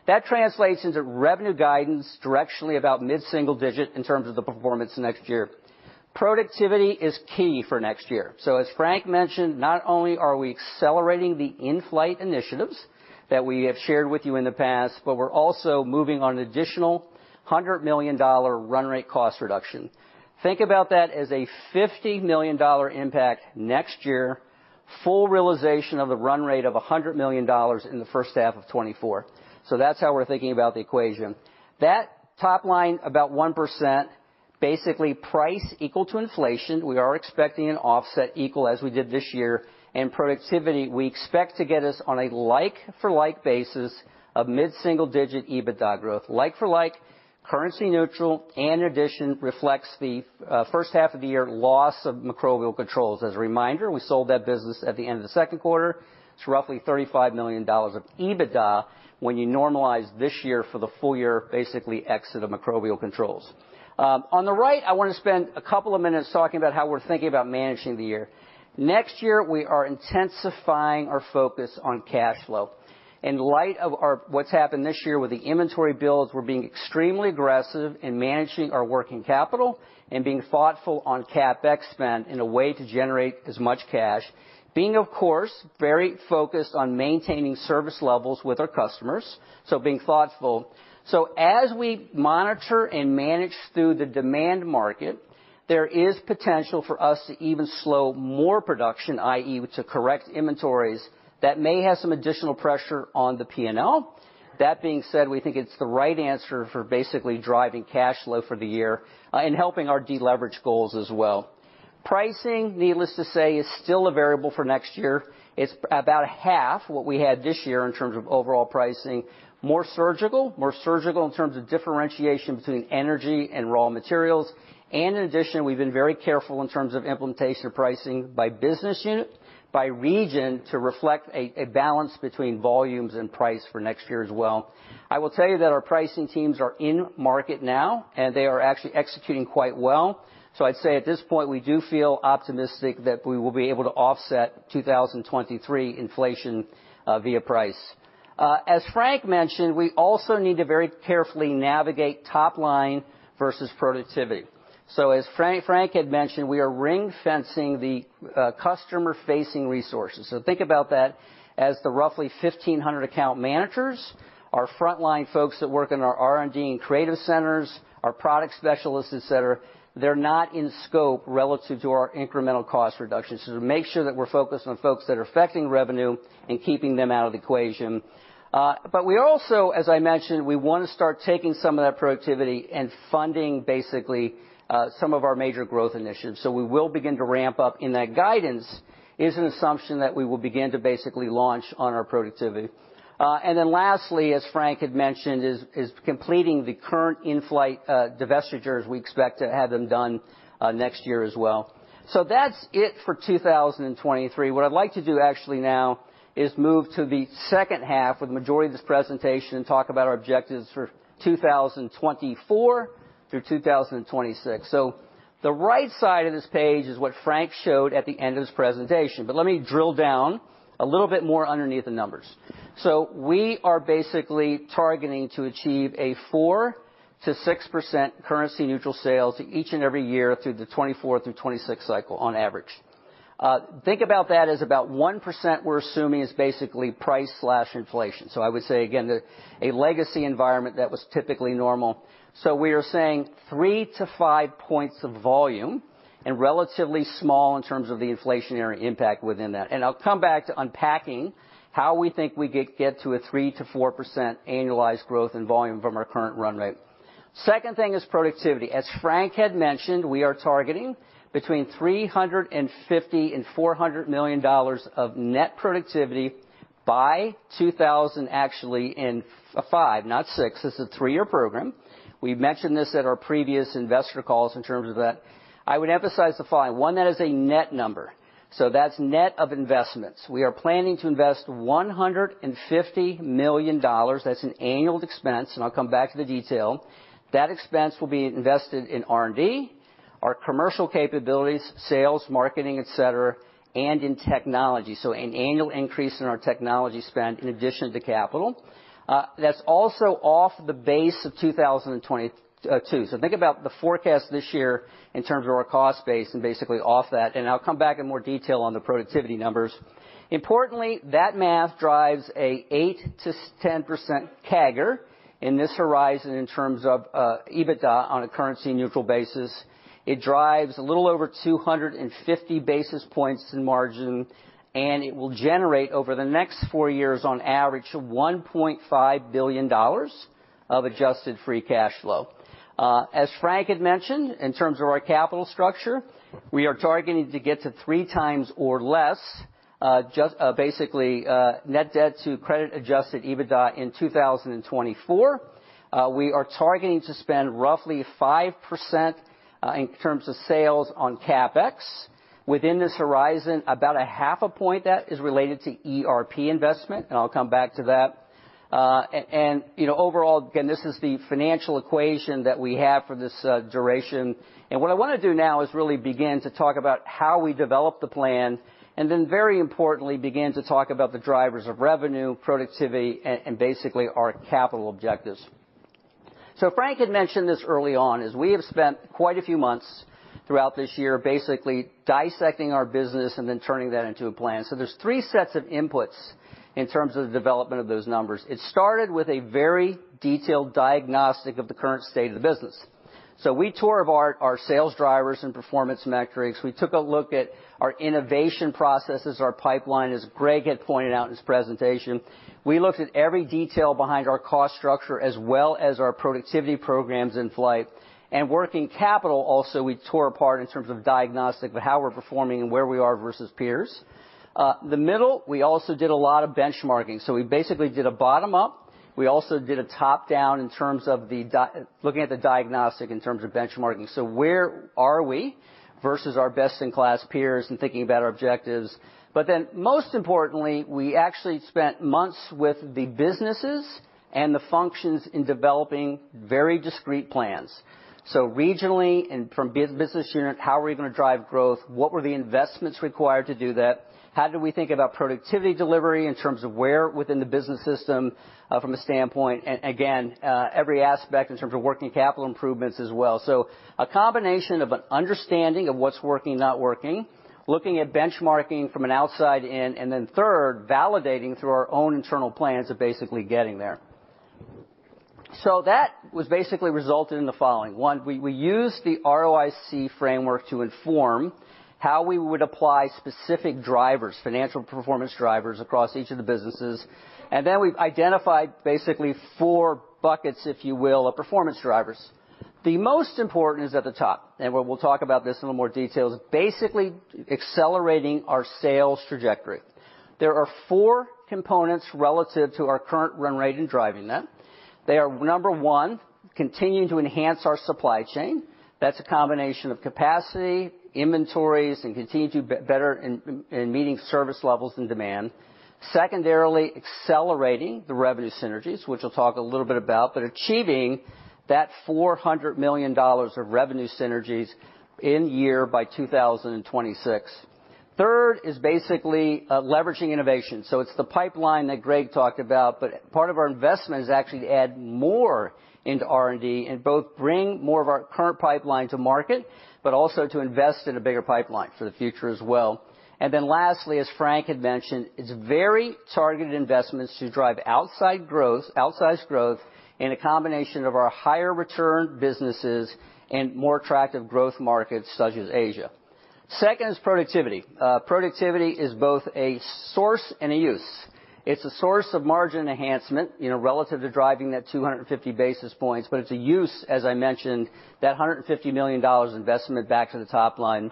That translates into revenue guidance directionally about mid-single digit in terms of the performance next year. Productivity is key for next year. As Frank mentioned, not only are we accelerating the in-flight initiatives that we have shared with you in the past, but we're also moving on additional $100 million run rate cost reduction. Think about that as a $50 million impact next year, full realization of the run rate of $100 million in the first half of 2024. That's how we're thinking about the equation. That top line about 1% basically price equal to inflation. We are expecting an offset equal as we did this year. In productivity, we expect to get us on a like for like basis of mid-single digit EBITDA growth. Like for like currency neutral and addition reflects the first half of the year loss of Microbial Control. As a reminder, we sold that business at the end of the Q2. It's roughly $35 million of EBITDA when you normalize this year for the full year, basically exit of Microbial Control. On the right, I wanna spend a couple of minutes talking about how we're thinking about managing the year. Next year, we are intensifying our focus on cash flow. In light of what's happened this year with the inventory builds, we're being extremely aggressive in managing our working capital and being thoughtful on CapEx spend in a way to generate as much cash. Being, of course, very focused on maintaining service levels with our customers, being thoughtful. As we monitor and manage through the demand market, there is potential for us to even slow more production, i.e., to correct inventories that may have some additional pressure on the P&L. That being said, we think it's the right answer for basically driving cash flow for the year and helping our deleverage goals as well. Pricing, needless to say, is still a variable for next year. It's about a half what we had this year in terms of overall pricing, more surgical in terms of differentiation between energy and raw materials. In addition, we've been very careful in terms of implementation of pricing by business unit, by region to reflect a balance between volumes and price for next year as well. I will tell you that our pricing teams are in market now, and they are actually executing quite well. I'd say at this point, we do feel optimistic that we will be able to offset 2023 inflation via price. As Frank mentioned, we also need to very carefully navigate top line versus productivity. As Frank had mentioned, we are ring-fencing the customer-facing resources. Think about that as the roughly 1,500 account managers, our frontline folks that work in our R&D and creative centers, our product specialists, et cetera. They're not in scope relative to our incremental cost reductions. To make sure that we're focused on folks that are affecting revenue and keeping them out of the equation. We also, as I mentioned, we wanna start taking some of that productivity and funding basically, some of our major growth initiatives. We will begin to ramp up, and that guidance is an assumption that we will begin to basically launch on our productivity. Lastly, as Frank had mentioned, is completing the current in-flight divestitures we expect to have them done next year as well. That's it for 2023. What I'd like to do actually now is move to the second half with the majority of this presentation and talk about our objectives for 2024 through 2026. The right side of this page is what Frank showed at the end of his presentation. Let me drill down a little bit more underneath the numbers. We are basically targeting to achieve a 4%-6% currency neutral sales each and every year through the 2024 through 2026 cycle on average. Think about that as about 1% we're assuming is basically price slash inflation. I would say again, the a legacy environment that was typically normal. We are saying three to five points of volume and relatively small in terms of the inflationary impact within that. And I'll come back to unpacking how we think we get to a 3%-4% annualized growth and volume from our current run rate. Second thing is productivity. As Frank had mentioned, we are targeting between $350 million and $400 million of net productivity by 2005, not 2006. This is a three-year program. We mentioned this at our previous investor calls in terms of that. I would emphasize the following. One, that is a net number, so that's net of investments. We are planning to invest $150 million, that's an annual expense, and I'll come back to the detail. That expense will be invested in R&D, our commercial capabilities, sales, marketing, et cetera, and in technology. An annual increase in our technology spend in addition to capital. That's also off the base of 2022. Think about the forecast this year in terms of our cost base and basically off that, and I'll come back in more detail on the productivity numbers. Importantly, that math drives an 8%-10% CAGR in this horizon in terms of EBITDA on a currency neutral basis. It drives a little over 250 basis points in margin, and it will generate over the next 4 years on average $1.5 billion of adjusted free cash flow. As Frank had mentioned, in terms of our capital structure, we are targeting to get to three times or less, just basically net debt to credit-adjusted EBITDA in 2024. We are targeting to spend roughly 5% in terms of sales on CapEx. Within this horizon, about a half a point that is related to ERP investment, and I'll come back to that. You know, overall, again, this is the financial equation that we have for this duration. What I wanna do now is really begin to talk about how we develop the plan, and then very importantly, begin to talk about the drivers of revenue, productivity, and basically, our capital objectives. Frank had mentioned this early on is, we have spent quite a few months throughout this year basically dissecting our business and then turning that into a plan. There's three sets of inputs in terms of the development of those numbers. It started with a very detailed diagnostic of the current state of the business. We tore apart our sales drivers and performance metrics. We took a look at our innovation processes, our pipeline, as Greg had pointed out in his presentation. We looked at every detail behind our cost structure as well as our productivity programs in flight. Working capital also, we tore apart in terms of diagnostic, but how we're performing and where we are versus peers. The middle, we also did a lot of benchmarking. We basically did a bottom up. We also did a top-down in terms of looking at the diagnostic in terms of benchmarking. Where are we versus our best-in-class peers and thinking about our objectives? Most importantly, we actually spent months with the businesses and the functions in developing very discreet plans. Regionally and from business unit, how are we gonna drive growth? What were the investments required to do that? How do we think about productivity delivery in terms of where within the business system, from a standpoint, again, every aspect in terms of working capital improvements as well. A combination of an understanding of what's working, not working, looking at benchmarking from an outside in, then third, validating through our own internal plans of basically getting there. That was basically resulted in the following. One, we used the ROIC framework to inform how we would apply specific drivers, financial performance drivers, across each of the businesses. Then we've identified basically four buckets, if you will, of performance drivers. The most important is at the top, and we'll talk about this in more details, basically accelerating our sales trajectory. There are four components relative to our current run rate in driving that. They are, number one, continuing to enhance our supply chain. That's a combination of capacity, inventories, and continuing to do better in meeting service levels and demand. Secondarily, accelerating the revenue synergies, which I'll talk a little bit about, but achieving that $400 million of revenue synergies in year by 2026. Third is basically leveraging innovation. It's the pipeline that Greg talked about, but part of our investment is actually to add more into R&D and both bring more of our current pipeline to market, but also to invest in a bigger pipeline for the future as well. Lastly, as Frank had mentioned, it's very targeted investments to drive outsized growth in a combination of our higher return businesses and more attractive growth markets such as Asia. Second is productivity. Productivity is both a source and a use. It's a source of margin enhancement, you know, relative to driving that 250 basis points, but it's a use, as I mentioned, that $150 million investment back to the top line.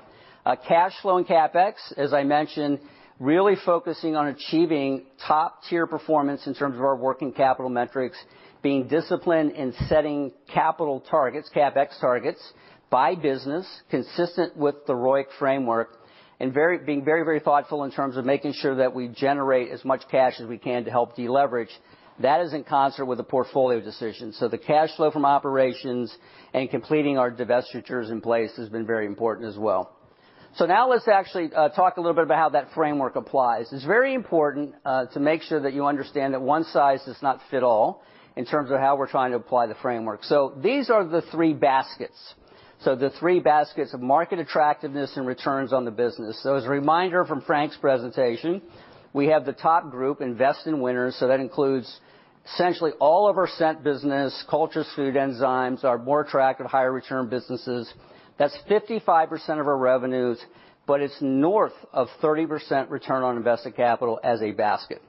Cash flow and CapEx, as I mentioned, really focusing on achieving top-tier performance in terms of our working capital metrics, being disciplined in setting capital targets, CapEx targets by business, consistent with the ROIC framework, and being very thoughtful in terms of making sure that we generate as much cash as we can to help deleverage. That is in concert with the portfolio decision. The cash flow from operations and completing our divestitures in place has been very important as well. Now let's actually talk a little bit about how that framework applies. It's very important to make sure that you understand that one size does not fit all in terms of how we're trying to apply the framework. These are the three baskets. The three baskets of market attractiveness and returns on the business. As a reminder from Frank's presentation, we have the top group, Invest in Winners, that includes essentially all of our Scent business, Cultures & Food Enzymes, our more attractive, higher return businesses. That's 55% of our revenues, but it's north of 30% return on invested capital as a basket.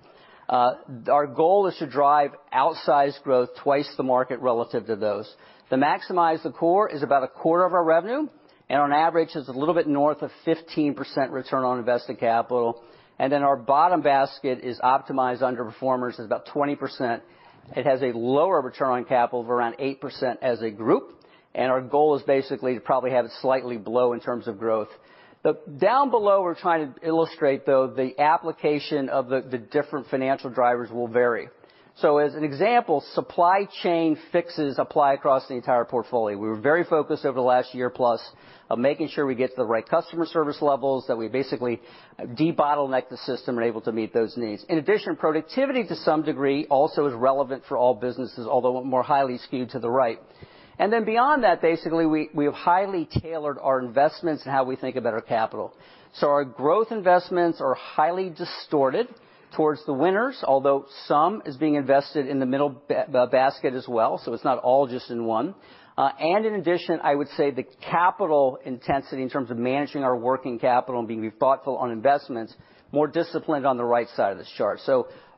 Our goal is to drive outsized growth twice the market relative to those. The Maximize the Core is about a quarter of our revenue, and on average, is a little bit north of 15% return on invested capital. Our bottom basket is Optimized Underperformers. It's about 20%. It has a lower return on capital of around 8% as a group. Our goal is basically to probably have it slightly below in terms of growth. Down below, we're trying to illustrate, though, the application of the different financial drivers will vary. As an example, supply chain fixes apply across the entire portfolio. We were very focused over the last year plus on making sure we get to the right customer service levels, that we basically de-bottleneck the system and able to meet those needs. In addition, productivity to some degree also is relevant for all businesses, although more highly skewed to the right. Beyond that, basically, we have highly tailored our investments and how we think about our capital. Our growth investments are highly distorted towards the winners, although some is being invested in the middle basket as well, so it's not all just in one. In addition, I would say the capital intensity in terms of managing our working capital and being thoughtful on investments, more disciplined on the right side of this chart.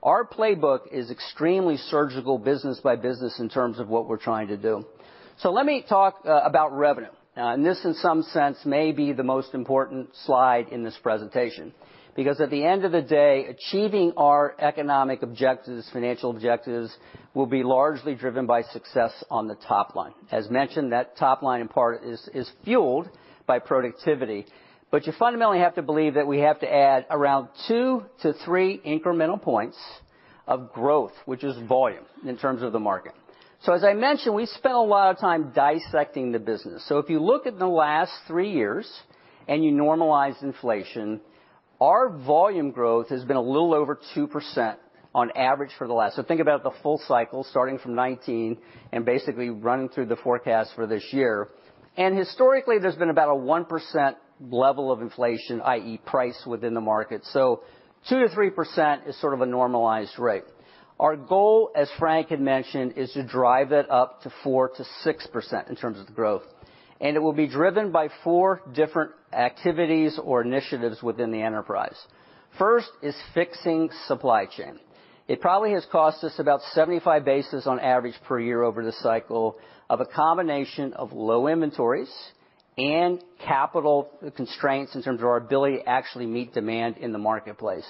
Our playbook is extremely surgical business by business in terms of what we're trying to do. Let me talk about revenue. This, in some sense, may be the most important slide in this presentation, because at the end of the day, achieving our economic objectives, financial objectives, will be largely driven by success on the top line. As mentioned, that top line in part is fueled by productivity, but you fundamentally have to believe that we have to add around two to three incremental points of growth, which is volume in terms of the market. As I mentioned, we spent a lot of time dissecting the business. If you look at the last three years and you normalize inflation, our volume growth has been a little over 2% on average for the last. Think about the full cycle starting from 2019 and basically running through the forecast for this year. Historically, there's been about a 1% level of inflation, i.e., price within the market. 2%-3% is sort of a normalized rate. Our goal, as Frank had mentioned, is to drive it up to 4%-6% in terms of the growth. It will be driven by four different activities or initiatives within the enterprise. First is fixing supply chain. It probably has cost us about 75 basis on average per year over the cycle of a combination of low inventories and capital constraints in terms of our ability to actually meet demand in the marketplace.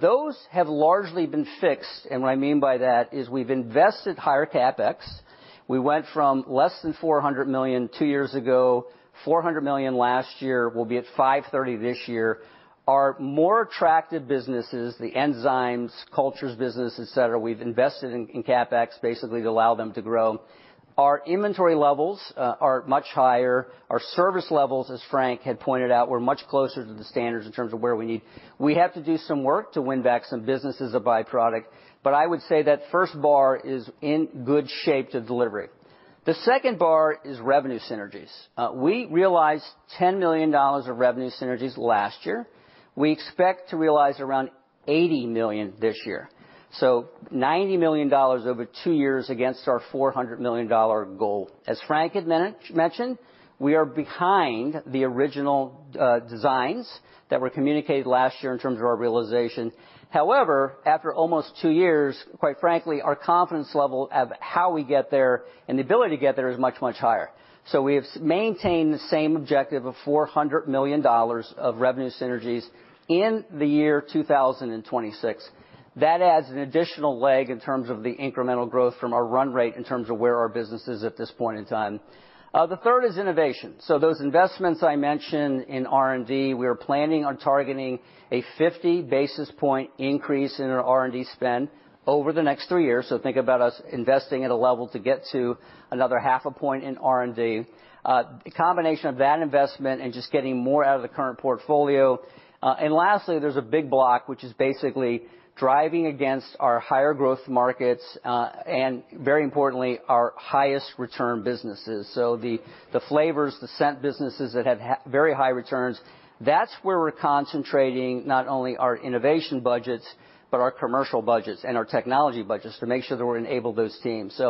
Those have largely been fixed, what I mean by that is we've invested higher CapEx. We went from less than $400 million two years ago, $400 million last year, we'll be at $530 million this year. Our more attractive businesses, the enzymes, cultures business, et cetera, we've invested in CapEx basically to allow them to grow. Our inventory levels are much higher. Our service levels, as Frank had pointed out, we're much closer to the standards in terms of where we need. We have to do some work to win back some business as a byproduct, but I would say that first bar is in good shape to delivery. The second bar is revenue synergies. We realized $10 million of revenue synergies last year. We expect to realize around $80 million this year. $90 million over two years against our $400 million goal. As Frank had mentioned, we are behind the original designs that were communicated last year in terms of our realization. However, after almost two years, quite frankly, our confidence level of how we get there and the ability to get there is much, much higher. We've maintained the same objective of $400 million of revenue synergies in the year 2026. That adds an additional leg in terms of the incremental growth from our run rate in terms of where our business is at this point in time. The third is innovation. Those investments I mentioned in R&D, we are planning on targeting a 50 basis point increase in our R&D spend over the next three years. Think about us investing at a level to get to another half a point in R&D. A combination of that investment and just getting more out of the current portfolio. Lastly, there's a big block, which is basically driving against our higher growth markets, and very importantly, our highest return businesses. The flavors, the Scent businesses that have very high returns, that's where we're concentrating not only our innovation budgets, but our commercial budgets and our technology budgets to make sure that we enable those teams.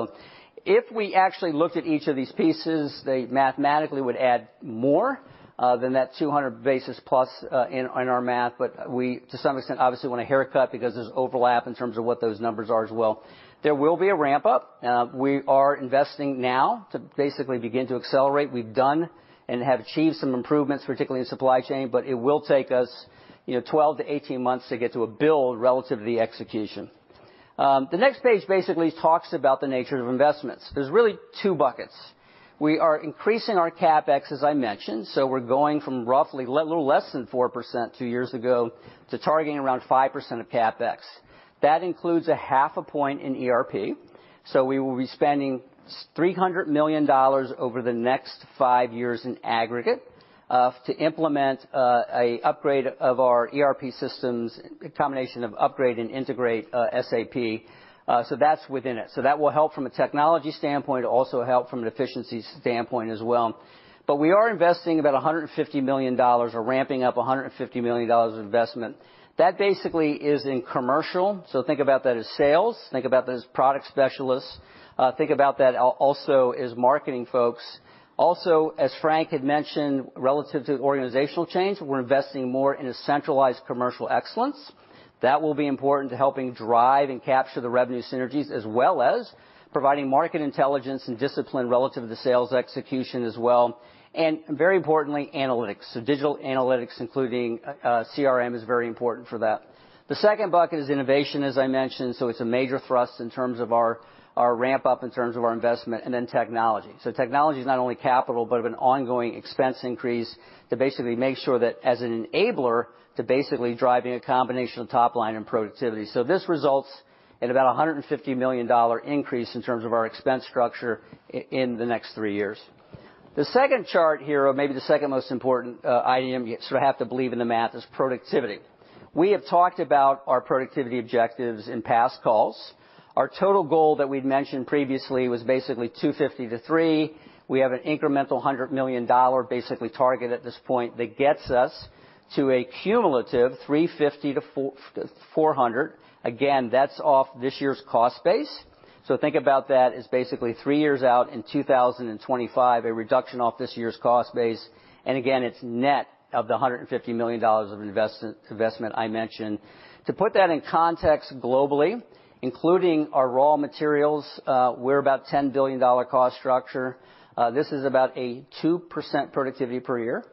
If we actually looked at each of these pieces, they mathematically would add more than that 200 basis plus in our math. We, to some extent, obviously want a haircut because there's overlap in terms of what those numbers are as well. There will be a ramp up. We are investing now to basically begin to accelerate. We've done and have achieved some improvements, particularly in supply chain, but it will take us, you know, 12 to 18 months to get to a build relative to the execution. The next page basically talks about the nature of investments. There's really two buckets. We are increasing our CapEx, as I mentioned, we're going from roughly a little less than 4% two years ago to targeting around 5% of CapEx. That includes a half a point in ERP. We will be spending $300 million over the next five years in aggregate to implement an upgrade of our ERP systems, a combination of upgrade and integrate SAP. That's within it. That will help from a technology standpoint, also help from an efficiency standpoint as well. We are investing about $150 million or ramping up $150 million of investment. That basically is in commercial. Think about that as sales, think about those product specialists, think about that also as marketing folks. As Frank had mentioned, relative to organizational change, we're investing more in a centralized commercial excellence. That will be important to helping drive and capture the revenue synergies, as well as providing market intelligence and discipline relative to the sales execution as well, and very importantly, analytics. Digital analytics, including CRM, is very important for that. The second bucket is innovation, as I mentioned, so it's a major thrust in terms of our ramp up, in terms of our investment, and then technology. Technology is not only capital, but of an ongoing expense increase to basically make sure that as an enabler to basically driving a combination of top line and productivity. This results in about a $150 million increase in terms of our expense structure in the next three years. The second chart here, or maybe the second most important, item, you sort of have to believe in the math, is productivity. We have talked about our productivity objectives in past calls. Our total goal that we'd mentioned previously was basically $250 million-$300 million. We have an incremental $100 million basically target at this point that gets us to a cumulative $350 million-$400 million. Again, that's off this year's cost base. Think about that as basically three years out in 2025, a reduction off this year's cost base. Again, it's net of the $150 million of investment I mentioned. To put that in context globally, including our raw materials, we're about a $10 billion cost structure. This is about a 2% productivity per year.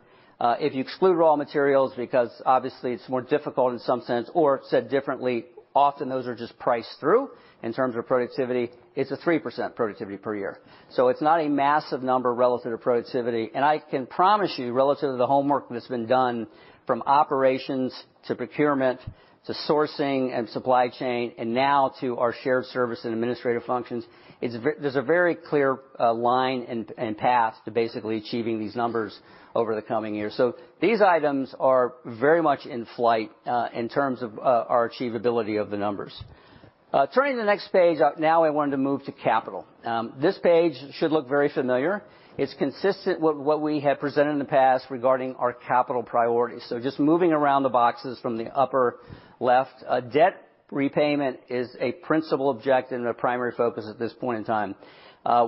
If you exclude raw materials, because obviously it's more difficult in some sense or said differently, often those are just priced through in terms of productivity, it's a 3% productivity per year. It's not a massive number relative to productivity. I can promise you relative to the homework that's been done from operations to procurement to sourcing and supply chain, and now to our shared service and administrative functions, there's a very clear line and path to basically achieving these numbers over the coming years. These items are very much in flight in terms of our achievability of the numbers. Turning to the next page, now I wanted to move to capital. This page should look very familiar. It's consistent with what we had presented in the past regarding our capital priorities. Just moving around the boxes from the upper left, debt repayment is a principal objective and a primary focus at this point in time.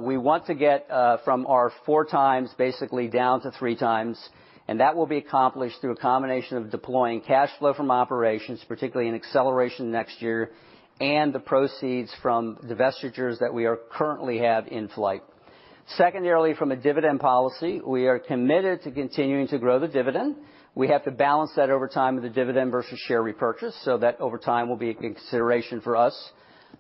We want to get from our four times basically down to three times, and that will be accomplished through a combination of deploying cash flow from operations, particularly in acceleration next year, and the proceeds from divestitures that we are currently have in flight. Secondarily, from a dividend policy, we are committed to continuing to grow the dividend. We have to balance that over time with the dividend versus share repurchase, so that over time will be a consideration for us.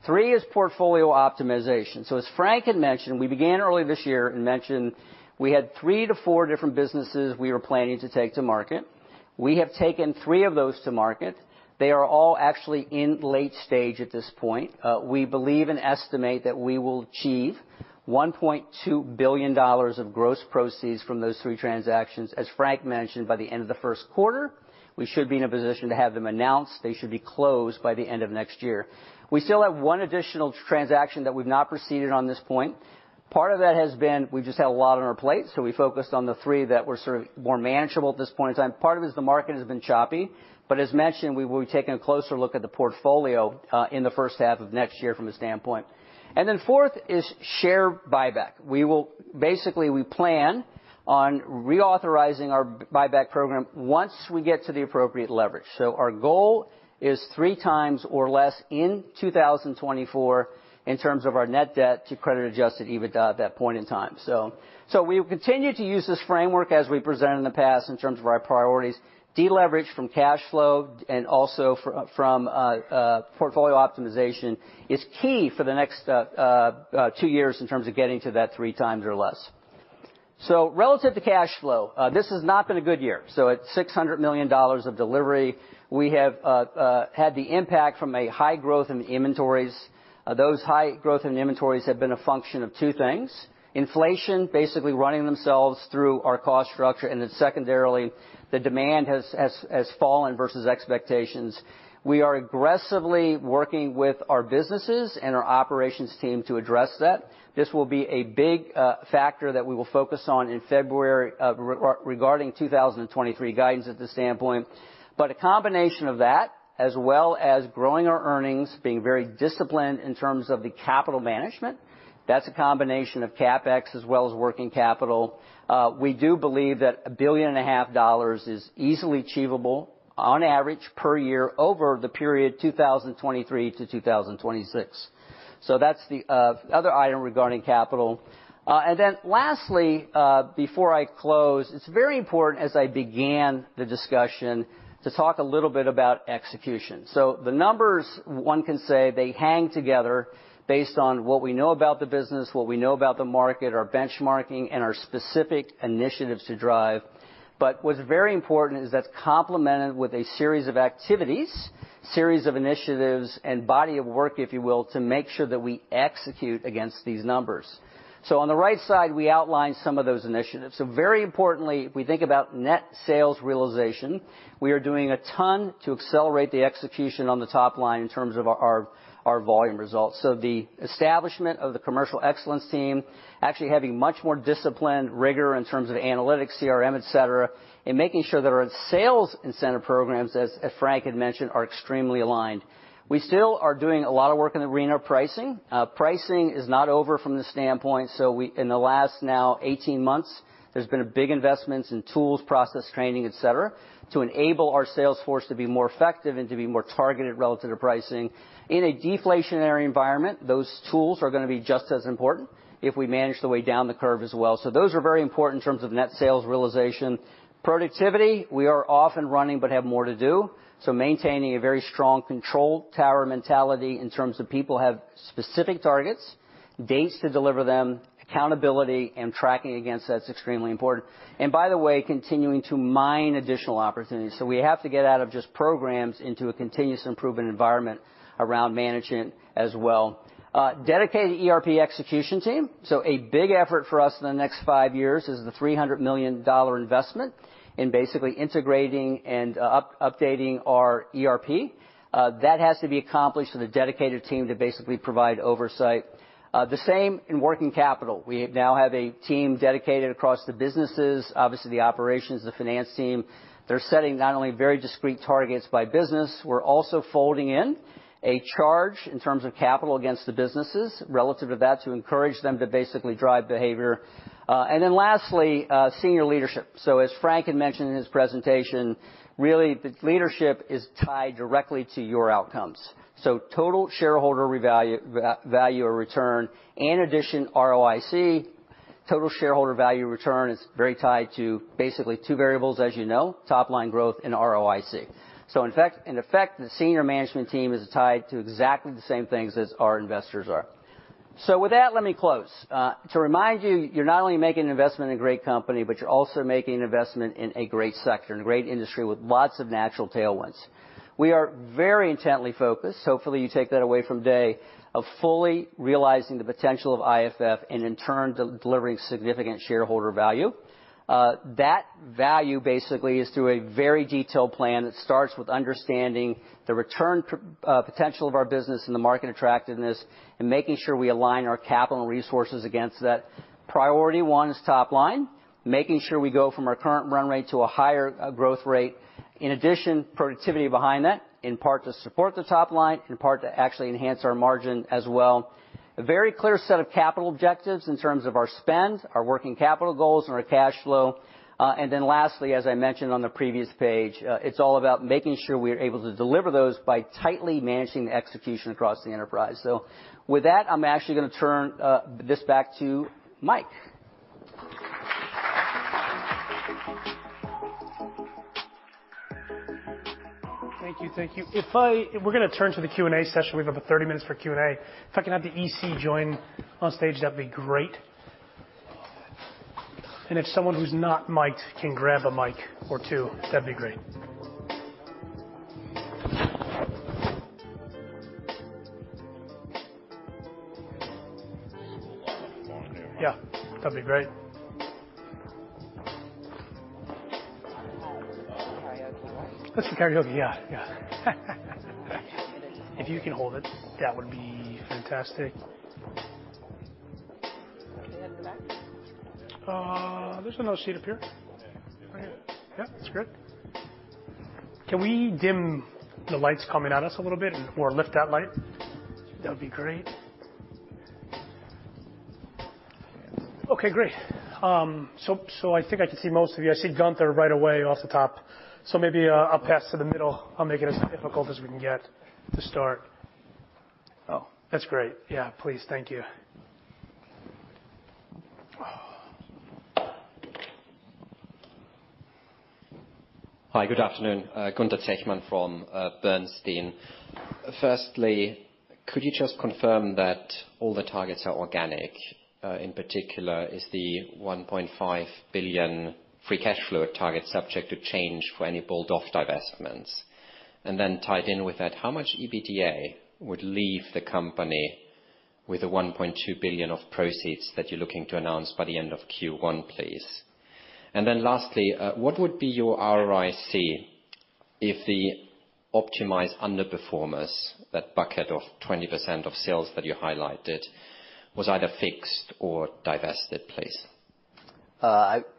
Three is portfolio optimization. As Frank had mentioned, we began early this year and mentioned we had three to four different businesses we were planning to take to market. We have taken three of those to market. They are all actually in late stage at this point. We believe and estimate that we will achieve $1.2 billion of gross proceeds from those three transactions, as Frank mentioned, by the end of the Q1. We should be in a position to have them announced. They should be closed by the end of next year. We still have one additional transaction that we've not proceeded on this point. Part of that has been we've just had a lot on our plate, so we focused on the three that were sort of more manageable at this point in time. Part of it's the market has been choppy, but as mentioned, we will be taking a closer look at the portfolio in the first half of next year from a standpoint. Fourth is share buyback. We basically, we plan on reauthorizing our buyback program once we get to the appropriate leverage. Our goal is three times or less in 2024 in terms of our net debt to credit-adjusted EBITDA at that point in time. We will continue to use this framework as we presented in the past in terms of our priorities. Deleveraged from cash flow and also from portfolio optimization is key for the next two years in terms of getting to that three times or less. Relative to cash flow, this has not been a good year. At $600 million of delivery, we have had the impact from a high growth in the inventories. Those high growth in inventories have been a function of two things: inflation basically running themselves through our cost structure, and then secondarily, the demand has fallen versus expectations. We are aggressively working with our businesses and our operations team to address that. This will be a big factor that we will focus on in February, regarding 2023 guidance at this standpoint. A combination of that as well as growing our earnings, being very disciplined in terms of the capital management, that's a combination of CapEx as well as working capital. We do believe that $1.5 billion is easily achievable on average per year over the period 2023 to 2026. That's the other item regarding capital. And then lastly, before I close, it's very important as I began the discussion to talk a little bit about execution. The numbers, one can say, they hang together based on what we know about the business, what we know about the market, our benchmarking, and our specific initiatives to drive. What's very important is that's complemented with a series of activities, series of initiatives, and body of work, if you will, to make sure that we execute against these numbers. On the right side, we outlined some of those initiatives. Very importantly, if we think about net sales realization, we are doing a ton to accelerate the execution on the top line in terms of our volume results. The establishment of the commercial excellence team, actually having much more disciplined rigor in terms of analytics, CRM, et cetera, and making sure that our sales incentive programs, as Frank had mentioned, are extremely aligned. We still are doing a lot of work in the arena of pricing. Pricing is not over from the standpoint. In the last now 18 months, there's been big investments in tools, process, training, et cetera, to enable our sales force to be more effective and to be more targeted relative to pricing. In a deflationary environment, those tools are gonna be just as important if we manage the way down the curve as well. Those are very important in terms of net sales realization. Productivity, we are off and running, but have more to do. Maintaining a very strong control tower mentality in terms of people have specific targets, dates to deliver them, accountability, and tracking against that's extremely important. By the way, continuing to mine additional opportunities. We have to get out of just programs into a continuous improvement environment around management as well. Dedicated ERP execution team. A big effort for us in the next five years is the $300 million investment in basically integrating and up-updating our ERP. That has to be accomplished with a dedicated team to basically provide oversight. The same in working capital. We now have a team dedicated across the businesses, obviously the operations, the finance team. They're setting not only very discrete targets by business, we're also folding in a charge in terms of capital against the businesses relative to that to encourage them to basically drive behavior. Lastly, senior leadership. As Frank had mentioned in his presentation, really the leadership is tied directly to your outcomes. Total shareholder value or return, in addition ROIC. Total shareholder value return is very tied to basically two variables as you know, top line growth and ROIC. In fact, in effect, the senior management team is tied to exactly the same things as our investors are. With that, let me close. To remind you're not only making an investment in a great company, but you're also making an investment in a great sector, in a great industry with lots of natural tailwinds. We are very intently focused. Hopefully, you take that away from today, of fully realizing the potential of IFF and in turn, delivering significant shareholder value. That value basically is through a very detailed plan that starts with understanding the return potential of our business and the market attractiveness and making sure we align our capital and resources against that. Priority one is top line, making sure we go from our current run rate to a higher growth rate. In addition, productivity behind that, in part to support the top line, in part to actually enhance our margin as well. A very clear set of capital objectives in terms of our spend, our working capital goals and our cash flow. Lastly, as I mentioned on the previous page, it's all about making sure we are able to deliver those by tightly managing the execution across the enterprise. With that, I'm actually gonna turn this back to Mike. Thank you. Thank you. We're gonna turn to the Q&A session. We have over 30 minutes for Q&A. If I can have the EC join on stage, that'd be great. If someone who's not mic-ed can grab a mic or two, that'd be great. Yeah, that'd be great. That's a karaoke, yeah. If you can hold it, that would be fantastic. There's another seat up here. Right here. Yep, that's good. Can we dim the lights coming at us a little bit or lift that light? That'd be great. Okay, great. I think I can see most of you. I see Gunther right away off the top. Maybe I'll pass to the middle. I'll make it as difficult as we can get to start. Oh, that's great. Yeah, please. Thank you. Hi, good afternoon. Gunther Zechmann from Bernstein. Firstly, could you just confirm that all the targets are organic? In particular, is the $1.5 billion free cash flow target subject to change for any bowled off divestments? Tied in with that, how much EBITDA would leave the company with the $1.2 billion of proceeds that you're looking to announce by the end of Q1, please? Lastly, what would be your ROIC if the optimized underperformers, that bucket of 20% of sales that you highlighted, was either fixed or divested, please?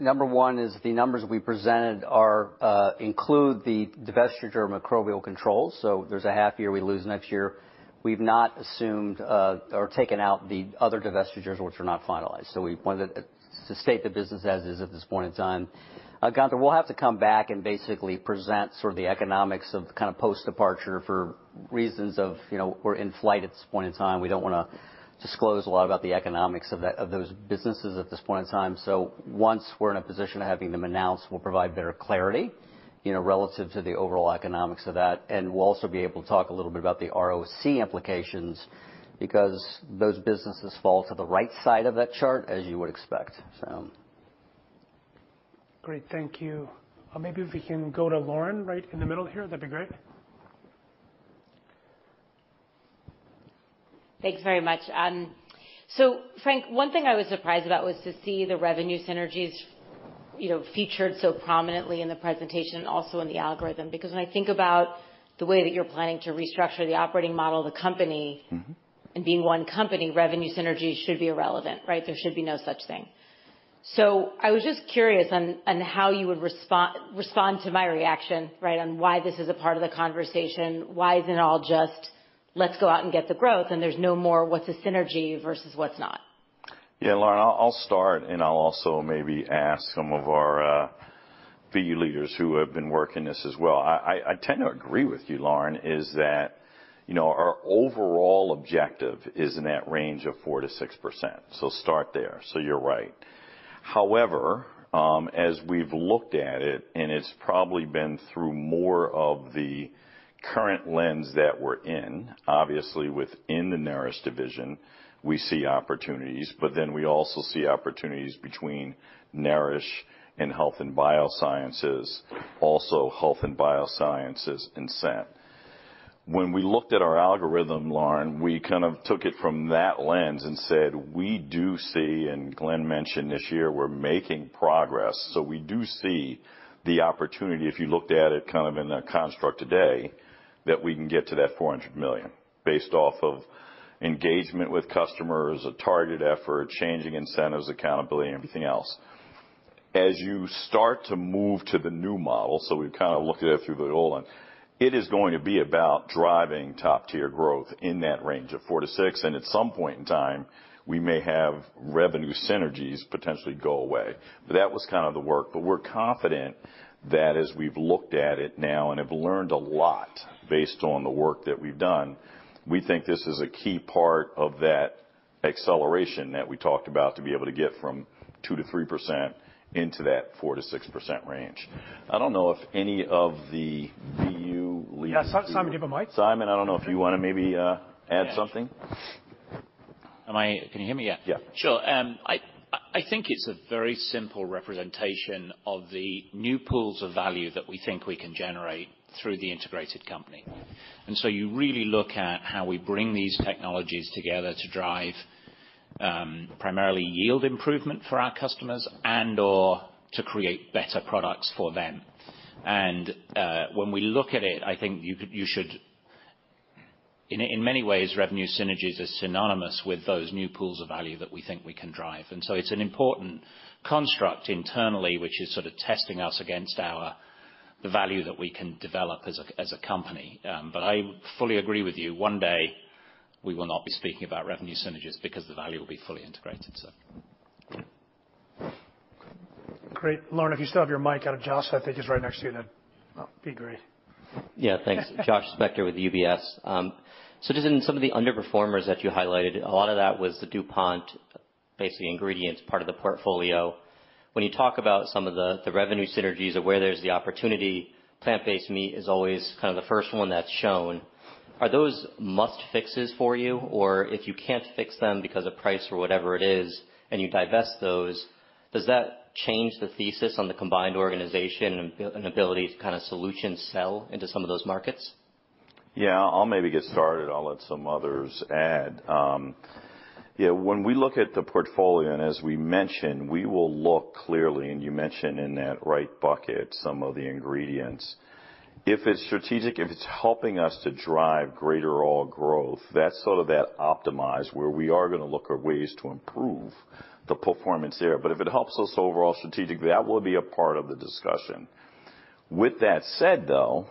Number one is the numbers we presented are, include the divestiture of Microbial Control. There's a half year we lose next year. We've not assumed or taken out the other divestitures which are not finalized. We wanted to state the business as is at this point in time. Gunther, we'll have to come back and basically present sort of the economics of kind of post-departure for reasons of, you know, we're in flight at this point in time. We don't wanna disclose a lot about the economics of those businesses at this point in time. Once we're in a position of having them announced, we'll provide better clarity, you know, relative to the overall economics of that. We'll also be able to talk a little bit about the ROC implications because those businesses fall to the right side of that chart as you would expect, so. Great. Thank you. Maybe if we can go to Lauren right in the middle here, that'd be great. Thanks very much. Frank, one thing I was surprised about was to see the revenue synergies, you know, featured so prominently in the presentation and also in the algorithm. Because when I think about the way that you're planning to restructure the operating model of the company. Mm-hmm. Being one company, revenue synergies should be irrelevant, right? There should be no such thing. I was just curious on how you would respond to my reaction, right, on why this is a part of the conversation. Why isn't it all just, "Let's go out and get the growth," and there's no more, what's the synergy versus what's not? Yeah, Lauren, I'll start, and I'll also maybe ask some of our BU leaders who have been working this as well. I tend to agree with you, Lauren, is that, you know, our overall objective is in that range of 4%-6%. Start there. You're right. However, as we've looked at it, and it's probably been through more of the current lens that we're in. Obviously within the Nourish division, we see opportunities, we also see opportunities between Nourish and Health & Biosciences, also Health & Biosciences and Scent. When we looked at our algorithm, Lauren, we kind of took it from that lens and said, we do see and Glenn mentioned this year, we're making progress. We do see the opportunity, if you looked at it kind of in that construct today, that we can get to that $400 million based off of engagement with customers, a targeted effort, changing incentives, accountability, and everything else. As you start to move to the new model, so we've kind of looked at it through the old one, it is going to be about driving top-tier growth in that range of 4%-6%. At some point in time, we may have revenue synergies potentially go away. That was kind of the work. We're confident that as we've looked at it now and have learned a lot based on the work that we've done, we think this is a key part of that -acceleration that we talked about to be able to get from 2%-3% into that 4%-6% range. I don't know if any of the BU leaders- Yeah, Simon, do you have a mic? Simon, I don't know if you wanna maybe add something. Can you hear me? Yeah. Yeah. Sure. I think it's a very simple representation of the new pools of value that we think we can generate through the integrated company. You really look at how we bring these technologies together to drive, primarily yield improvement for our customers and/or to create better products for them. When we look at it, I think you should. In many ways, revenue synergies are synonymous with those new pools of value that we think we can drive. It's an important construct internally, which is sort of testing us against our, the value that we can develop as a company. I fully agree with you. One day, we will not be speaking about revenue synergies because the value will be fully integrated, so. Great. Lauren, if you still have your mic. Josh, I think he's right next to you then. That'd be great. Yeah, thanks. Joshua Spector with UBS. Just in some of the underperformers that you highlighted, a lot of that was the DuPont, basically ingredients part of the portfolio. When you talk about some of the revenue synergies or where there's the opportunity, plant-based meat is always kind of the first one that's shown. Are those must fixes for you? If you can't fix them because of price or whatever it is, and you divest those, does that change the thesis on the combined organization and ability to kinda solution sell into some of those markets? I'll maybe get started. I'll let some others add. When we look at the portfolio, and as we mentioned, we will look clearly, and you mentioned in that right bucket some of the ingredients. If it's strategic, if it's helping us to drive greater all growth, that's sort of that optimize where we are gonna look at ways to improve the performance there. If it helps us overall strategic, that will be a part of the discussion. With that said, though,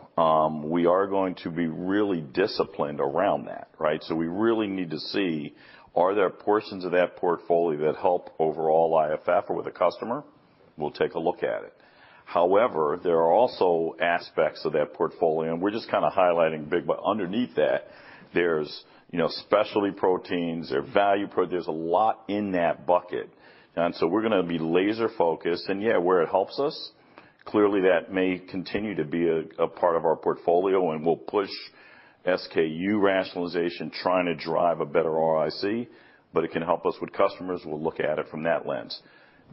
we are going to be really disciplined around that, right? We really need to see, are there portions of that portfolio that help overall IFF or with the customer? We'll take a look at it. There are also aspects of that portfolio, and we're just kinda highlighting big, but underneath that, there's, you know, specialty proteins, there's a lot in that bucket. We're gonna be laser-focused, and yeah, where it helps us, clearly that may continue to be a part of our portfolio, and we'll push SKU rationalization, trying to drive a better ROIC, but it can help us with customers. We'll look at it from that lens.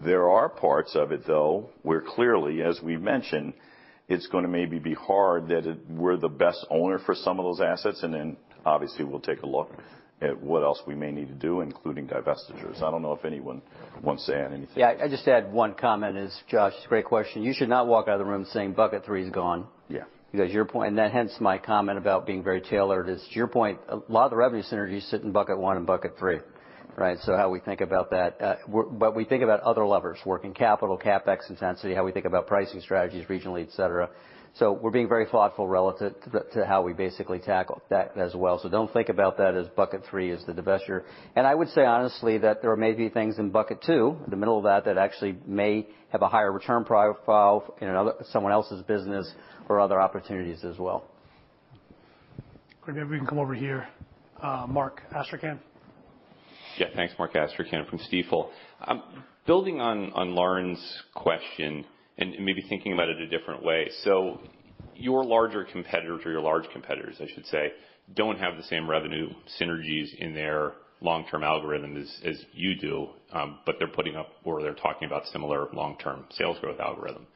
There are parts of it, though, where clearly, as we mentioned, it's gonna maybe be hard that we're the best owner for some of those assets, and then obviously we'll take a look at what else we may need to do, including divestitures. I don't know if anyone wants to add anything. Yeah, I'd just add one comment is, Josh, great question. You should not walk out of the room saying bucket three is gone. Yeah. Your point, and then hence my comment about being very tailored is to your point, a lot of the revenue synergies sit in bucket one and bucket three, right? How we think about that. But we think about other levers, working capital, CapEx intensity, how we think about pricing strategies regionally, et cetera. We're being very thoughtful relative to how we basically tackle that as well. Don't think about that as bucket three as the divesture. I would say honestly that there may be things in bucket two, in the middle of that actually may have a higher return profile in another, someone else's business or other opportunities as well. Great. Maybe we can come over here. Mark Astrachan. Yeah, thanks, Mark Astrachan from Stifel. Building on Lauren's question and maybe thinking about it a different way. Your larger competitors or your large competitors, I should say, don't have the same revenue synergies in their long-term algorithm as you do, but they're putting up or they're talking about similar long-term sales growth algorithm.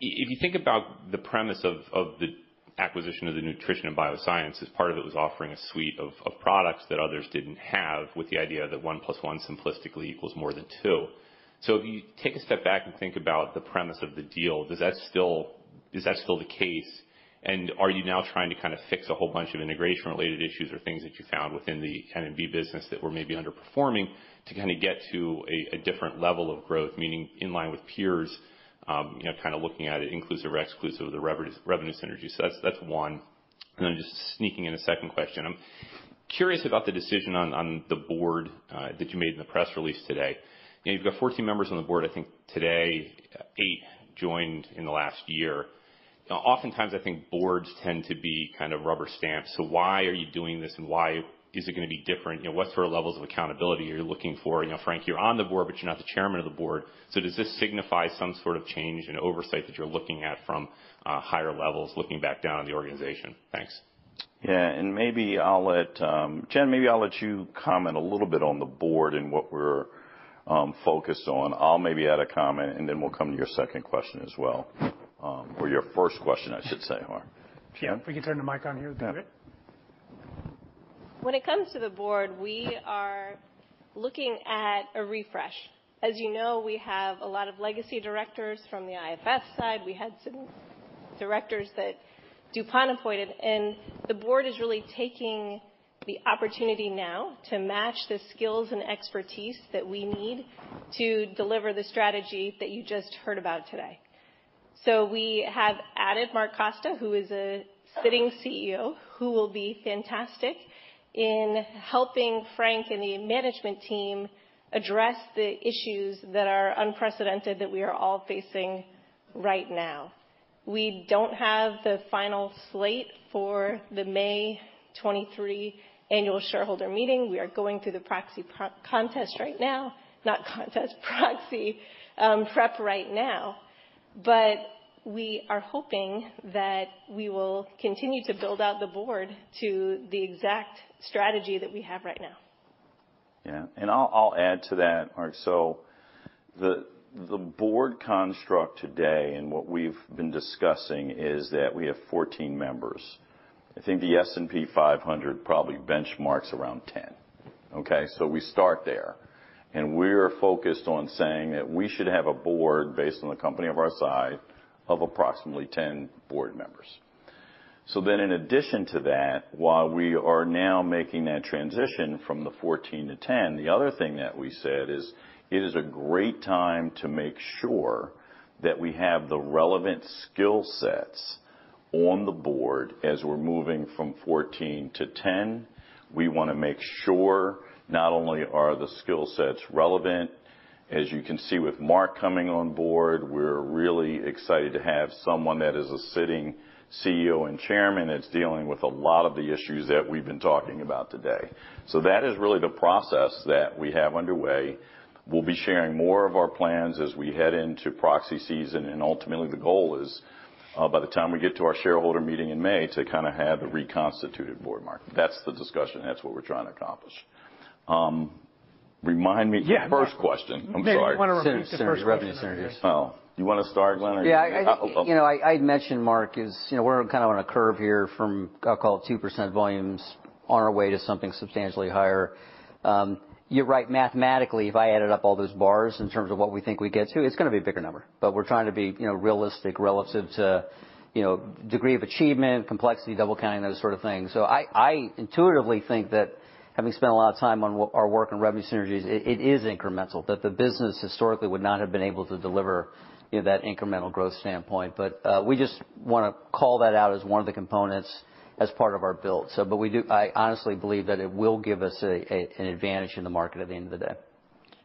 If you think about the premise of the acquisition of the Nutrition & Biosciences, part of it was offering a suite of products that others didn't have with the idea that one plus one simplistically equals more than two. If you take a step back and think about the premise of the deal, is that still the case? Are you now trying to kinda fix a whole bunch of integration-related issues or things that you found within the N&B business that were maybe underperforming to kinda get to a different level of growth, meaning in line with peers, you know, kinda looking at it inclusive or exclusive of the revenue synergies? That's one. Just sneaking in a second question. I'm curious about the decision on the board that you made in the press release today. You know, you've got 14 members on the board, I think today, eight joined in the last year. Often times, I think boards tend to be kind of rubber stamped, so why are you doing this, and why is it gonna be different? You know, what sort of levels of accountability are you looking for? You know, Frank, you're on the board, but you're not the chairman of the board. Does this signify some sort of change in oversight that you're looking at from higher levels looking back down on the organization? Thanks. Yeah. Maybe I'll let Jen, maybe I'll let you comment a little bit on the board and what we're focused on. I'll maybe add a comment, and then we'll come to your second question as well, or your first question, I should say, Mark. Jen, if we could turn the mic on here, that'd be great. Yeah. When it comes to the board, we are looking at a refresh. As you know, we have a lot of legacy directors from the IFF side. We had some directors that DuPont appointed. The board is really taking the opportunity now to match the skills and expertise that we need to deliver the strategy that you just heard about today. We have added Mark Costa, who is a sitting CEO, who will be fantastic in helping Frank and the management team address the issues that are unprecedented that we are all facing right now. We don't have the final slate for the May 23 Annual Shareholder Meeting. We are going through the proxy contest right now, not contest, proxy prep right now. We are hoping that we will continue to build out the board to the exact strategy that we have right now. Yeah. I'll add to that, Mark. The board construct today and what we've been discussing is that we have 14 members. I think the S&P 500 probably benchmarks around 10. Okay, we start there, and we're focused on saying that we should have a board based on the company of our size of approximately 10 board members. In addition to that, while we are now making that transition from the 14 to 10, the other thing that we said is it is a great time to make sure that we have the relevant skill sets on the board as we're moving from 14 to 10. We wanna make sure not only are the skill sets relevant. As you can see with Mark coming on board, we're really excited to have someone that is a sitting CEO and chairman that's dealing with a lot of the issues that we've been talking about today. That is really the process that we have underway. We'll be sharing more of our plans as we head into proxy season, ultimately, the goal is, by the time we get to our shareholder meeting in May, to kinda have the reconstituted board, Mark. That's the discussion. That's what we're trying to accomplish. Remind me the first question. I'm sorry. Dave, do you wanna repeat the first question? Synergy. Revenue synergies. Oh. You wanna start, Glenn? Yeah. I, you know, I had mentioned Mark is, you know, we're kind of on a curve here from, I'll call it 2% volumes on our way to something substantially higher. You're right. Mathematically, if I added up all those bars in terms of what we think we get to, it's going to be a bigger number. We're trying to be, you know, realistic relative to, you know, degree of achievement, complexity, double counting, those sort of things. I intuitively think that having spent a lot of time on our work in revenue synergies, it is incremental, that the business historically would not have been able to deliver, you know, that incremental growth standpoint. We just wanna call that out as one of the components as part of our build. I honestly believe that it will give us an advantage in the market at the end of the day.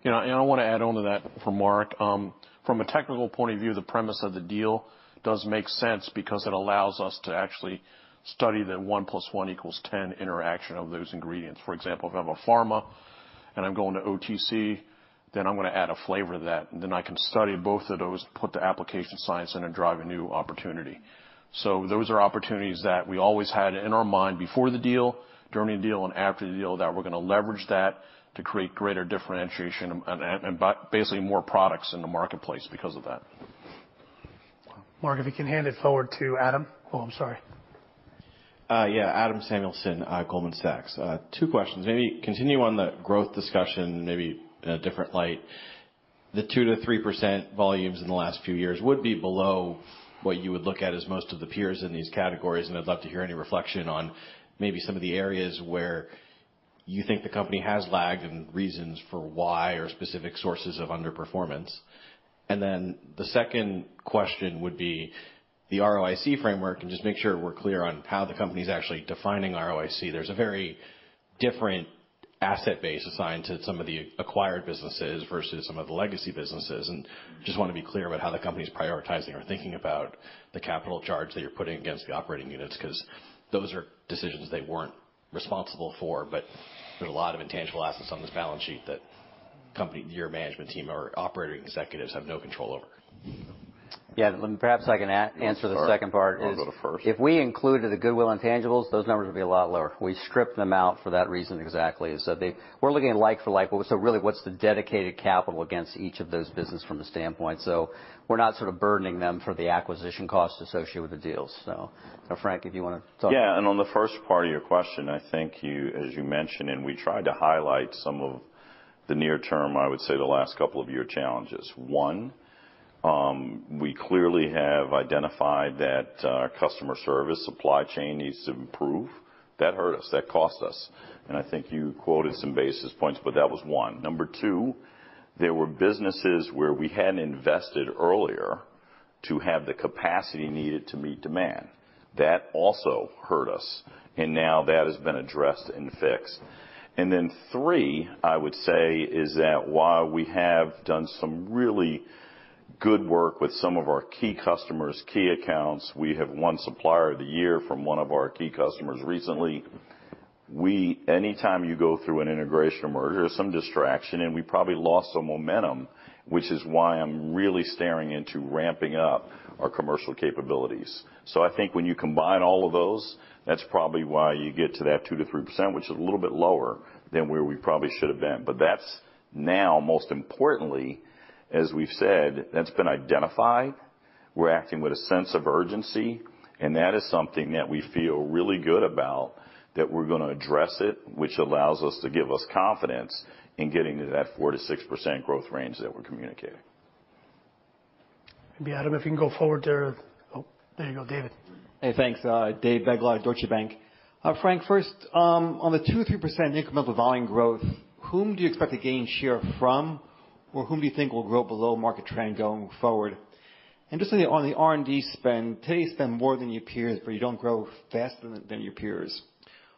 You know, I wanna add on to that for Mark. From a technical point of view, the premise of the deal does make sense because it allows us to actually study the one plus one equals 10 interaction of those ingredients. For example, if I'm a pharma and I'm going to OTC, then I'm gonna add a flavor to that, and then I can study both of those, put the application science in, and drive a new opportunity. Those are opportunities that we always had in our mind before the deal, during the deal, and after the deal, that we're gonna leverage that to create greater differentiation and basically more products in the marketplace because of that. Mark, if you can hand it forward to Adam. Oh, I'm sorry. Yeah, Adam Samuelson, Goldman Sachs. Two questions. Maybe continue on the growth discussion, maybe in a different light. The 2%-3% volumes in the last few years would be below what you would look at as most of the peers in these categories, and I'd love to hear any reflection on maybe some of the areas where you think the company has lagged and reasons for why or specific sources of underperformance. The second question would be the ROIC framework, and just make sure we're clear on how the company's actually defining ROIC. There's a very different asset base assigned to some of the acquired businesses versus some of the legacy businesses. Just wanna be clear about how the company's prioritizing or thinking about the capital charge that you're putting against the operating units, because those are decisions they weren't responsible for, but there's a lot of intangible assets on this balance sheet that company, your management team or operating executives have no control over. Yeah. Perhaps I can answer the second part. I'll go to first. If we included the goodwill intangibles, those numbers would be a lot lower. We stripped them out for that reason exactly, is that We're looking at like for like, so really, what's the dedicated capital against each of those business from the standpoint? We're not sort of burdening them for the acquisition costs associated with the deals. Frank, if you wanna talk. On the first part of your question, I think you, as you mentioned, and we tried to highlight some of the near term, I would say, the last couple of year challenges. One, we clearly have identified that customer service supply chain needs to improve. That hurt us. That cost us. I think you quoted some basis points, but that was one. Number two, there were businesses where we hadn't invested earlier to have the capacity needed to meet demand. That also hurt us, and now that has been addressed and fixed. Then three, I would say, is that while we have done some really good work with some of our key customers, key accounts, we have won Supplier of the Year from one of our key customers recently. Anytime you go through an integration or merger, some distraction, and we probably lost some momentum, which is why I'm really staring into ramping up our commercial capabilities. I think when you combine all of those, that's probably why you get to that 2%-3%, which is a little bit lower than where we probably should have been. That's now most importantly, as we've said, that's been identified. We're acting with a sense of urgency, and that is something that we feel really good about, that we're gonna address it, which allows us to give us confidence in getting to that 4%-6% growth range that we're communicating. Maybe, Adam, if you can go forward there. Oh, there you go, David. Hey, thanks. David Begleiter, Deutsche Bank. Frank, first, on the 2%-3% incremental volume growth, whom do you expect to gain share from, or whom do you think will grow below market trend going forward? Just on the R&D spend, today you spend more than your peers, but you don't grow faster than your peers.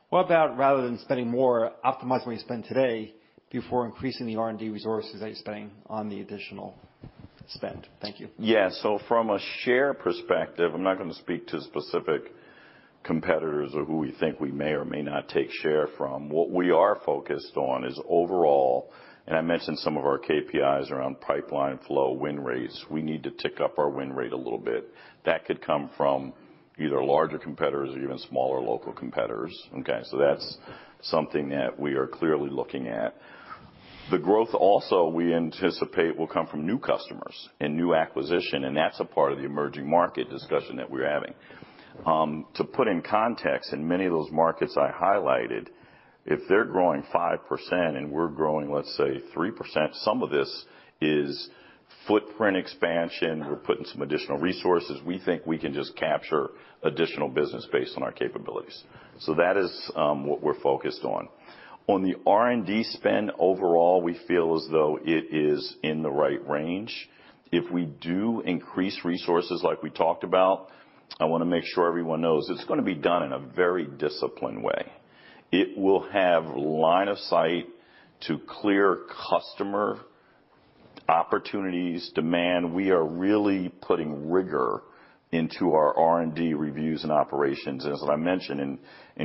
What about rather than spending more, optimize what you spend today before increasing the R&D resources that you're spending on the additional spend? Thank you. Yeah. From a share perspective, I'm not gonna speak to specific competitors or who we think we may or may not take share from. What we are focused on is overall, and I mentioned some of our KPIs around pipeline flow, win rates. We need to tick up our win rate a little bit. That could come from either larger competitors or even smaller local competitors, okay? That's something that we are clearly looking at. The growth also, we anticipate, will come from new customers and new acquisition, and that's a part of the emerging market discussion that we're having. To put in context, in many of those markets I highlighted, if they're growing 5% and we're growing, let's say, 3%, some of this is footprint expansion. We're putting some additional resources. We think we can just capture additional business based on our capabilities. That is what we're focused on. On the R&D spend overall, we feel as though it is in the right range. If we do increase resources like we talked about, I wanna make sure everyone knows it's gonna be done in a very disciplined way. It will have line of sight to clear customer opportunities, demand. We are really putting rigor into our R&D reviews and operations. As I mentioned,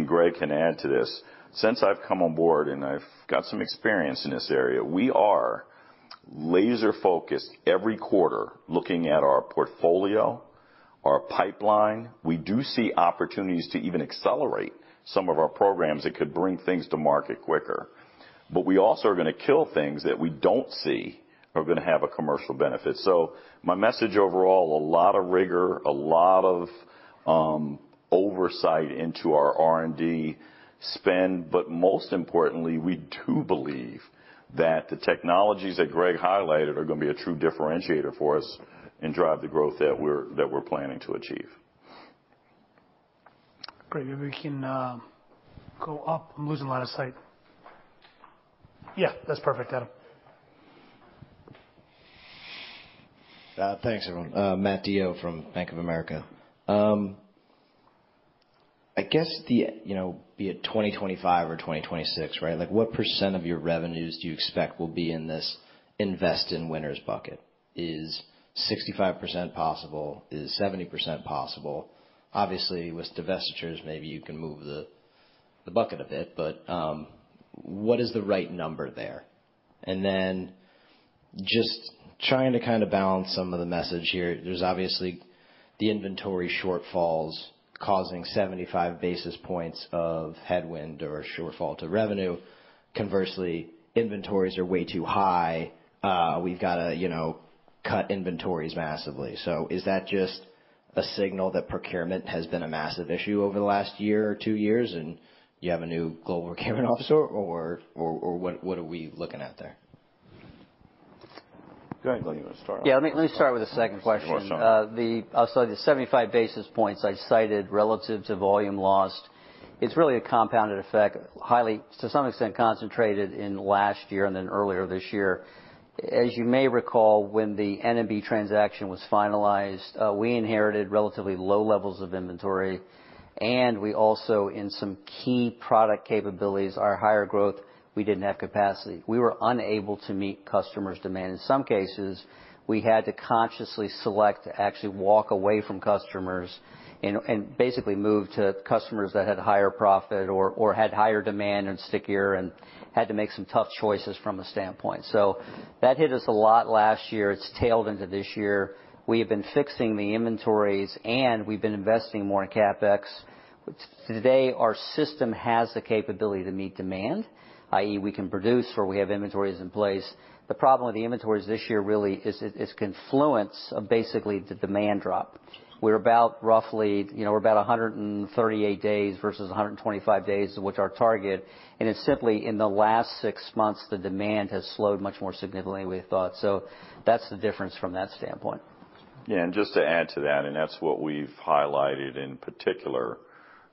Greg can add to this, since I've come on board and I've got some experience in this area, we are laser-focused every quarter looking at our portfolio, our pipeline. We do see opportunities to even accelerate some of our programs that could bring things to market quicker. We also are gonna kill things that we don't see are gonna have a commercial benefit. My message overall, a lot of rigor, a lot of oversight into our R&D spend. Most importantly, we do believe that the technologies that Greg highlighted are going to be a true differentiator for us and drive the growth that we're, that we're planning to achieve. Great. Maybe we can go up. I'm losing line of sight. Yeah, that's perfect, Adam. Thanks, everyone. Matthew DeYoe from Bank of America. I guess the, you know, be it 2025 or 2026, right? Like, what % of your revenues do you expect will be in this invest in winners bucket? Is 65% possible? Is 70% possible? Obviously, with divestitures, maybe you can move the bucket a bit, but what is the right number there? Just trying to kinda balance some of the message here, there's obviously the inventory shortfalls causing 75 basis points of headwind or shortfall to revenue. Conversely, inventories are way too high. We've gotta, you know, cut inventories massively. Is that just a signal that procurement has been a massive issue over the last year or two years and you have a new global procurement officer or what are we looking at there? Greg, why don't you wanna start? Yeah. Let me start with the second question. You wanna start? I'll start. The 75 basis points I cited relative to volume lost, it's really a compounded effect, highly, to some extent, concentrated in last year and then earlier this year. As you may recall, when the N&B transaction was finalized, we inherited relatively low levels of inventory, and we also in some key product capabilities are higher growth, we didn't have capacity. We were unable to meet customers' demand. In some cases, we had to consciously select to actually walk away from customers and basically move to customers that had higher profit or had higher demand and stickier and had to make some tough choices from a standpoint. That hit us a lot last year. It's tailed into this year. We have been fixing the inventories, and we've been investing more in CapEx. Today, our system has the capability to meet demand, i.e., we can produce or we have inventories in place. The problem with the inventories this year really is confluence of basically the demand drop. We're about roughly, you know, we're about 138 days versus 125 days is what's our target, and it's simply in the last six months, the demand has slowed much more significantly than we had thought. That's the difference from that standpoint. Yeah. Just to add to that, and that's what we've highlighted in particular,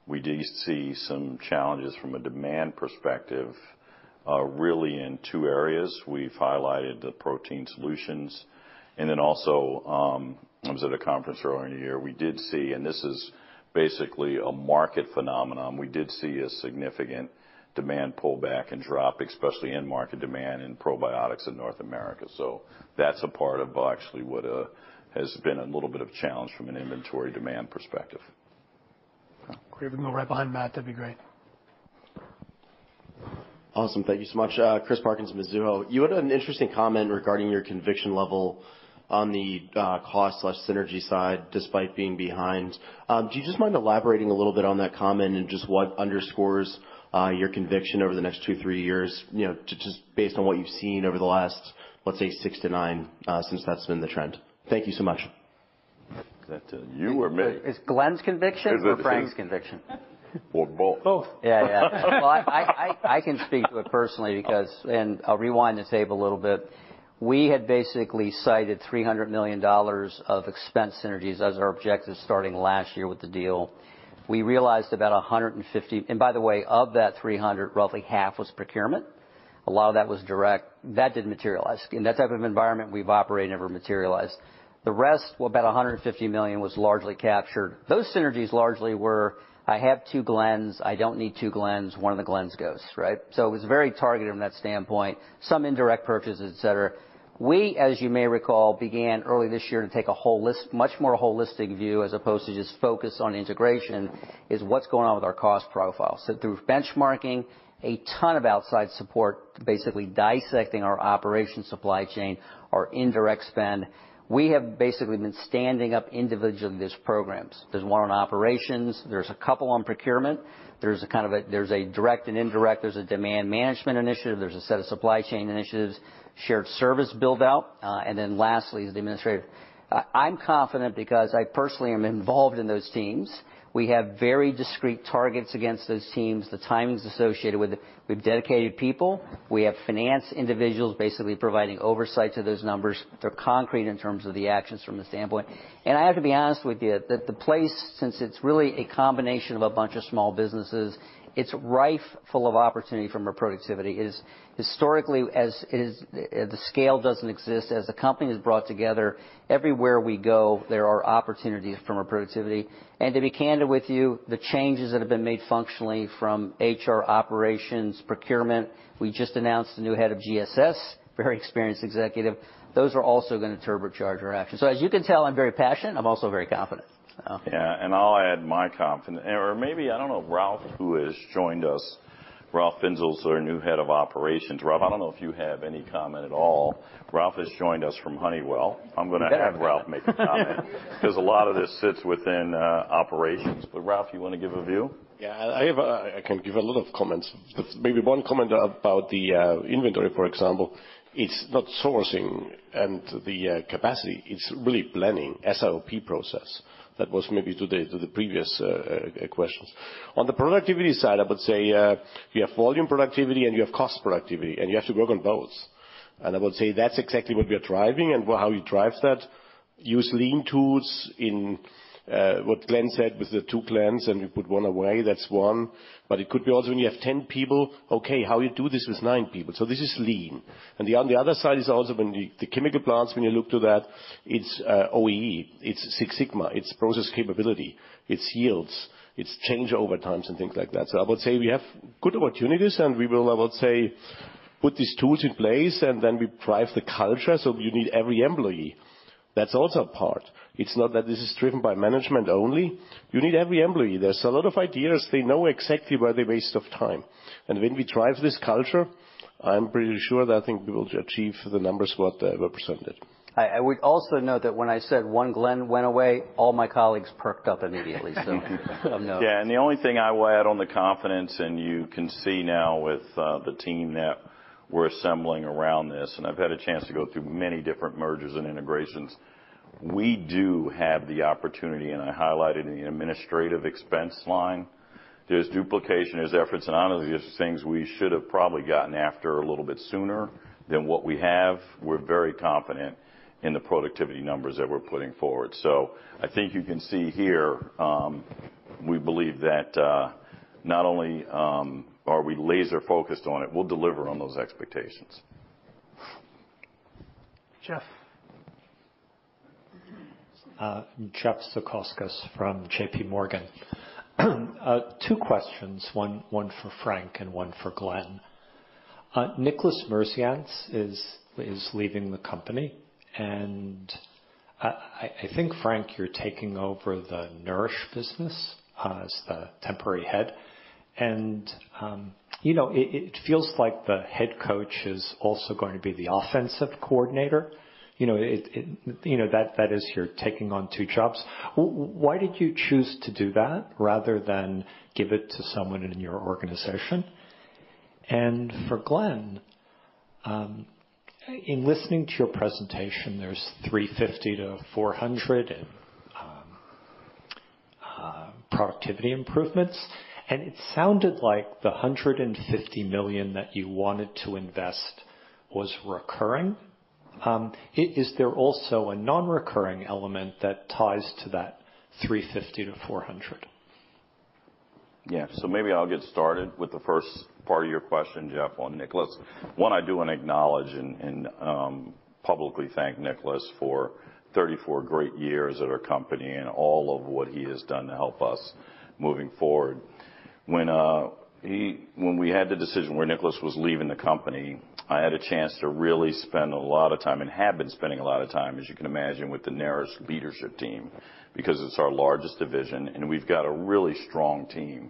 we did see some challenges from a demand perspective, really in two areas. We've highlighted the protein solutions and then also, I was at a conference earlier in the year, we did see, and this is basically a market phenomenon. We did see a significant demand pullback and drop, especially in market demand in probiotics in North America. That's a part of actually what has been a little bit of a challenge from an inventory demand perspective. Great. If we can go right behind Matt, that'd be great. Awesome. Thank you so much. Christopher Parkinson, Mizuho. You had an interesting comment regarding your conviction level on the cost/synergy side despite being behind. Do you just mind elaborating a little bit on that comment and just what underscores your conviction over the next two to three years, you know, just based on what you've seen over the last, let's say, six to nine, since that's been the trend? Thank you so much. Is that, you or me? It's Glenn's conviction or Frank's conviction? Both. Both. Yeah. Yeah. Well, I can speak to it personally because I'll rewind the tape a little bit. We had basically cited $300 million of expense synergies as our objective starting last year with the deal. We realized about $150 million. By the way, of that 300, roughly half was procurement. A lot of that was direct. That didn't materialize. In that type of environment we've operated, never materialized. The rest, well, about $150 million was largely captured. Those synergies largely were, I have two Glenns. I don't need two Glenns. One of the Glenns goes, right? It was very targeted from that standpoint. Some indirect purchases, et cetera. We, as you may recall, began early this year to take a holistic, much more holistic view as opposed to just focus on integration, is what's going on with our cost profile. Through benchmarking, a ton of outside support, basically dissecting our operations supply chain, our indirect spend, we have basically been standing up individually these programs. There's one on operations. There's a couple on procurement. There's a kind of a, there's a direct and indirect. There's a demand management initiative. There's a set of supply chain initiatives, shared service build-out, then lastly is the administrative. I'm confident because I personally am involved in those teams. We have very discreet targets against those teams. The timing's associated with it. We have dedicated people. We have finance individuals basically providing oversight to those numbers. They're concrete in terms of the actions from the standpoint. I have to be honest with you, that the place, since it's really a combination of a bunch of small businesses, it's rife full of opportunity from a productivity. Is historically, as is, the scale doesn't exist. As the company is brought together, everywhere we go, there are opportunities from a productivity. To be candid with you, the changes that have been made functionally from HR operations, procurement, we just announced a new head of GSS, very experienced executive. Those are also gonna turbocharge our action. As you can tell, I'm very passionate. I'm also very confident. Yeah. I'll add my confidence. Maybe, I don't know, Ralf, who has joined us, Ralf Finzel's our new Head of Operations. Ralf, I don't know if you have any comment at all. Ralf has joined us from Honeywell. I'm gonna have Ralf make a comment. 'Cause a lot of this sits within operations. Ralf, you wanna give a view? Yeah. I can give a lot of comments. Maybe one comment about the inventory, for example. It's not sourcing and the capacity. It's really planning, SOP process. That was maybe to the previous questions. On the productivity side, I would say, you have volume productivity and you have cost productivity, and you have to work on both. I would say that's exactly what we are driving and how we drive that. Use lean tools in what Glenn said with the two Glenns, and you put one away. That's one. It could be also when you have 10 people, okay, how you do this with 9 people? This is lean. The on the other side is also when the chemical plants, when you look to that, it's OEE, it's Six Sigma, it's process capability, it's yields, it's change over times and things like that. I would say we have good opportunities, and we will, I would say, put these tools in place, and then we drive the culture, so you need every employee. That's also a part. It's not that this is driven by management only. You need every employee. There's a lot of ideas. They know exactly where they're waste of time. When we drive this culture, I'm pretty sure that I think we will achieve the numbers what were presented. I would also note that when I said one Glenn went away, all my colleagues perked up immediately. Of note. Yeah. The only thing I would add on the confidence, and you can see now with, the team that we're assembling around this, and I've had a chance to go through many different mergers and integrations. We do have the opportunity, and I highlighted in the administrative expense line, there's duplication, there's efforts, and honestly, there's things we should have probably gotten after a little bit sooner than what we have. We're very confident in the productivity numbers that we're putting forward. I think you can see here, we believe that, not only, are we laser focused on it, we'll deliver on those expectations. Jeff. Jeffrey Zekauskas from J.P. Morgan. Two questions, one for Frank and one for Glenn. Nicolas Mirzayantz is leaving the company, and I think, Frank, you're taking over the Nourish business as the temporary head. You know, it feels like the head coach is also going to be the offensive coordinator. You know, it, you know, that is you're taking on two jobs. Why did you choose to do that rather than give it to someone in your organization? For Glenn, in listening to your presentation, there's $350-$400 in productivity improvements, and it sounded like the $150 million that you wanted to invest was recurring. Is there also a non-recurring element that ties to that $350-$400? Maybe I'll get started with the first part of your question, Jeff, on Nicolas. One, I do wanna acknowledge and, publicly thank Nicolas for 34 great years at our company and all of what he has done to help us moving forward. When we had the decision where Nicolas was leaving the company, I had a chance to really spend a lot of time, and have been spending a lot of time, as you can imagine, with the Nourish leadership team because it's our largest division, and we've got a really strong team.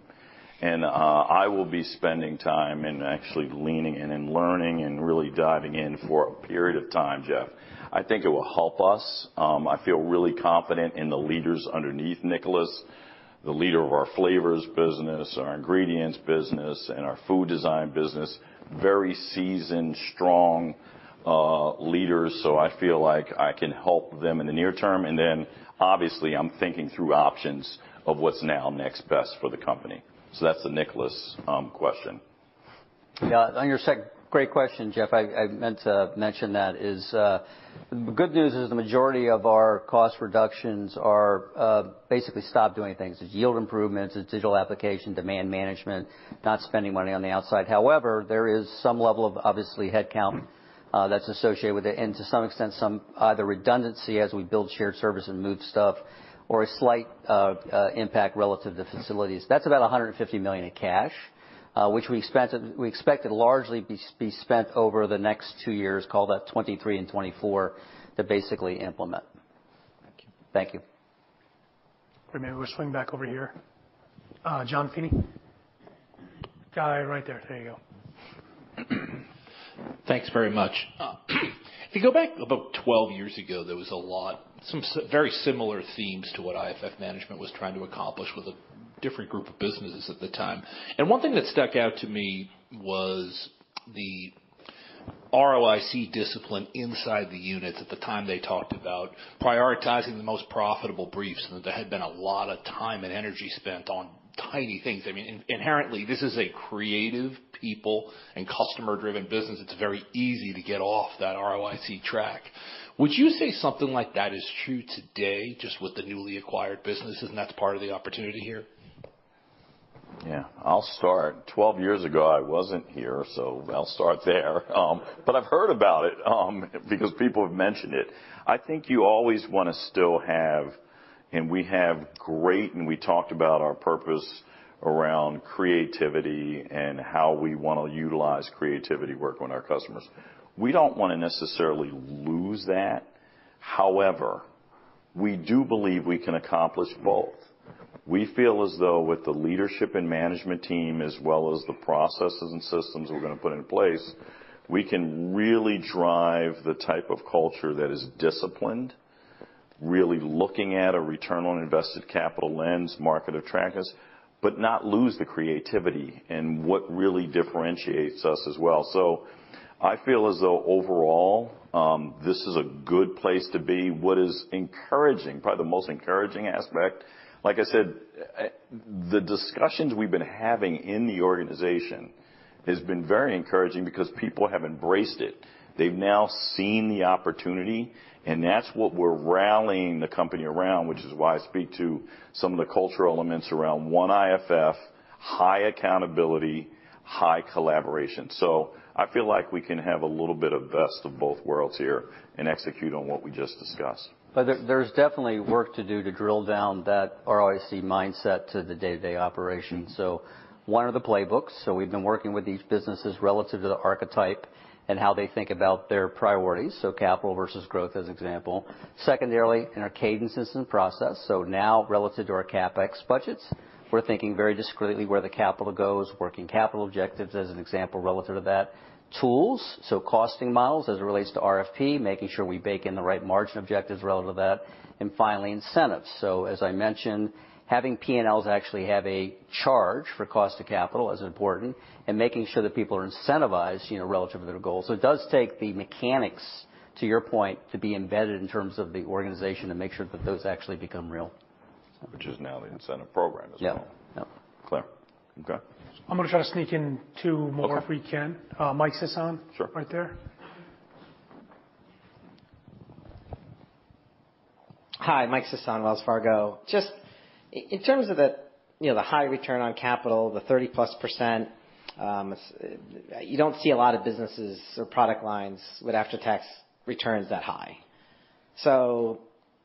I will be spending time and actually leaning in and learning and really diving in for a period of time, Jeff. I think it will help us. I feel really confident in the leaders underneath Nicolas, the leader of our flavors business, our ingredients business, and our Food Design business, very seasoned, strong leaders. I feel like I can help them in the near term. Obviously, I'm thinking through options of what's now next best for the company. That's the Nicolas question. Yeah, great question, Jeff. I meant to mention that is, the good news is the majority of our cost reductions are basically stop doing things. It's yield improvements, it's digital application, demand management, not spending money on the outside. There is some level of obviously headcount that's associated with it and to some extent, some either redundancy as we build shared service and move stuff or a slight impact relative to facilities. That's about $150 million in cash, which we expect it largely be spent over the next two years, call that 2023 and 2024 to basically implement. Thank you. Thank you. Maybe we'll swing back over here. John Feeney. Guy right there. There you go. Thanks very much. If you go back about 12 years ago, there was a lot, some very similar themes to what IFF Management was trying to accomplish with a different group of businesses at the time. One thing that stuck out to me was the ROIC discipline inside the units. At the time, they talked about prioritizing the most profitable briefs. There had been a lot of time and energy spent on tiny things. I mean, inherently, this is a creative people and customer-driven business. It's very easy to get off that ROIC track. Would you say something like that is true today, just with the newly acquired businesses, and that's part of the opportunity here? Yeah, I'll start. 12 years ago, I wasn't here, so I'll start there. I've heard about it because people have mentioned it. I think you always wanna still have, and we talked about our purpose around creativity and how we wanna utilize creativity work on our customers. We don't wanna necessarily lose that. However, we do believe we can accomplish both. We feel as though with the leadership and management team, as well as the processes and systems we're gonna put in place, we can really drive the type of culture that is disciplined, really looking at a return on invested capital lens, market attractiveness, but not lose the creativity and what really differentiates us as well. I feel as though overall, this is a good place to be. What is encouraging, probably the most encouraging aspect, like I said, the discussions we've been having in the organization has been very encouraging because people have embraced it. They've now seen the opportunity, that's what we're rallying the company around, which is why I speak to some of the cultural elements around one IFF, high accountability, high collaboration. I feel like we can have a little bit of best of both worlds here and execute on what we just discussed. There's definitely work to do to drill down that ROIC mindset to the day-to-day operations. One are the playbooks, so we've been working with these businesses relative to the archetype and how they think about their priorities, so capital versus growth as an example. Secondarily, in our cadences and process. Now relative to our CapEx budgets, we're thinking very discreetly where the capital goes, working capital objectives as an example relative to that. Tools, so costing models as it relates to RFP, making sure we bake in the right margin objectives relative to that. Finally, incentives. As I mentioned, having P&Ls actually have a charge for cost to capital is important and making sure that people are incentivized, you know, relative to their goals. It does take the mechanics, to your point, to be embedded in terms of the organization to make sure that those actually become real. Which is now the incentive program as well. Yeah. Yep. Clear. Okay. I'm gonna try to sneak in two more. Okay. if we can. Michael Sison. Sure. Right there. Just in terms of the, you know, the high return on capital, the 30%-plus, you don't see a lot of businesses or product lines with after-tax returns that high.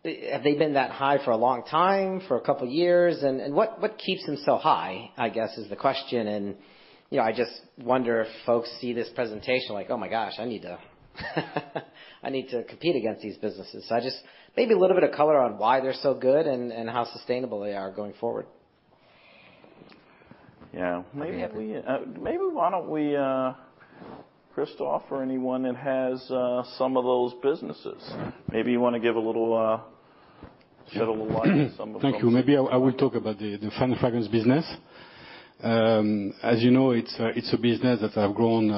Have they been that high for a long time? For a couple years? What keeps them so high, I guess, is the question. You know, I just wonder if folks see this presentation like, "Oh my gosh, I need to compete against these businesses." I just... Maybe a little bit of color on why they're so good and how sustainable they are going forward. Yeah. Maybe why don't we, Christophe or anyone that has, some of those businesses. Maybe you wanna give a little, shed a little light on some of those. Thank you. Maybe I will talk about the Fine Fragrances business. As you know, it's a business that have grown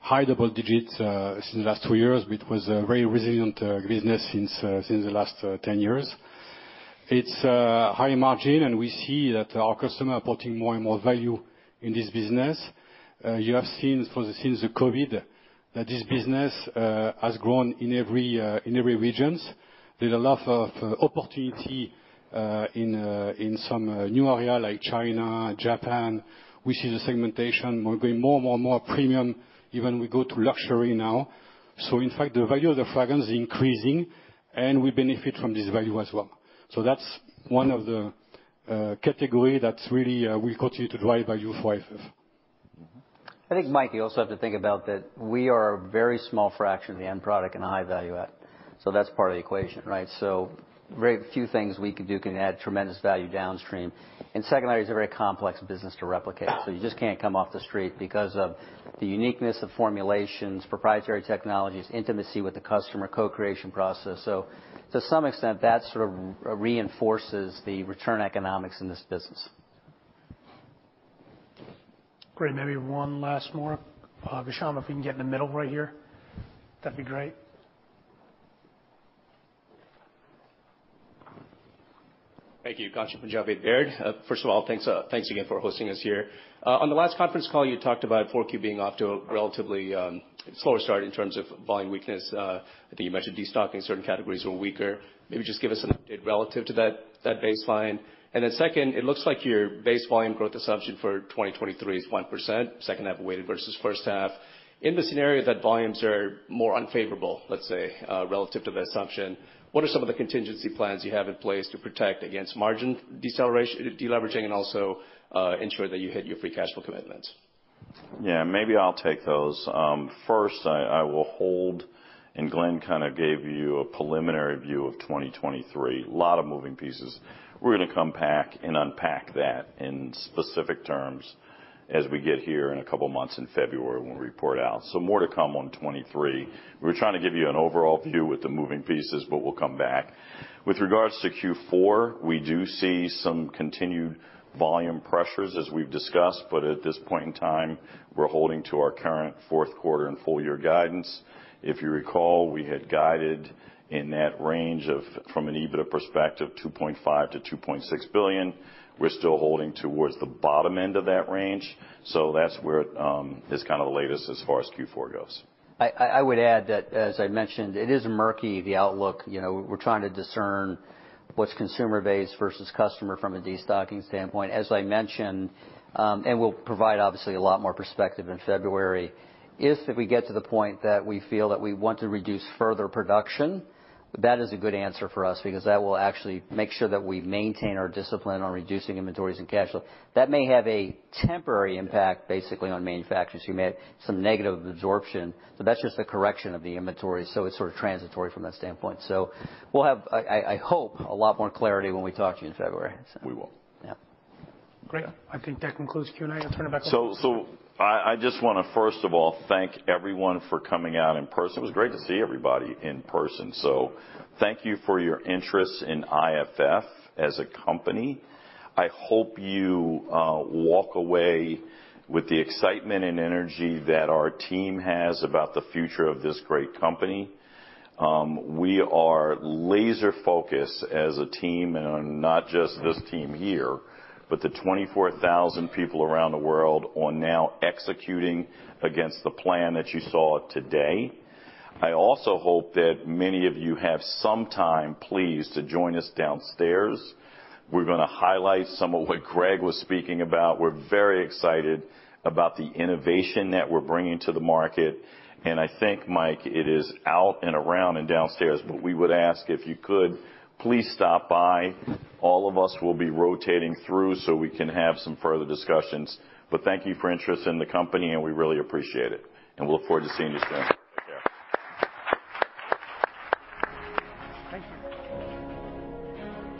high double digits since the last two years, but it was a very resilient business since the last 10 years. It's high margin, we see that our customer putting more and more value in this business. You have seen since the COVID that this business has grown in every in every regions. There's a lot of opportunity in in some new area like China, Japan. We see the segmentation. We're going more and more and more premium. Even we go to luxury now. In fact, the value of the fragrance is increasing, we benefit from this value as well. That's one of the category that really will continue to drive value for IFF. I think, Mike, you also have to think about that we are a very small fraction of the end product and high value add, so that's part of the equation, right? Very few things we can do can add tremendous value downstream. Secondary, it's a very complex business to replicate, so you just can't come off the street because of the uniqueness of formulations, proprietary technologies, intimacy with the customer, co-creation process. To some extent, that sort of reinforces the return economics in this business. Great. Maybe one last more. Visham, if we can get in the middle right here, that'd be great. Thank you. Ghansham Panjabi, Baird. First of all, thanks again for hosting us here. On the last conference call, you talked about Q4 being off to a relatively slower start in terms of volume weakness. I think you mentioned destocking certain categories were weaker. Maybe just give us an update relative to that baseline. Second, it looks like your base volume growth assumption for 2023 is 1%, second half weighted versus first half. In the scenario that volumes are more unfavorable, let's say, relative to the assumption, what are some of the contingency plans you have in place to protect against margin deleveraging and also ensure that you hit your free cash flow commitments? Yeah, maybe I'll take those. First I will hold, and Glenn kind of gave you a preliminary view of 2023. Lot of moving pieces. We're gonna come back and unpack that in specific terms as we get here in a couple of months in February when we report out. More to come on 23. We're trying to give you an overall view with the moving pieces, but we'll come back. With regards to Q4, we do see some continued volume pressures as we've discussed, but at this point in time, we're holding to our current Q4 and full year guidance. If you recall, we had guided in that range of, from an EBITDA perspective, $2.5 billion-$2.6 billion. We're still holding towards the bottom end of that range. That's where is kinda the latest as far as Q4 goes. I would add that, as I mentioned, it is murky, the outlook. You know, we're trying to discern what's consumer base versus customer from a destocking standpoint. As I mentioned, we'll provide obviously a lot more perspective in February, if we get to the point that we feel that we want to reduce further production, that is a good answer for us because that will actually make sure that we maintain our discipline on reducing inventories and cash flow. That may have a temporary impact, basically, on manufacturers who may have some negative absorption, that's just a correction of the inventory, it's sort of transitory from that standpoint. We'll have, I hope, a lot more clarity when we talk to you in February, so. We will. Yeah. Great. I think that concludes Q&A. I'll turn it back over- I just wanna, first of all, thank everyone for coming out in person. It was great to see everybody in person. Thank you for your interest in IFF as a company. I hope you walk away with the excitement and energy that our team has about the future of this great company. We are laser-focused as a team, and not just this team here, but the 24,000 people around the world on now executing against the plan that you saw today. I also hope that many of you have some time, please, to join us downstairs. We're gonna highlight some of what Greg was speaking about. We're very excited about the innovation that we're bringing to the market, and I think, Mike, it is out and around and downstairs. We would ask, if you could, please stop by. All of us will be rotating through so we can have some further discussions. Thank you for interest in the company, and we really appreciate it. We look forward to seeing you soon. Thank you.